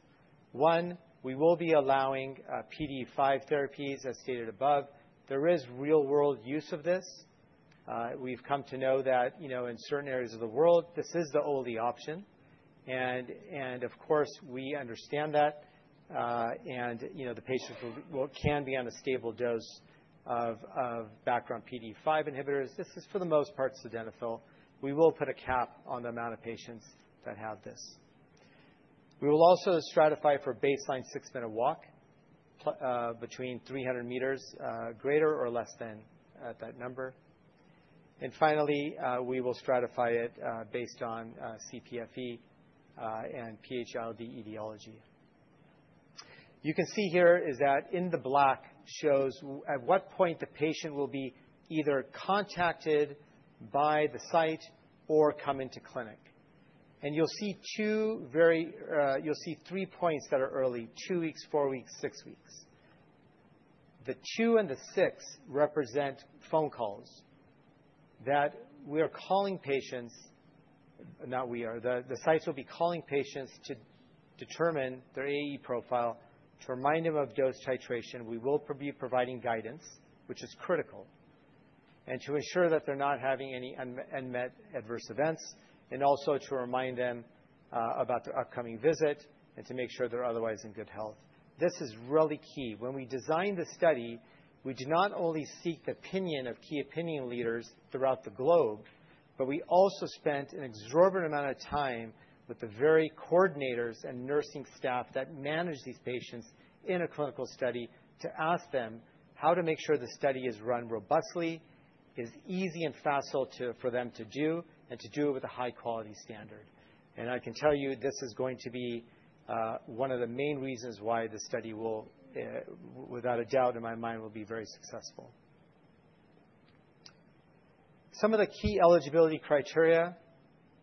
One, we will be allowing PDE5 therapies, as stated above. There is real-world use of this. We've come to know that in certain areas of the world, this is the only option. And of course, we understand that. And the patients can be on a stable dose of background PDE5 inhibitors. This is, for the most part, sildenafil. We will put a cap on the amount of patients that have this. We will also stratify for baseline six-minute walk between 300 meters greater or less than that number, and finally we will stratify it based on CPFE and PH-ILD etiology. You can see here is that in the black shows at what point the patient will be either contacted by the site or come into clinic, and you'll see three points that are early: two weeks, four weeks, six weeks. The two and the six represent phone calls. The sites will be calling patients to determine their AE profile, to remind them of dose titration. We will be providing guidance, which is critical, and to ensure that they're not having any unmet adverse events, and also to remind them about their upcoming visit and to make sure they're otherwise in good health. This is really key. When we designed the study, we did not only seek the opinion of key opinion leaders throughout the globe, but we also spent an exorbitant amount of time with the very coordinators and nursing staff that manage these patients in a clinical study to ask them how to make sure the study is run robustly, is easy and facile for them to do, and to do it with a high-quality standard, and I can tell you this is going to be one of the main reasons why the study, without a doubt in my mind, will be very successful. Some of the key eligibility criteria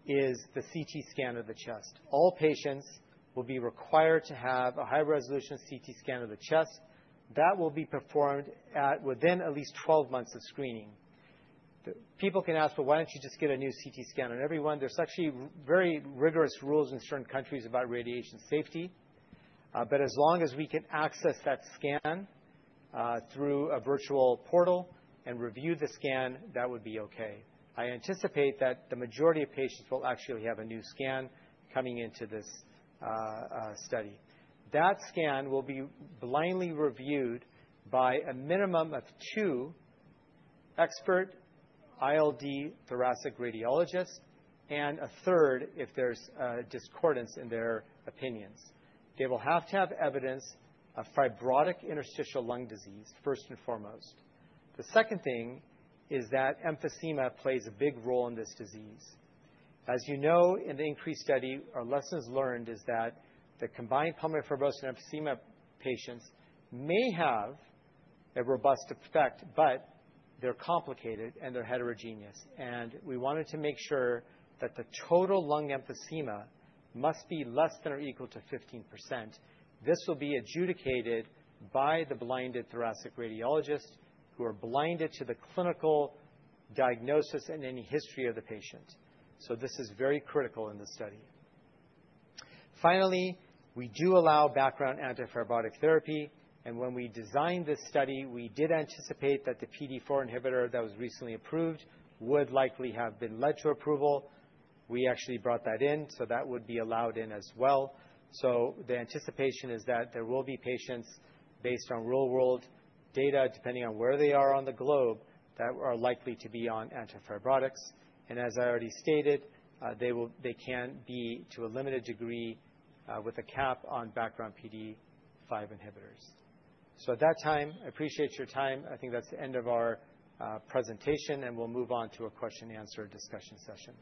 is the CT scan of the chest. All patients will be required to have a high-resolution CT scan of the chest. That will be performed within at least 12 months of screening. People can ask, "Well, why don't you just get a new CT scan?" and everyone, there's actually very rigorous rules in certain countries about radiation safety, but as long as we can access that scan through a virtual portal and review the scan, that would be okay. I anticipate that the majority of patients will actually have a new scan coming into this study. That scan will be blindly reviewed by a minimum of two expert ILD thoracic radiologists and a third if there's a discordance in their opinions. They will have to have evidence of fibrotic interstitial lung disease, first and foremost. The second thing is that emphysema plays a big role in this disease. As you know, in the INCREASE study, our lessons learned is that the combined pulmonary fibrosis and emphysema patients may have a robust effect, but they're complicated and they're heterogeneous. And we wanted to make sure that the total lung emphysema must be less than or equal to 15%. This will be adjudicated by the blinded thoracic radiologists who are blinded to the clinical diagnosis and any history of the patient. So this is very critical in this study. Finally, we do allow background anti-fibrotic therapy. And when we designed this study, we did anticipate that the PDE4 inhibitor that was recently approved would likely have been led to approval. We actually brought that in, so that would be allowed in as well. So the anticipation is that there will be patients based on real-world data, depending on where they are on the globe, that are likely to be on anti-fibrotics. And as I already stated, they can be to a limited degree with a cap on background PDE5 inhibitors. So at that time, I appreciate your time. I think that's the end of our presentation, and we'll move on to a question-and-answer discussion session.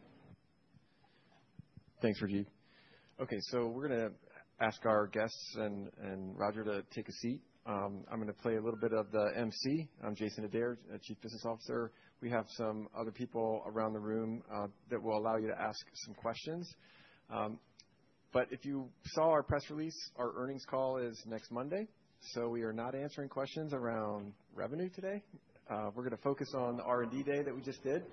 Thanks, Rajeev. Okay. So we're going to ask our guests and Roger to take a seat. I'm going to play a little bit of the emcee. I'm Jason Adair, Chief Business Officer. We have some other people around the room that will allow you to ask some questions. But if you saw our press release, our earnings call is next Monday. So we are not answering questions around revenue today. We're going to focus on the R&D Day that we just did.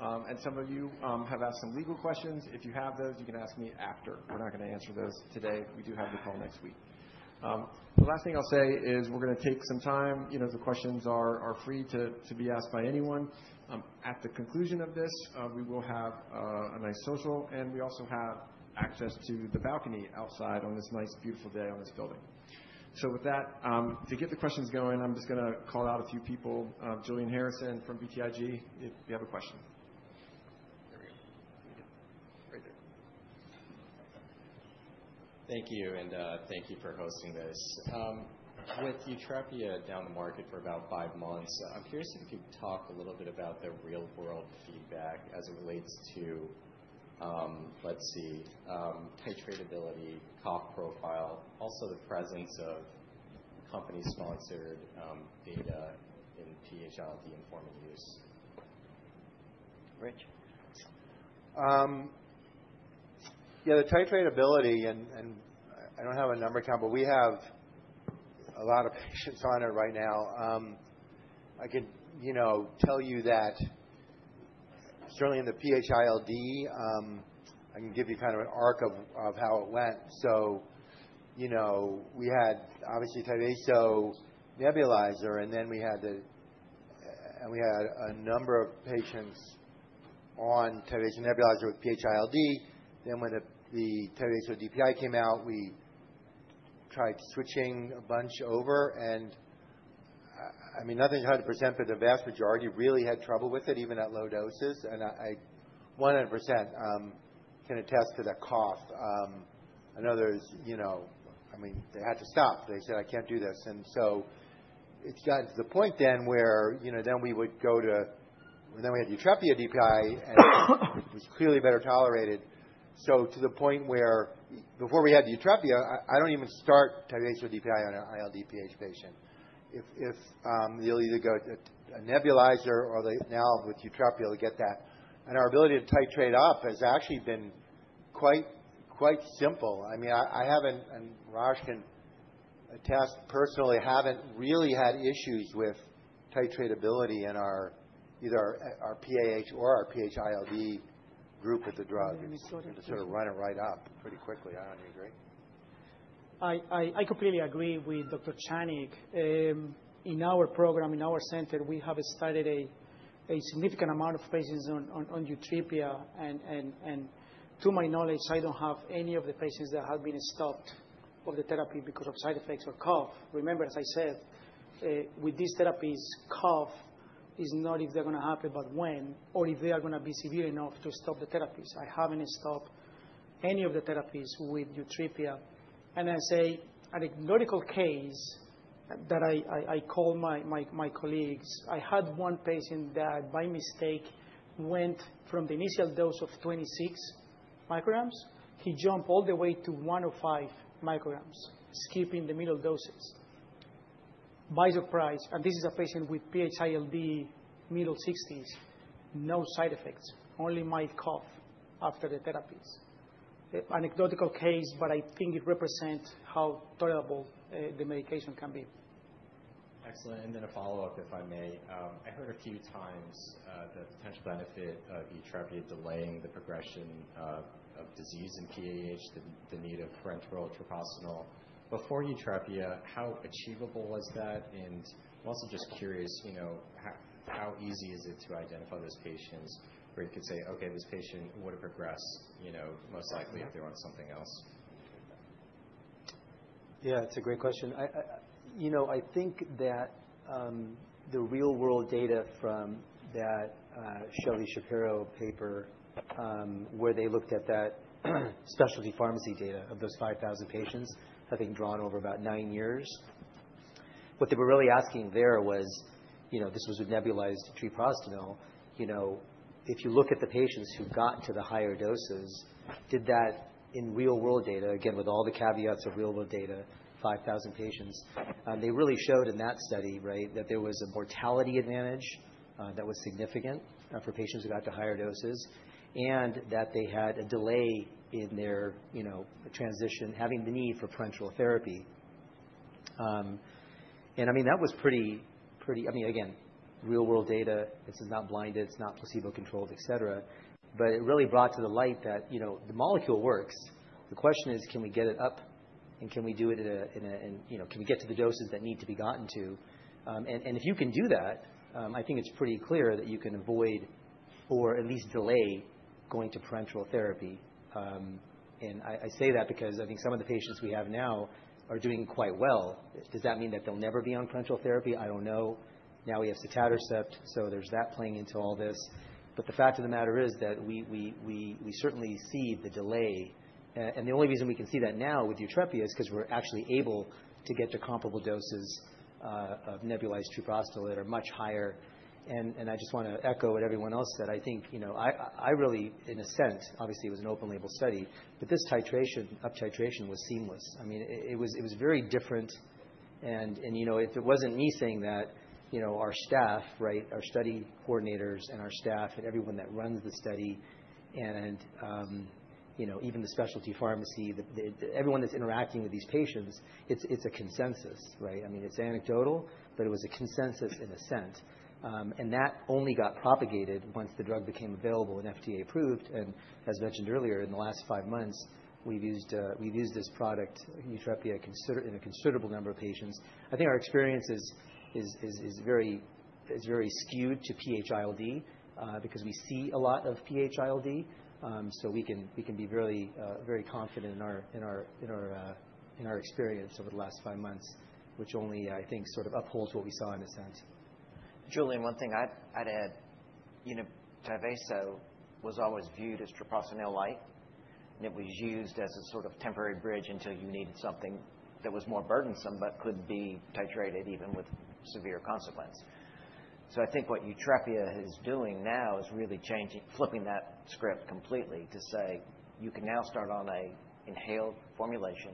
And some of you have asked some legal questions. If you have those, you can ask me after. We're not going to answer those today. We do have the call next week. The last thing I'll say is we're going to take some time. The questions are free to be asked by anyone. At the conclusion of this, we will have a nice social. And we also have access to the balcony outside on this nice, beautiful day on this building. So with that, to get the questions going, I'm just going to call out a few people. Julian Harrison from BTIG, if you have a question. There we go. Right there. Thank you, and thank you for hosting this. With Yutrepia down the market for about five months, I'm curious if you could talk a little bit about the real-world feedback as it relates to, let's see, titratability, cough profile, also the presence of company-sponsored data in PH-ILD in formal use. Rich? Yeah. The titratability, and I don't have a number count, but we have a lot of patients on it right now. I can tell you that certainly in the PH-ILD, I can give you kind of an arc of how it went. So we had obviously Tyvaso nebulizer. And then we had a number of patients on Tyvaso nebulizer with PH-ILD. Then when the Tyvaso DPI came out, we tried switching a bunch over. And I mean, nothing's 100%, but the vast majority really had trouble with it, even at low doses. And I 100% can attest to that cough. I know there's I mean, they had to stop. They said, "I can't do this." And so it's gotten to the point where we would go to Yutrepia DPI, and it was clearly better tolerated. So to the point where before we had the Yutrepia, I don't even start Tyvaso DPI on an ILD PH patient. They'll either go to a nebulizer or the IV with Yutrepia to get that. And our ability to titrate up has actually been quite simple. I mean, I haven't and Raj can attest personally haven't really had issues with titratability in either our PAH or our PH-ILD group with the drug. Let me sort of. And to sort of run it right up pretty quickly. I don't know. Do you agree? I completely agree with Dr. Channick. In our program, in our center, we have started a significant amount of patients on Yutrepia. And to my knowledge, I don't have any of the patients that have been stopped of the therapy because of side effects or cough. Remember, as I said, with these therapies, cough is not if they're going to happen, but when or if they are going to be severe enough to stop the therapies. I haven't stopped any of the therapies with Yutrepia. And I saw an exceptional case that I call my colleagues. I had one patient that by mistake went from the initial dose of 26 micrograms. He jumped all the way to 105 micrograms, skipping the middle doses. By surprise, and this is a patient with PH-ILD middle 60s, no side effects, only mild cough after the therapies. Anecdotal case, but I think it represents how tolerable the medication can be. Excellent. And then a follow-up, if I may. I heard a few times the potential benefit of Yutrepia delaying the progression of disease in PAH, the need of parenteral treprostinil. Before Yutrepia, how achievable is that? And I'm also just curious, how easy is it to identify those patients where you could say, "Okay. This patient would have progressed most likely if they were on something else"? Yeah. It's a great question. I think that the real-world data from that Shelley Shapiro paper where they looked at that specialty pharmacy data of those 5,000 patients that they've drawn over about nine years, what they were really asking there was this was with nebulized treprostinil. If you look at the patients who got to the higher doses, did that in real-world data, again, with all the caveats of real-world data, 5,000 patients, they really showed in that study, right, that there was a mortality advantage that was significant for patients who got to higher doses and that they had a delay in their transition, having the need for parenteral therapy. And I mean, that was pretty I mean, again, real-world data. This is not blinded. It's not placebo-controlled, etc. But it really brought to the light that the molecule works. The question is, can we get it up? And can we get to the doses that need to be gotten to? And if you can do that, I think it's pretty clear that you can avoid or at least delay going to parenteral therapy. And I say that because I think some of the patients we have now are doing quite well. Does that mean that they'll never be on parenteral therapy? I don't know. Now we have sotatercept, so there's that playing into all this. But the fact of the matter is that we certainly see the delay. And the only reason we can see that now with Yutrepia is because we're actually able to get to comparable doses of nebulized treprostinil that are much higher. And I just want to echo what everyone else said. I think I really, in a sense, obviously, it was an open-label study. But this up-titration was seamless. I mean, it was very different. And if it wasn't me saying that, our staff, right, our study coordinators and our staff and everyone that runs the study and even the specialty pharmacy, everyone that's interacting with these patients, it's a consensus, right? I mean, it's anecdotal, but it was a consensus in a sense. And that only got propagated once the drug became available and FDA approved. And as mentioned earlier, in the last five months, we've used this product, Yutrepia, in a considerable number of patients. I think our experience is very skewed to PH-ILD because we see a lot of PH-ILD. So we can be very confident in our experience over the last five months, which only, I think, sort of upholds what we saw in a sense. Julian, one thing I'd add. Tyvaso was always viewed as treprostinil-like. And it was used as a sort of temporary bridge until you needed something that was more burdensome but could be titrated even with severe consequence. So I think what Yutrepia is doing now is really flipping that script completely to say you can now start on an inhaled formulation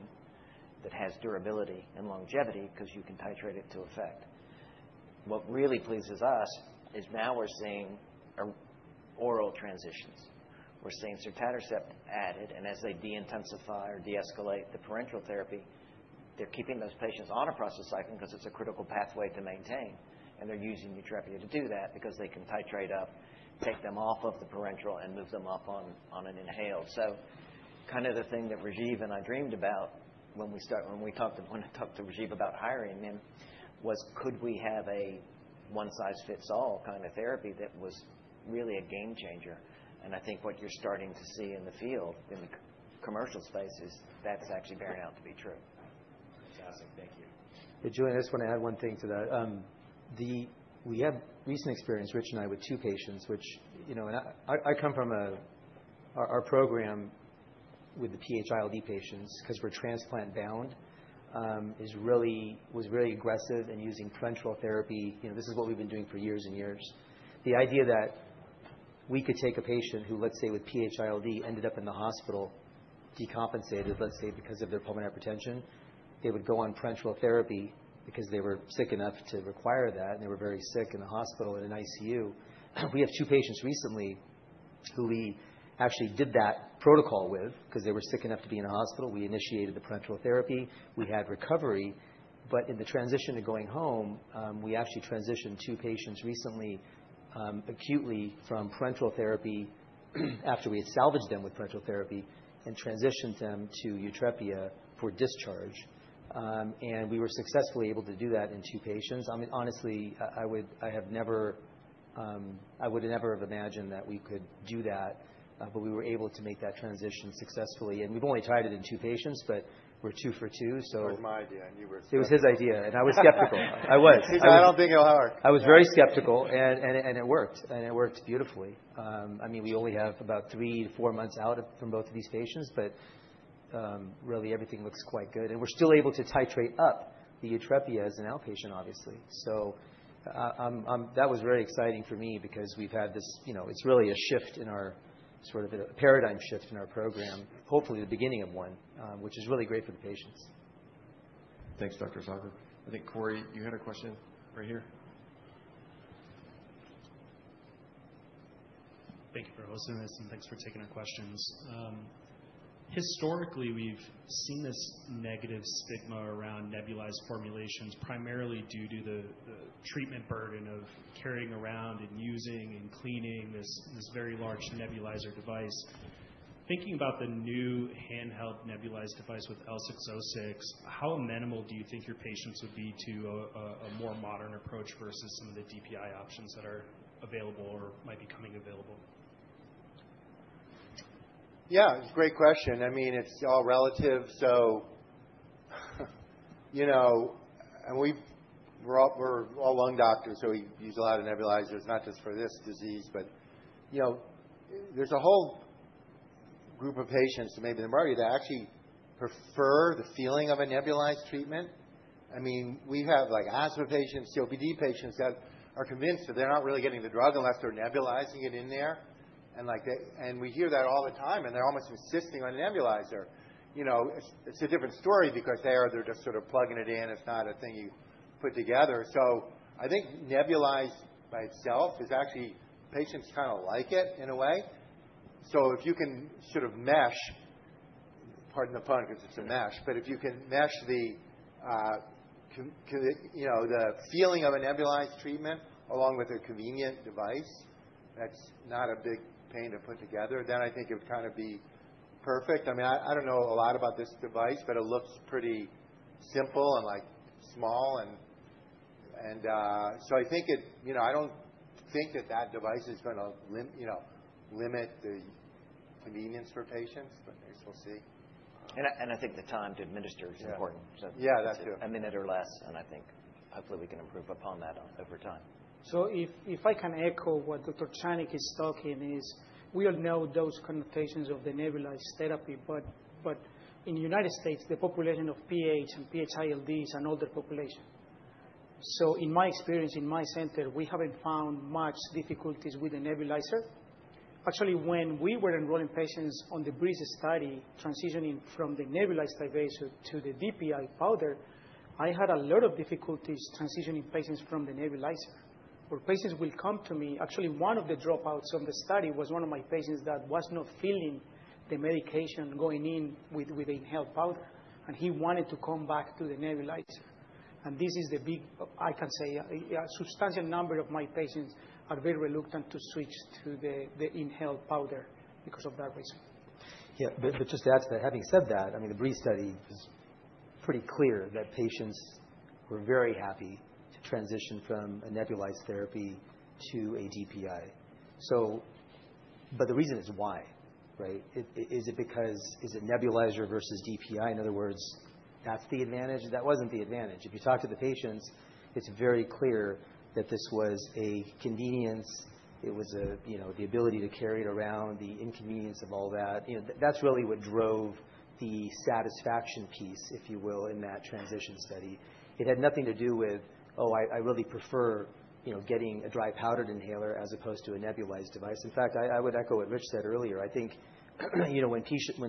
that has durability and longevity because you can titrate it to effect. What really pleases us is now we're seeing oral transitions. We're seeing sotatercept added. And as they de-intensify or de-escalate the parenteral therapy, they're keeping those patients on a prostacyclin because it's a critical pathway to maintain. And they're using Yutrepia to do that because they can titrate up, take them off of the parenteral, and move them up on an inhaled. So kind of the thing that Rajeev and I dreamed about when we talked to Rajeev about hiring him was, could we have a one-size-fits-all kind of therapy that was really a game changer? And I think what you're starting to see in the field, in the commercial space, is that's actually bearing out to be true. Fantastic. Thank you. Julian, I just want to add one thing to that. We have recent experience, Rich and I, with two patients, which I come from our program with the PH-ILD patients because we're transplant-bound, was really aggressive in using parenteral therapy. This is what we've been doing for years and years. The idea that we could take a patient who, let's say, with PH-ILD ended up in the hospital, decompensated, let's say, because of their pulmonary hypertension, they would go on parenteral therapy because they were sick enough to require that, and they were very sick in the hospital in an ICU. We have two patients recently who we actually did that protocol with because they were sick enough to be in the hospital. We initiated the parenteral therapy. We had recovery. But in the transition to going home, we actually transitioned two patients recently acutely from parenteral therapy after we had salvaged them with parenteral therapy and transitioned them to Yutrepia for discharge, and we were successfully able to do that in two patients. I mean, honestly, I would never have imagined that we could do that, but we were able to make that transition successfully, and we've only tried it in two patients, but we're two for two. So. That was my idea. And you were so. It was his idea. And I was skeptical. I was. I don't think it'll hurt. I was very skeptical, and it works, and it works beautifully. I mean, we only have about three to four months out from both of these patients. But really, everything looks quite good, and we're still able to titrate up the Yutrepia as an outpatient, obviously. So that was very exciting for me because we've had this. It's really a shift in our sort of a paradigm shift in our program, hopefully the beginning of one, which is really great for the patients. Thanks, Dr. Saggar. I think, Corey, you had a question right here. Thank you for hosting this, and thanks for taking our questions. Historically, we've seen this negative stigma around nebulized formulations primarily due to the treatment burden of carrying around and using and cleaning this very large nebulizer device. Thinking about the new handheld nebulized device with L606, how amenable do you think your patients would be to a more modern approach versus some of the DPI options that are available or might be coming available? Yeah. It's a great question. I mean, it's all relative. And we're all lung doctors, so we use a lot of nebulizers, not just for this disease. But there's a whole group of patients in the majority that actually prefer the feeling of a nebulized treatment. I mean, we have asthma patients, COPD patients that are convinced that they're not really getting the drug unless they're nebulizing it in there. And we hear that all the time. And they're almost insisting on a nebulizer. It's a different story because they're just sort of plugging it in. It's not a thing you put together. So I think nebulized by itself is actually patients kind of like it in a way. So if you can sort of mesh, pardon the pun, because it's a mesh. But if you can mesh the feeling of a nebulized treatment along with a convenient device that's not a big pain to put together, then I think it would kind of be perfect. I mean, I don't know a lot about this device, but it looks pretty simple and small. And so I think I don't think that device is going to limit the convenience for patients. But I guess we'll see. I think the time to administer is important. Yeah. That's true. So, a minute or less. And I think hopefully we can improve upon that over time. So if I can echo what Dr. Channick is talking is we all know those connotations of the nebulized therapy. But in the United States, the population of PAH and PH-ILD is an older population so in my experience in my center, we haven't found much difficulties with the nebulizer. Actually, when we were enrolling patients on the BREEZE study transitioning from the nebulized Tyvaso to the DPI powder, I had a lot of difficulties transitioning patients from the nebulizer. Or patients will come to me. Actually, one of the dropouts on the study was one of my patients that was not feeling the medication going in with the inhaled powder. And he wanted to come back to the nebulizer. And this is the big I can say a substantial number of my patients are very reluctant to switch to the inhaled powder because of that reason. Yeah. But just to add to that, having said that, I mean, the BREEZE study was pretty clear that patients were very happy to transition from a nebulized therapy to a DPI. But the reason is why, right? Is it because nebulizer versus DPI? In other words, that's the advantage. That wasn't the advantage. If you talk to the patients, it's very clear that this was a convenience. It was the ability to carry it around, the inconvenience of all that. That's really what drove the satisfaction piece, if you will, in that transition study. It had nothing to do with, "Oh, I really prefer getting a dry powdered inhaler as opposed to a nebulized device." In fact, I would echo what Rich said earlier. I think when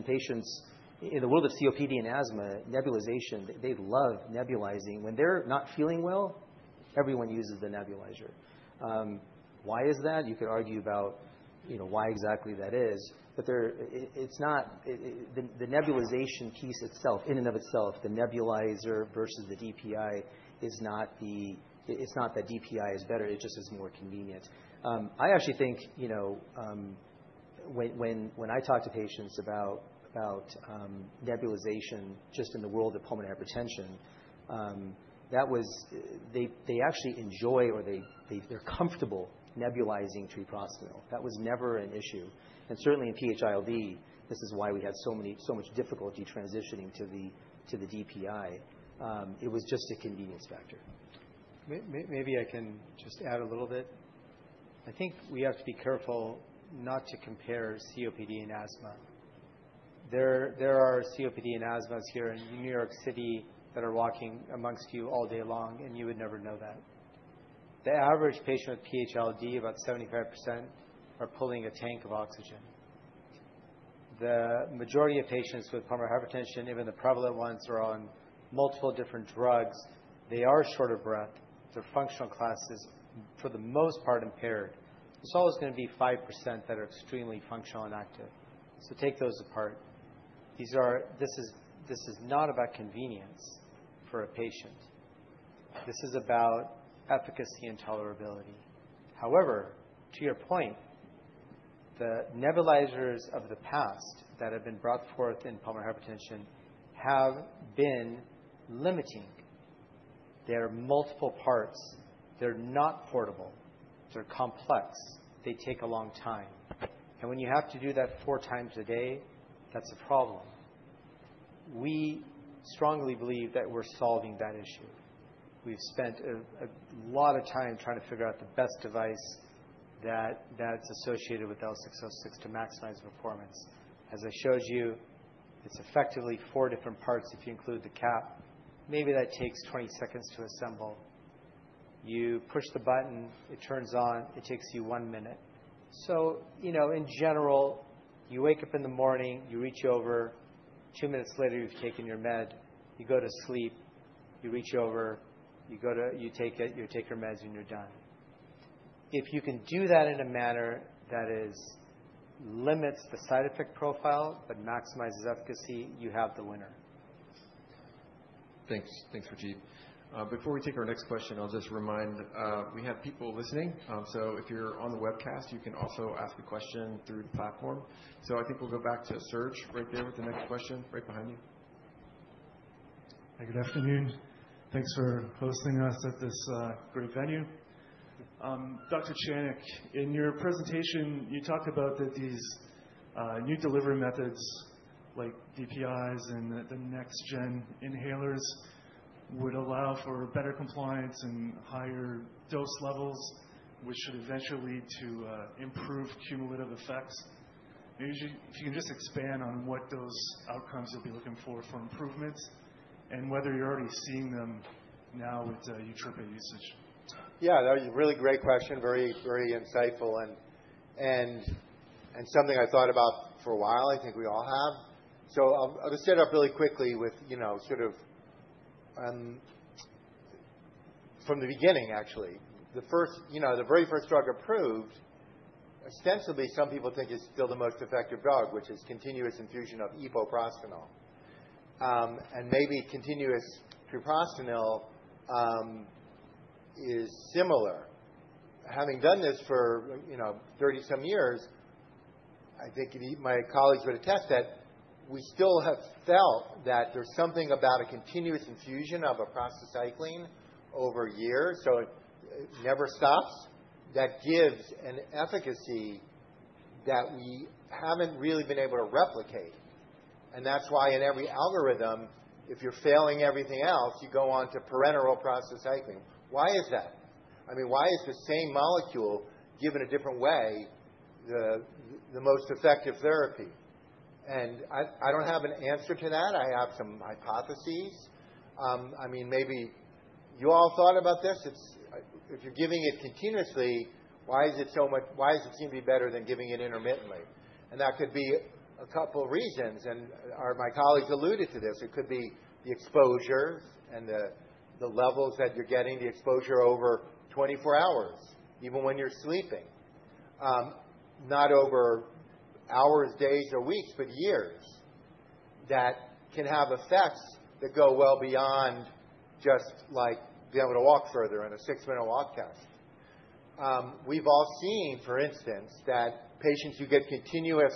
patients in the world of COPD and asthma, nebulization, they love nebulizing. When they're not feeling well, everyone uses the nebulizer. Why is that? You could argue about why exactly that is. But the nebulization piece itself, in and of itself, the nebulizer versus the DPI, it's not that DPI is better. It just is more convenient. I actually think when I talk to patients about nebulization just in the world of pulmonary hypertension, they actually enjoy or they're comfortable nebulizing treprostinil. That was never an issue. And certainly in PH-ILD, this is why we had so much difficulty transitioning to the DPI. It was just a convenience factor. Maybe I can just add a little bit. I think we have to be careful not to compare COPD and asthma. There are COPD and asthmatics here in New York City that are walking amongst you all day long, and you would never know that. The average patient with PH-ILD, about 75%, are pulling a tank of oxygen. The majority of patients with pulmonary hypertension, even the prevalent ones, are on multiple different drugs. They are short of breath. They're functional classes, for the most part, impaired. There's always going to be 5% that are extremely functional and active, so take those apart. This is not about convenience for a patient. This is about efficacy and tolerability. However, to your point, the nebulizers of the past that have been brought forth in pulmonary hypertension have been limiting. There are multiple parts. They're not portable. They're complex. They take a long time, and when you have to do that four times a day, that's a problem. We strongly believe that we're solving that issue. We've spent a lot of time trying to figure out the best device that's associated with L606 to maximize performance. As I showed you, it's effectively four different parts if you include the cap. Maybe that takes 20 seconds to assemble. You push the button. It turns on. It takes you one minute, so in general, you wake up in the morning. You reach over. Two minutes later, you've taken your med. You go to sleep. You reach over. You take your meds, and you're done. If you can do that in a manner that limits the side effect profile but maximizes efficacy, you have the winner. Thanks, Rajeev. Before we take our next question, I'll just remind we have people listening, so if you're on the webcast, you can also ask a question through the platform, so I think we'll go back to Serge right there with the next question right behind you. Hi, good afternoon. Thanks for hosting us at this great venue. Dr. Channick, in your presentation, you talked about that these new delivery methods like DPIs and the next-gen inhalers would allow for better compliance and higher dose levels, which should eventually lead to improved cumulative effects. Maybe if you can just expand on what those outcomes you'll be looking for improvements and whether you're already seeing them now with Yutrepia usage? Yeah. That was a really great question, very insightful and something I thought about for a while. I think we all have. So I'm going to stand up really quickly with sort of from the beginning, actually. The very first drug approved, ostensibly, some people think is still the most effective drug, which is continuous infusion of epoprostenol. And maybe continuous treprostinil is similar. Having done this for 30-some years, I think my colleagues would attest that we still have felt that there's something about a continuous infusion of a prostacyclin over years. So it never stops. That gives an efficacy that we haven't really been able to replicate. And that's why in every algorithm, if you're failing everything else, you go on to parenteral prostacyclin. Why is that? I mean, why is the same molecule given a different way the most effective therapy? I don't have an answer to that. I have some hypotheses. I mean, maybe you all thought about this. If you're giving it continuously, why does it seem to be better than giving it intermittently? That could be a couple of reasons. My colleagues alluded to this. It could be the exposure and the levels that you're getting, the exposure over 24 hours, even when you're sleeping, not over hours, days, or weeks, but years that can have effects that go well beyond just being able to walk further on a six-minute walk test. We've all seen, for instance, that patients who get continuous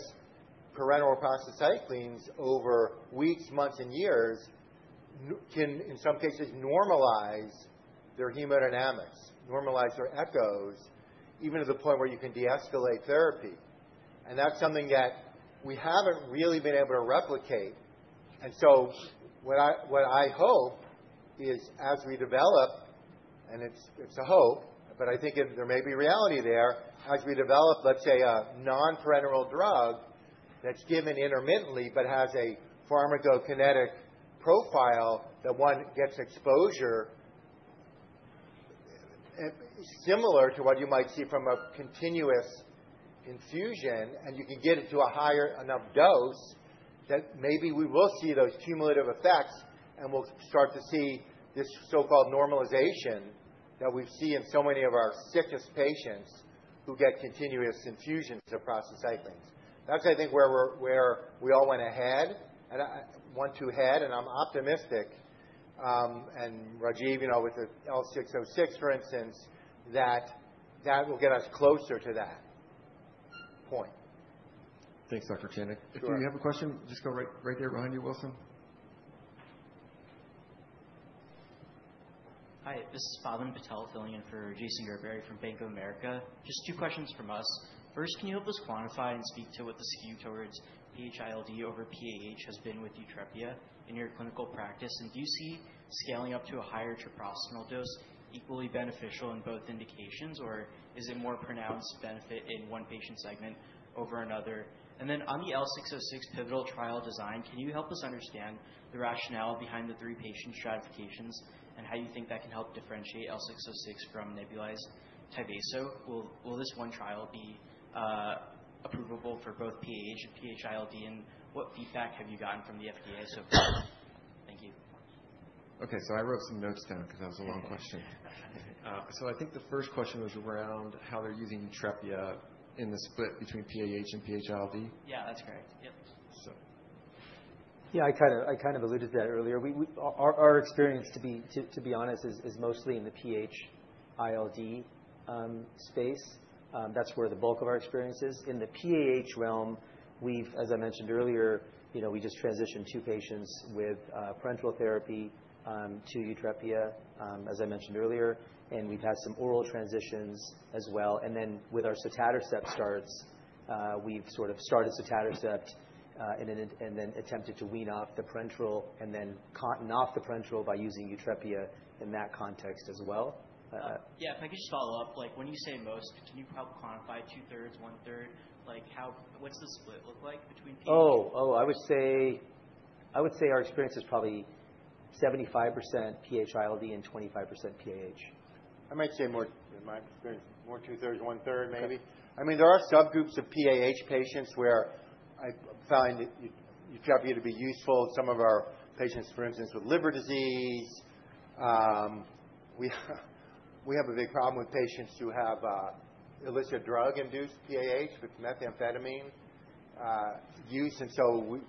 parenteral prostacyclins over weeks, months, and years can, in some cases, normalize their hemodynamics, normalize their echoes, even to the point where you can de-escalate therapy. That's something that we haven't really been able to replicate. And so what I hope is as we develop, and it's a hope. But I think there may be reality there. As we develop, let's say, a non-parenteral drug that's given intermittently but has a pharmacokinetic profile that one gets exposure similar to what you might see from a continuous infusion. And you can get it to a higher enough dose that maybe we will see those cumulative effects. And we'll start to see this so-called normalization that we see in so many of our sickest patients who get continuous infusions of prostacyclins. That's, I think, where we all went ahead and want to head. And I'm optimistic. And Rajeev, with the L606, for instance, that will get us closer to that point. Thanks, Dr. Channick. Do you have a question? Just go right there behind you, Wilson. Hi. This is Pavan Patel filling in for Jason Gerberry from Bank of America. Just two questions from us. First, can you help us quantify and speak to what the skew towards PH-ILD over PAH has been with Yutrepia in your clinical practice? And do you see scaling up to a higher treprostinil dose equally beneficial in both indications? Or is it more pronounced benefit in one patient segment over another? And then on the L606 pivotal trial design, can you help us understand the rationale behind the three patient stratifications and how you think that can help differentiate L606 from nebulized Tyvaso? Will this one trial be approvable for both PAH and PH-ILD? And what feedback have you gotten from the FDA so far? Thank you. Okay, so I wrote some notes down because that was a long question, so I think the first question was around how they're using Yutrepia in the split between PAH and PH-ILD? Yeah. That's correct. Yep. So. Yeah. I kind of alluded to that earlier. Our experience, to be honest, is mostly in the PH-ILD space. That's where the bulk of our experience is. In the PAH realm, as I mentioned earlier, we just transitioned two patients with parenteral therapy to Yutrepia, as I mentioned earlier. And we've had some oral transitions as well. And then with our sotatercept starts, we've sort of started sotatercept and then attempted to wean off the parenteral and then taper off the parenteral by using Yutrepia in that context as well. Yeah. If I could just follow up. When you say most, can you help quantify two-thirds, one-third? What's the split look like between PAH? I would say our experience is probably 75% PH-ILD and 25% PAH. I might say, in my experience, more like two-thirds, one-third, maybe. I mean, there are subgroups of PAH patients where I find Yutrepia to be useful. Some of our patients, for instance, with liver disease, we have a big problem with patients who have illicit drug-induced PAH with methamphetamine use, and so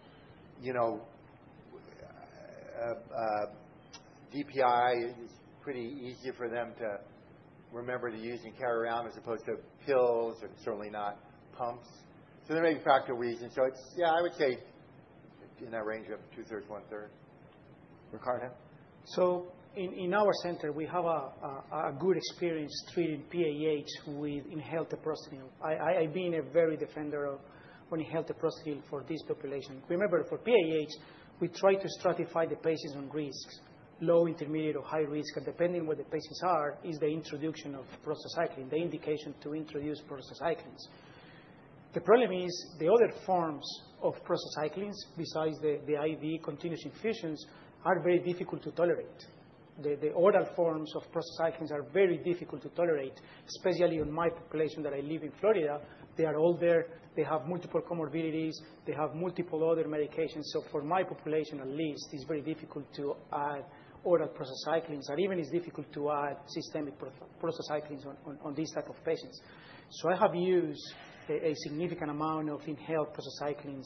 DPI is pretty easy for them to remember to use and carry around as opposed to pills and certainly not pumps, so there may be form factor reasons, so yeah, I would say in that range of two-thirds, one-third. Ricardo? So in our center, we have a good experience treating PAH with inhaled treprostinil. I've been a very defender of inhaled treprostinil for this population. Remember, for PAH, we try to stratify the patients on risks, low, intermediate, or high risk. And depending on what the patients are, is the introduction of prostacyclin, the indication to introduce prostacyclins. The problem is the other forms of prostacyclins besides the IV continuous infusions are very difficult to tolerate. The oral forms of prostacyclins are very difficult to tolerate, especially in my population that I live in Florida. They are older. They have multiple comorbidities. They have multiple other medications. So for my population at least, it's very difficult to add oral prostacyclins. And even it's difficult to add systemic prostacyclins on these types of patients. So I have used a significant amount of inhaled prostacyclins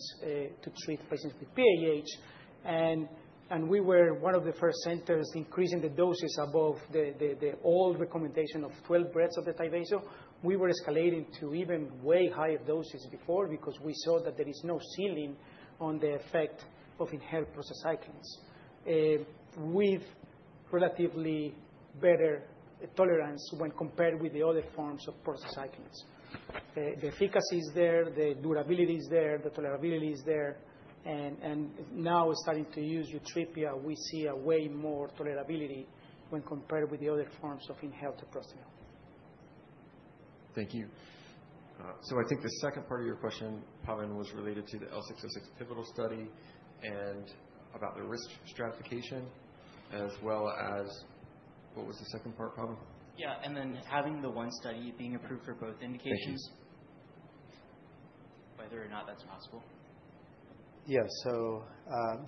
to treat patients with PAH. And we were one of the first centers increasing the doses above the old recommendation of 12 breaths of the Tyvaso. We were escalating to even way higher doses before because we saw that there is no ceiling on the effect of inhaled prostacyclins with relatively better tolerance when compared with the other forms of prostacyclins. The efficacy is there. The durability is there. The tolerability is there. And now we're starting to use Yutrepia. We see a way more tolerability when compared with the other forms of inhaled treprostinil. Thank you, so I think the second part of your question, Pavan, was related to the L606 pivotal study and about the risk stratification as well as, what was the second part, Pavan? Yeah. And then, having the one study being approved for both indications, whether or not that's possible? Yeah. So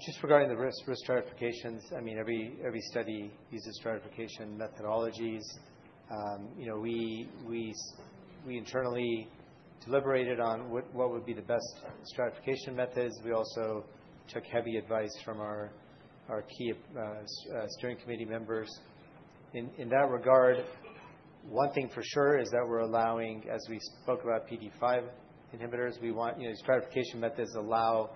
just regarding the risk stratifications, I mean, every study uses stratification methodologies. We internally deliberated on what would be the best stratification methods. We also took heavy advice from our key steering committee members. In that regard, one thing for sure is that we're allowing, as we spoke about, PDE5 inhibitors. These stratification methods allow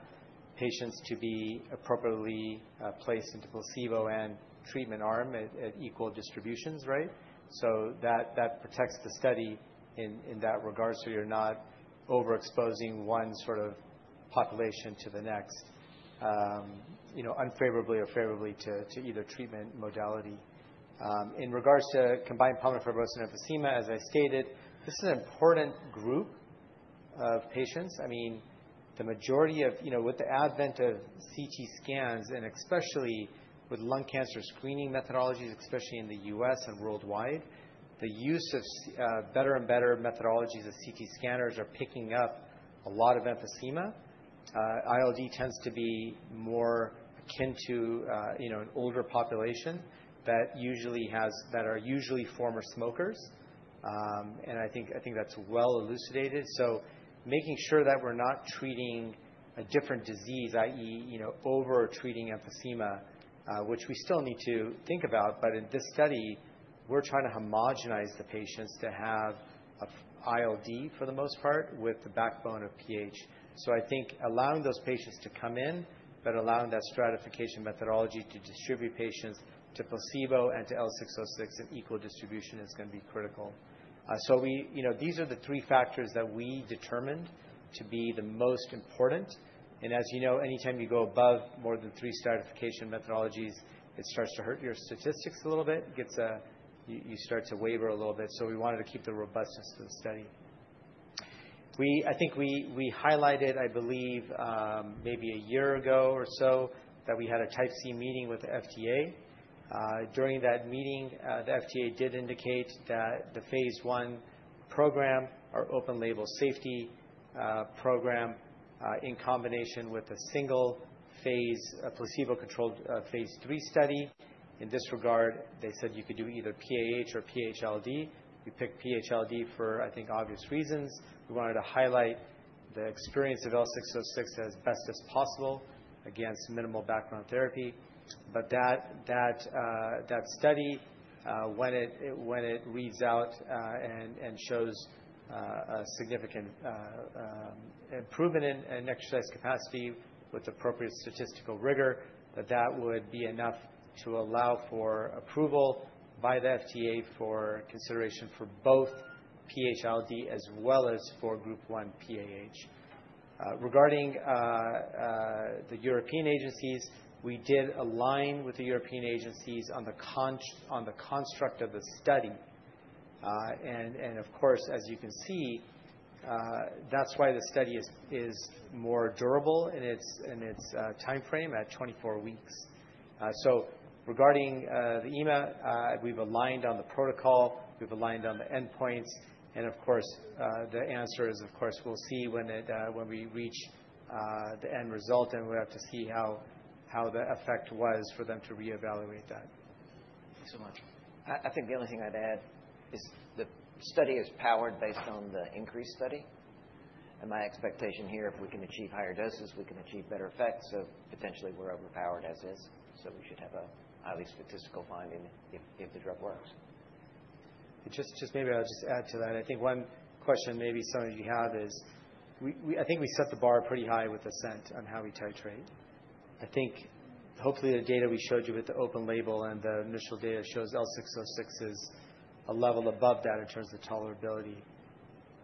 patients to be appropriately placed into placebo and treatment arm at equal distributions, right? So that protects the study in that regard. So you're not overexposing one sort of population to the next unfavorably or favorably to either treatment modality. In regards to combined pulmonary fibrosis and emphysema, as I stated, this is an important group of patients. I mean, the majority of with the advent of CT scans and especially with lung cancer screening methodologies, especially in the U.S. and worldwide, the use of better and better methodologies of CT scanners are picking up a lot of emphysema. ILD tends to be more akin to an older population that are usually former smokers. And I think that's well elucidated. So making sure that we're not treating a different disease, i.e., over-treating emphysema, which we still need to think about. But in this study, we're trying to homogenize the patients to have ILD for the most part with the backbone of PAH. So I think allowing those patients to come in but allowing that stratification methodology to distribute patients to placebo and to L606 in equal distribution is going to be critical. So these are the three factors that we determined to be the most important. And as you know, anytime you go above more than three stratification methodologies, it starts to hurt your statistics a little bit. You start to waver a little bit. So we wanted to keep the robustness of the study. I think we highlighted, I believe, maybe a year ago or so that we had a Type C meeting with the FDA. During that meeting, the FDA did indicate that the phase one program, our open-label safety program, in combination with a single-phase placebo-controlled phase three study, in this regard, they said you could do either PAH or PH-ILD. We picked PH-ILD for, I think, obvious reasons. We wanted to highlight the experience of L606 as best as possible against minimal background therapy. But that study, when it reads out and shows a significant improvement in exercise capacity with appropriate statistical rigor, that that would be enough to allow for approval by the FDA for consideration for both PH-ILD as well as for Group 1 PAH. Regarding the European agencies, we did align with the European agencies on the construct of the study. and of course, as you can see, that's why the study is more durable in its time frame at 24 weeks. so regarding the EMA, we've aligned on the protocol. We've aligned on the endpoints. and of course, the answer is, of course, we'll see when we reach the end result. and we'll have to see how the effect was for them to reevaluate that. Thanks so much. I think the only thing I'd add is the study is powered based on the INCREASE study. And my expectation here, if we can achieve higher doses, we can achieve better effects. So potentially, we're overpowered as is. So we should have a highly statistical finding if the drug works. Just maybe I'll just add to that. I think one question maybe some of you have is I think we set the bar pretty high with the ASCENT on how we titrate. I think hopefully the data we showed you with the open label and the initial data shows L606 is a level above that in terms of tolerability.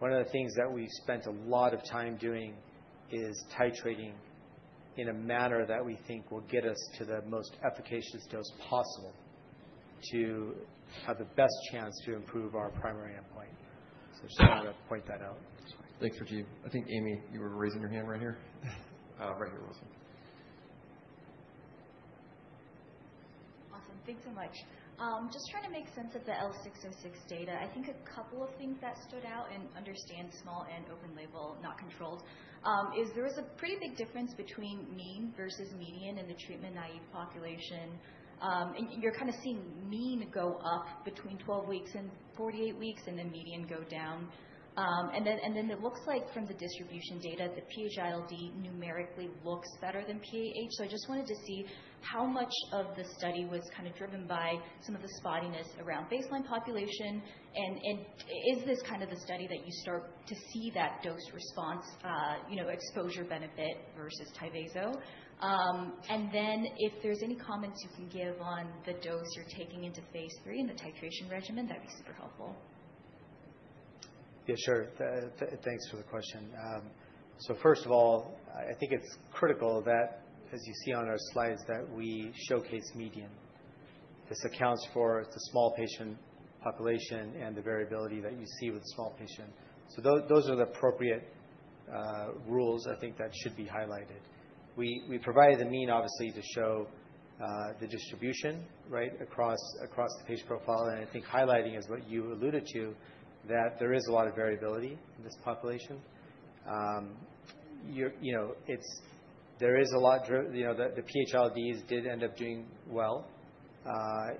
One of the things that we've spent a lot of time doing is titrating in a manner that we think will get us to the most efficacious dose possible to have the best chance to improve our primary endpoint. So just wanted to point that out. Thanks, Rajeev. I think, Amy, you were raising your hand right here. Right here, Wilson. Awesome. Thanks so much. Just trying to make sense of the L606 data. I think a couple of things that stood out in understanding small and open-label, not controlled, is there is a pretty big difference between mean versus median in the treatment-naive population. And you're kind of seeing mean go up between 12 weeks and 48 weeks and then median go down. And then it looks like from the distribution data, the PH-ILD numerically looks better than PAH. So I just wanted to see how much of the study was kind of driven by some of the spottiness around baseline population. And is this kind of the study that you start to see that dose-response exposure benefit versus Tyvaso? And then if there's any comments you can give on the dose you're taking into phase III and the titration regimen, that'd be super helpful. Yeah. Sure. Thanks for the question, so first of all, I think it's critical that, as you see on our slides, that we showcase median. This accounts for the small patient population and the variability that you see with the small patient, so those are the appropriate rules, I think, that should be highlighted. We provided the mean, obviously, to show the distribution across the patient profile, and I think highlighting is what you alluded to, that there is a lot of variability in this population. There is a lot the PH-ILDs did end up doing well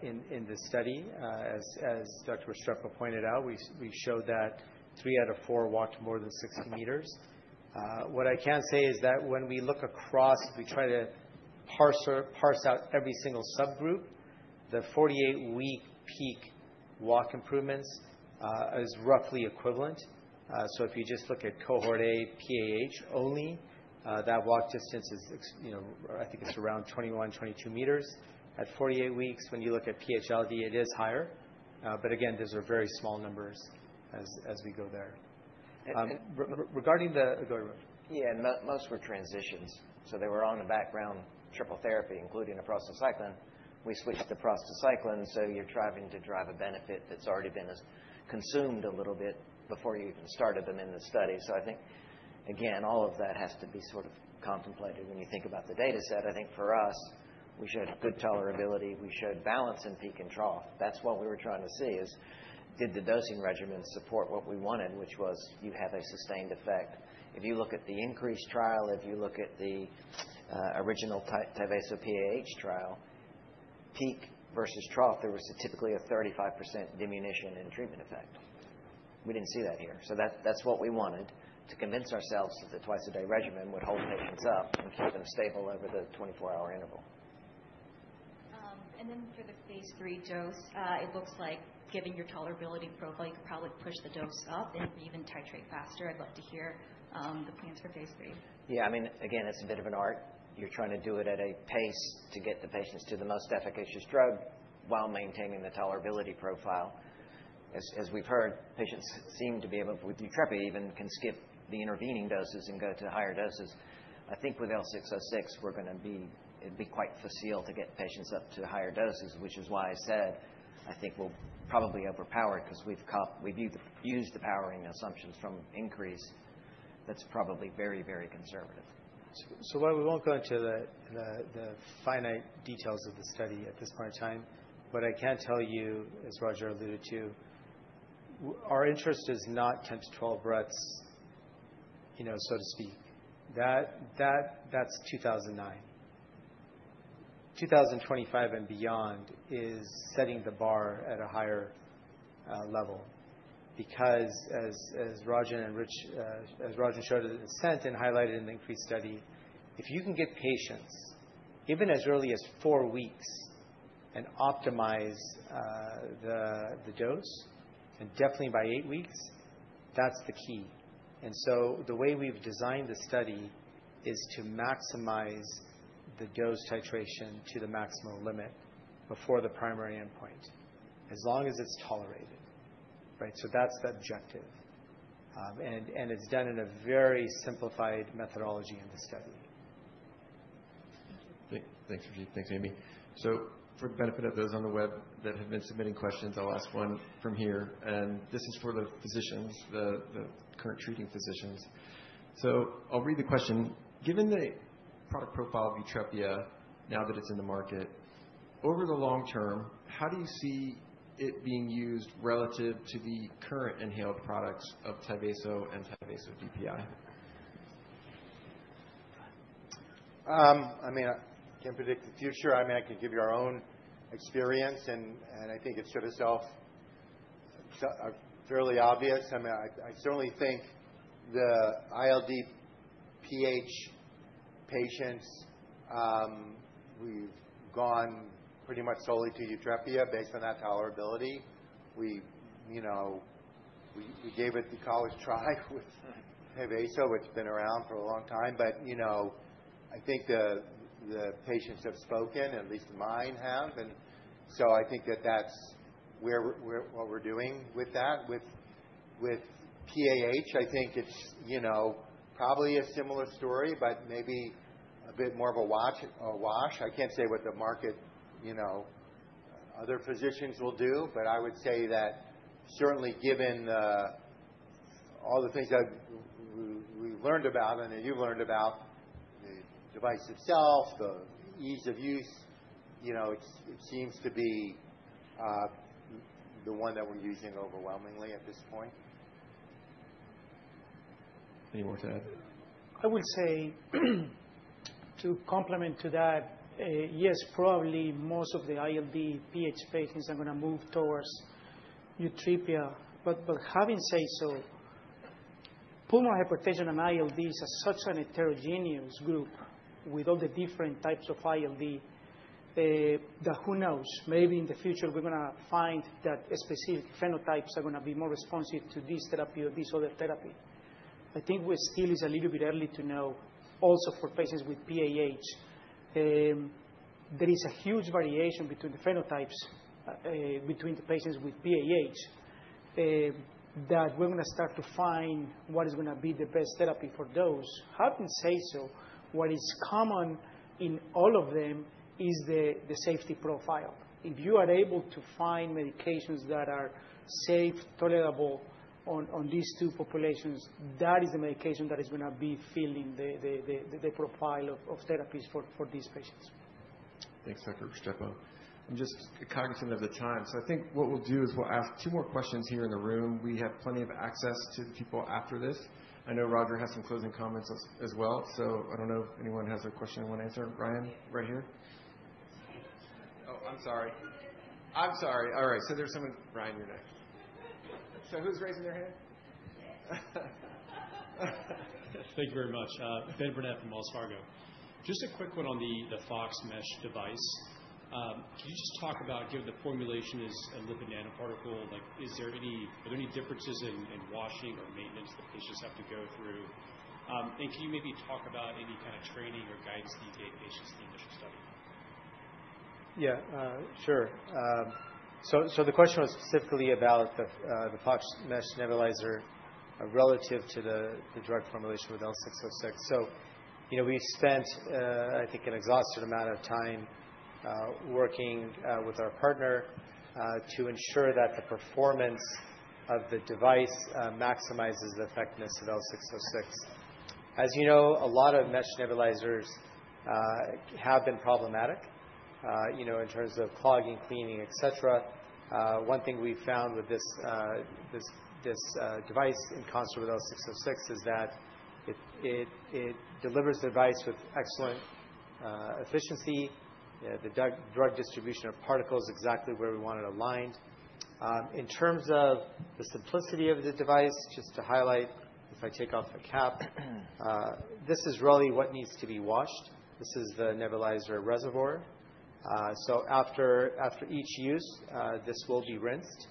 in the study. As Dr. Restrepo pointed out, we showed that three out of four walked more than 60 meters. What I can say is that when we look across, we try to parse out every single subgroup, the 48-week peak walk improvements is roughly equivalent. So if you just look at cohort A PAH only, that walk distance is, I think it's around 21-22 meters. At 48 weeks, when you look at PH-ILD, it is higher. But again, those are very small numbers as we go there. Regarding the. Yeah. Most were transitions. So they were on the background triple therapy, including a prostacyclin. We switched to prostacyclin. So you're driving to drive a benefit that's already been consumed a little bit before you even started them in the study. So I think, again, all of that has to be sort of contemplated when you think about the data set. I think for us, we showed good tolerability. We showed balance in peak and trough. That's what we were trying to see is did the dosing regimen support what we wanted, which was you have a sustained effect. If you look at the INCREASE trial, if you look at the original Tyvaso-PAH trial, peak versus trough, there was typically a 35% diminution in treatment effect. We didn't see that here. So that's what we wanted to convince ourselves that the twice-a-day regimen would hold patients up and keep them stable over the 24-hour interval. And then for the phase three dose, it looks like given your tolerability profile, you could probably push the dose up and even titrate faster. I'd love to hear the plans for phase three. Yeah. I mean, again, it's a bit of an art. You're trying to do it at a pace to get the patients to the most efficacious drug while maintaining the tolerability profile. As we've heard, patients seem to be able with Yutrepia even can skip the intervening doses and go to higher doses. I think with L606, it'd be quite facile to get patients up to higher doses, which is why I said I think we'll probably overpower because we've used the powering assumptions from INCREASE. That's probably very, very conservative. So while we won't go into the finite details of the study at this point in time, what I can tell you as Roger alluded to, our interest is not 10 to 12 breaths, so to speak. That's 2009. 2025 and beyond is setting the bar at a higher level because, as Rajan and Rich, as Rajan showed in the ASCENT and highlighted in the INCREASE study, if you can get patients even as early as four weeks and optimize the dose and definitely by eight weeks, that's the key. And so the way we've designed the study is to maximize the dose titration to the maximum limit before the primary endpoint as long as it's tolerated, right? So that's the objective. And it's done in a very simplified methodology in the study. Thank you. Thanks, Rajeev. Thanks, Amy. So for the benefit of those on the web that have been submitting questions, I'll ask one from here. And this is for the physicians, the current treating physicians. So I'll read the question. Given the product profile of Yutrepia now that it's in the market, over the long term, how do you see it being used relative to the current inhaled products of Tyvaso and Tyvaso DPI? I mean, I can't predict the future. I mean, I can give you our own experience. And I think it showed itself fairly obvious. I mean, I certainly think the ILD PAH patients, we've gone pretty much solely to Yutrepia based on that tolerability. We gave it the college try with Tyvaso, which has been around for a long time. But I think the patients have spoken, at least mine have. And so I think that that's what we're doing with that. With PAH, I think it's probably a similar story, but maybe a bit more of a wash. I can't say what the market other physicians will do. But I would say that certainly, given all the things that we've learned about and that you've learned about, the device itself, the ease of use, it seems to be the one that we're using overwhelmingly at this point. Any more to add? I would say to complement to that, yes, probably most of the ILD PAH patients are going to move towards Yutrepia, but having said so, pulmonary hypertension and ILDs are such a heterogeneous group with all the different types of ILD that, who knows, maybe in the future we're going to find that specific phenotypes are going to be more responsive to this therapy or this other therapy. I think we're still a little bit early to know also for patients with PAH. There is a huge variation between the phenotypes between the patients with PAH that we're going to start to find what is going to be the best therapy for those. Having said so, what is common in all of them is the safety profile. If you are able to find medications that are safe, tolerable on these two populations, that is the medication that is going to be filling the profile of therapies for these patients. Thanks, Dr. Restrepo. I'm just cognizant of the time. So I think what we'll do is we'll ask two more questions here in the room. We have plenty of access to people after this. I know Roger has some closing comments as well. So I don't know if anyone has a question I want to answer. Ryan, right here? Oh, I'm sorry. All right. So there's someone. Ryan, you're next. So who's raising their hand? Thank you very much. Ben Burnett from Wells Fargo. Just a quick one on the FOX mesh device. Can you just talk about given the formulation is a lipid nanoparticle, are there any differences in washing or maintenance that patients have to go through? And can you maybe talk about any kind of training or guidance that you gave patients in the initial study? Yeah. Sure. So the question was specifically about the FOX mesh nebulizer relative to the drug formulation with L606. So we've spent, I think, an exhaustive amount of time working with our partner to ensure that the performance of the device maximizes the effectiveness of L606. As you know, a lot of mesh nebulizers have been problematic in terms of clogging, cleaning, etc. One thing we've found with this device in concert with L606 is that it delivers the device with excellent efficiency. The drug distribution of particles is exactly where we want it aligned. In terms of the simplicity of the device, just to highlight, if I take off the cap, this is really what needs to be washed. This is the nebulizer reservoir. So after each use, this will be rinsed.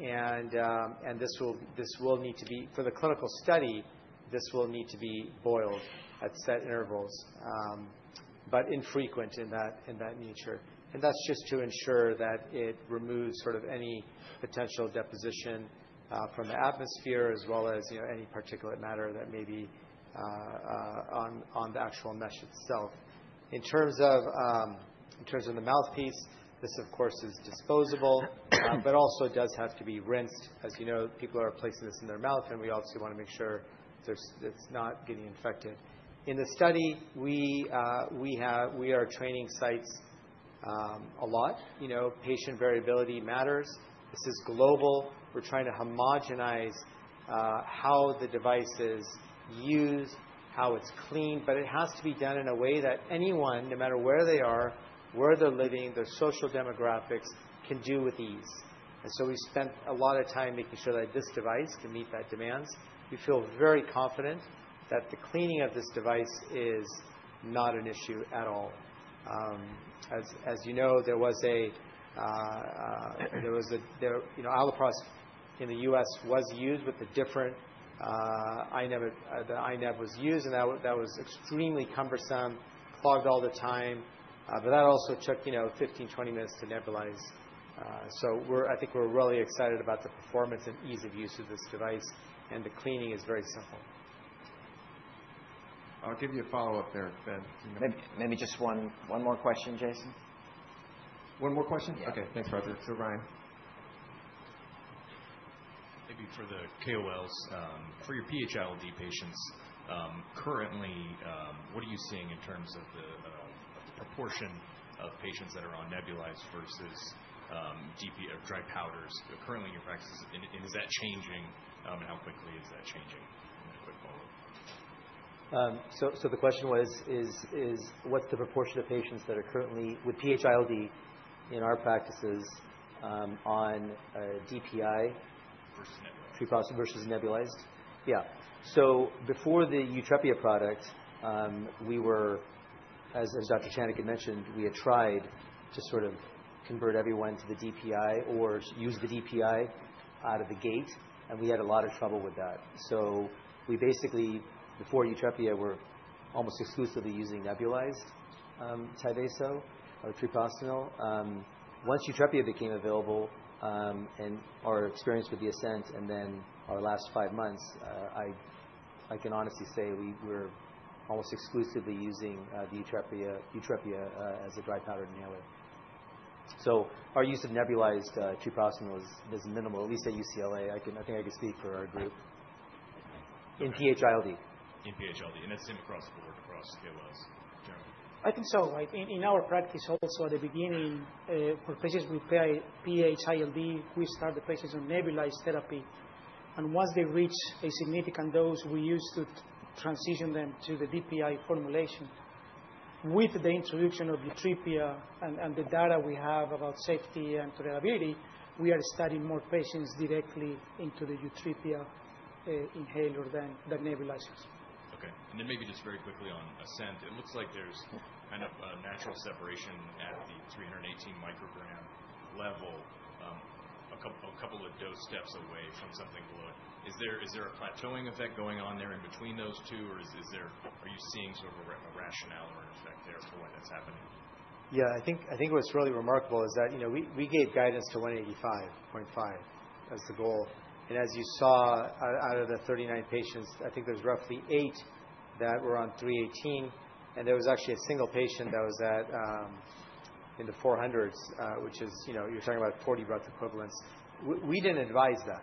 This will need to be for the clinical study, this will need to be boiled at set intervals but infrequent in that nature. That's just to ensure that it removes sort of any potential deposition from the atmosphere as well as any particulate matter that may be on the actual mesh itself. In terms of the mouthpiece, this, of course, is disposable, but also it does have to be rinsed. As you know, people are placing this in their mouth, and we obviously want to make sure it's not getting infected. In the study, we are training sites a lot. Patient variability matters. This is global. We're trying to homogenize how the device is used, how it's cleaned. It has to be done in a way that anyone, no matter where they are, where they're living, their social demographics, can do with ease. And so we've spent a lot of time making sure that this device can meet that demands. We feel very confident that the cleaning of this device is not an issue at all. As you know, there was iloprost in the U.S. was used with the different I-neb, and that was extremely cumbersome, clogged all the time. But that also took 15, 20 minutes to nebulize. So I think we're really excited about the performance and ease of use of this device. And the cleaning is very simple. I'll give you a follow-up there, Ben. Maybe just one more question, Jason. One more question? Yeah. Okay. Thanks, Roger. So, Ryan. Maybe for the KOLs, for your PH-ILD patients, currently, what are you seeing in terms of the proportion of patients that are on nebulized versus dry powders currently in your practices? And is that changing? And how quickly is that changing? And then a quick follow-up. The question was, what's the proportion of patients that are currently with PH-ILD in our practices on DPI? Versus nebulized. Versus nebulized. Yeah, so before the Yutrepia product, as Dr. Channick mentioned, we had tried to sort of convert everyone to the DPI or use the DPI out of the gate, and we had a lot of trouble with that, so we basically, before Yutrepia, were almost exclusively using nebulized Tyvaso or treprostinil. Once Yutrepia became available and our experience with the ASCENT and then our last five months, I can honestly say we were almost exclusively using the Yutrepia as a dry powder inhaler, so our use of nebulized treprostinil is minimal, at least at UCLA. I think I can speak for our group in PH-ILD. In PH-ILD, and that's the same across the board, across KOLs generally? I think so. In our practice also, at the beginning, for patients with PH-ILD, we start the patients on nebulized therapy, and once they reach a significant dose, we used to transition them to the DPI formulation. With the introduction of Yutrepia and the data we have about safety and tolerability, we are starting more patients directly into the Yutrepia inhaler than nebulizers. Okay. And then maybe just very quickly on ASCENT, it looks like there's kind of a natural separation at the 318 microgram level, a couple of dose steps away from something below it. Is there a plateauing effect going on there in between those two? Or are you seeing sort of a rationale or an effect there for why that's happening? Yeah. I think what's really remarkable is that we gave guidance to 185.5 as the goal. And as you saw, out of the 39 patients, I think there's roughly eight that were on 318. And there was actually a single patient that was in the 400s, which is you're talking about 40 breath equivalents. We didn't advise that.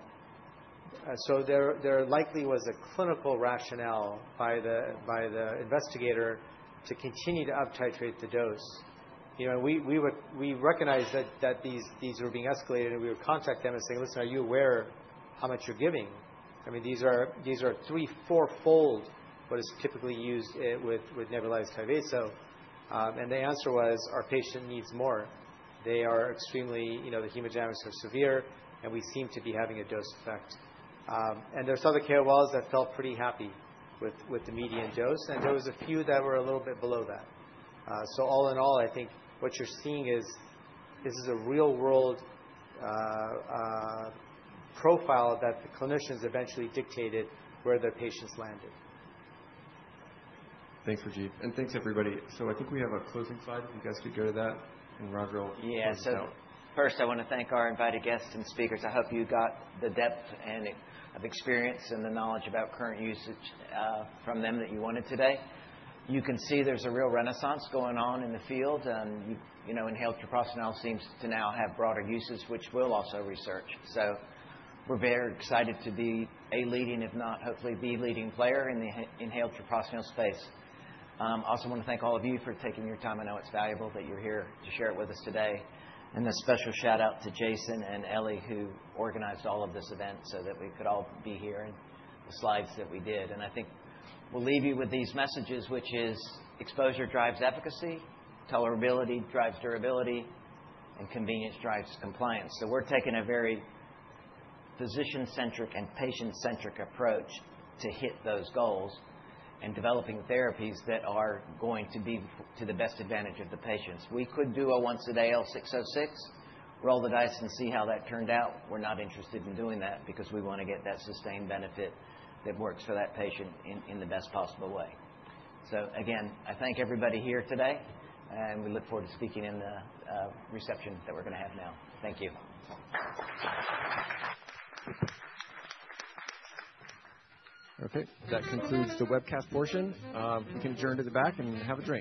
So there likely was a clinical rationale by the investigator to continue to up-titrate the dose. And we recognized that these were being escalated. And we would contact them and say, "Listen, are you aware how much you're giving? I mean, these are three, four-fold what is typically used with nebulized Tyvaso." And the answer was, "Our patient needs more. They are extremely hemodynamically severe, and we seem to be having a dose effect." And there's other KOLs that felt pretty happy with the median dose. There was a few that were a little bit below that. All in all, I think what you're seeing is this is a real-world profile that the clinicians eventually dictated where the patients landed. Thanks, Rajeev. And thanks, everybody. So I think we have a closing slide. If you guys could go to that. And Roger, I'll pass it out. Yeah. So first, I want to thank our invited guests and speakers. I hope you got the depth of experience and the knowledge about current usage from them that you wanted today. You can see there's a real renaissance going on in the field. And inhaled treprostinil seems to now have broader uses, which we'll also research. So we're very excited to be a leading, if not hopefully be leading player in the inhaled treprostinil space. I also want to thank all of you for taking your time. I know it's valuable that you're here to share it with us today. And a special shout-out to Jason and Ellie who organized all of this event so that we could all be here and the slides that we did. And I think we'll leave you with these messages, which is exposure drives efficacy, tolerability drives durability, and convenience drives compliance. So we're taking a very physician-centric and patient-centric approach to hit those goals and developing therapies that are going to be to the best advantage of the patients. We could do a once-a-day L606, roll the dice, and see how that turned out. We're not interested in doing that because we want to get that sustained benefit that works for that patient in the best possible way. So again, I thank everybody here today. And we look forward to speaking in the reception that we're going to have now. Thank you. Okay. That concludes the webcast portion. You can adjourn to the back and have a drink.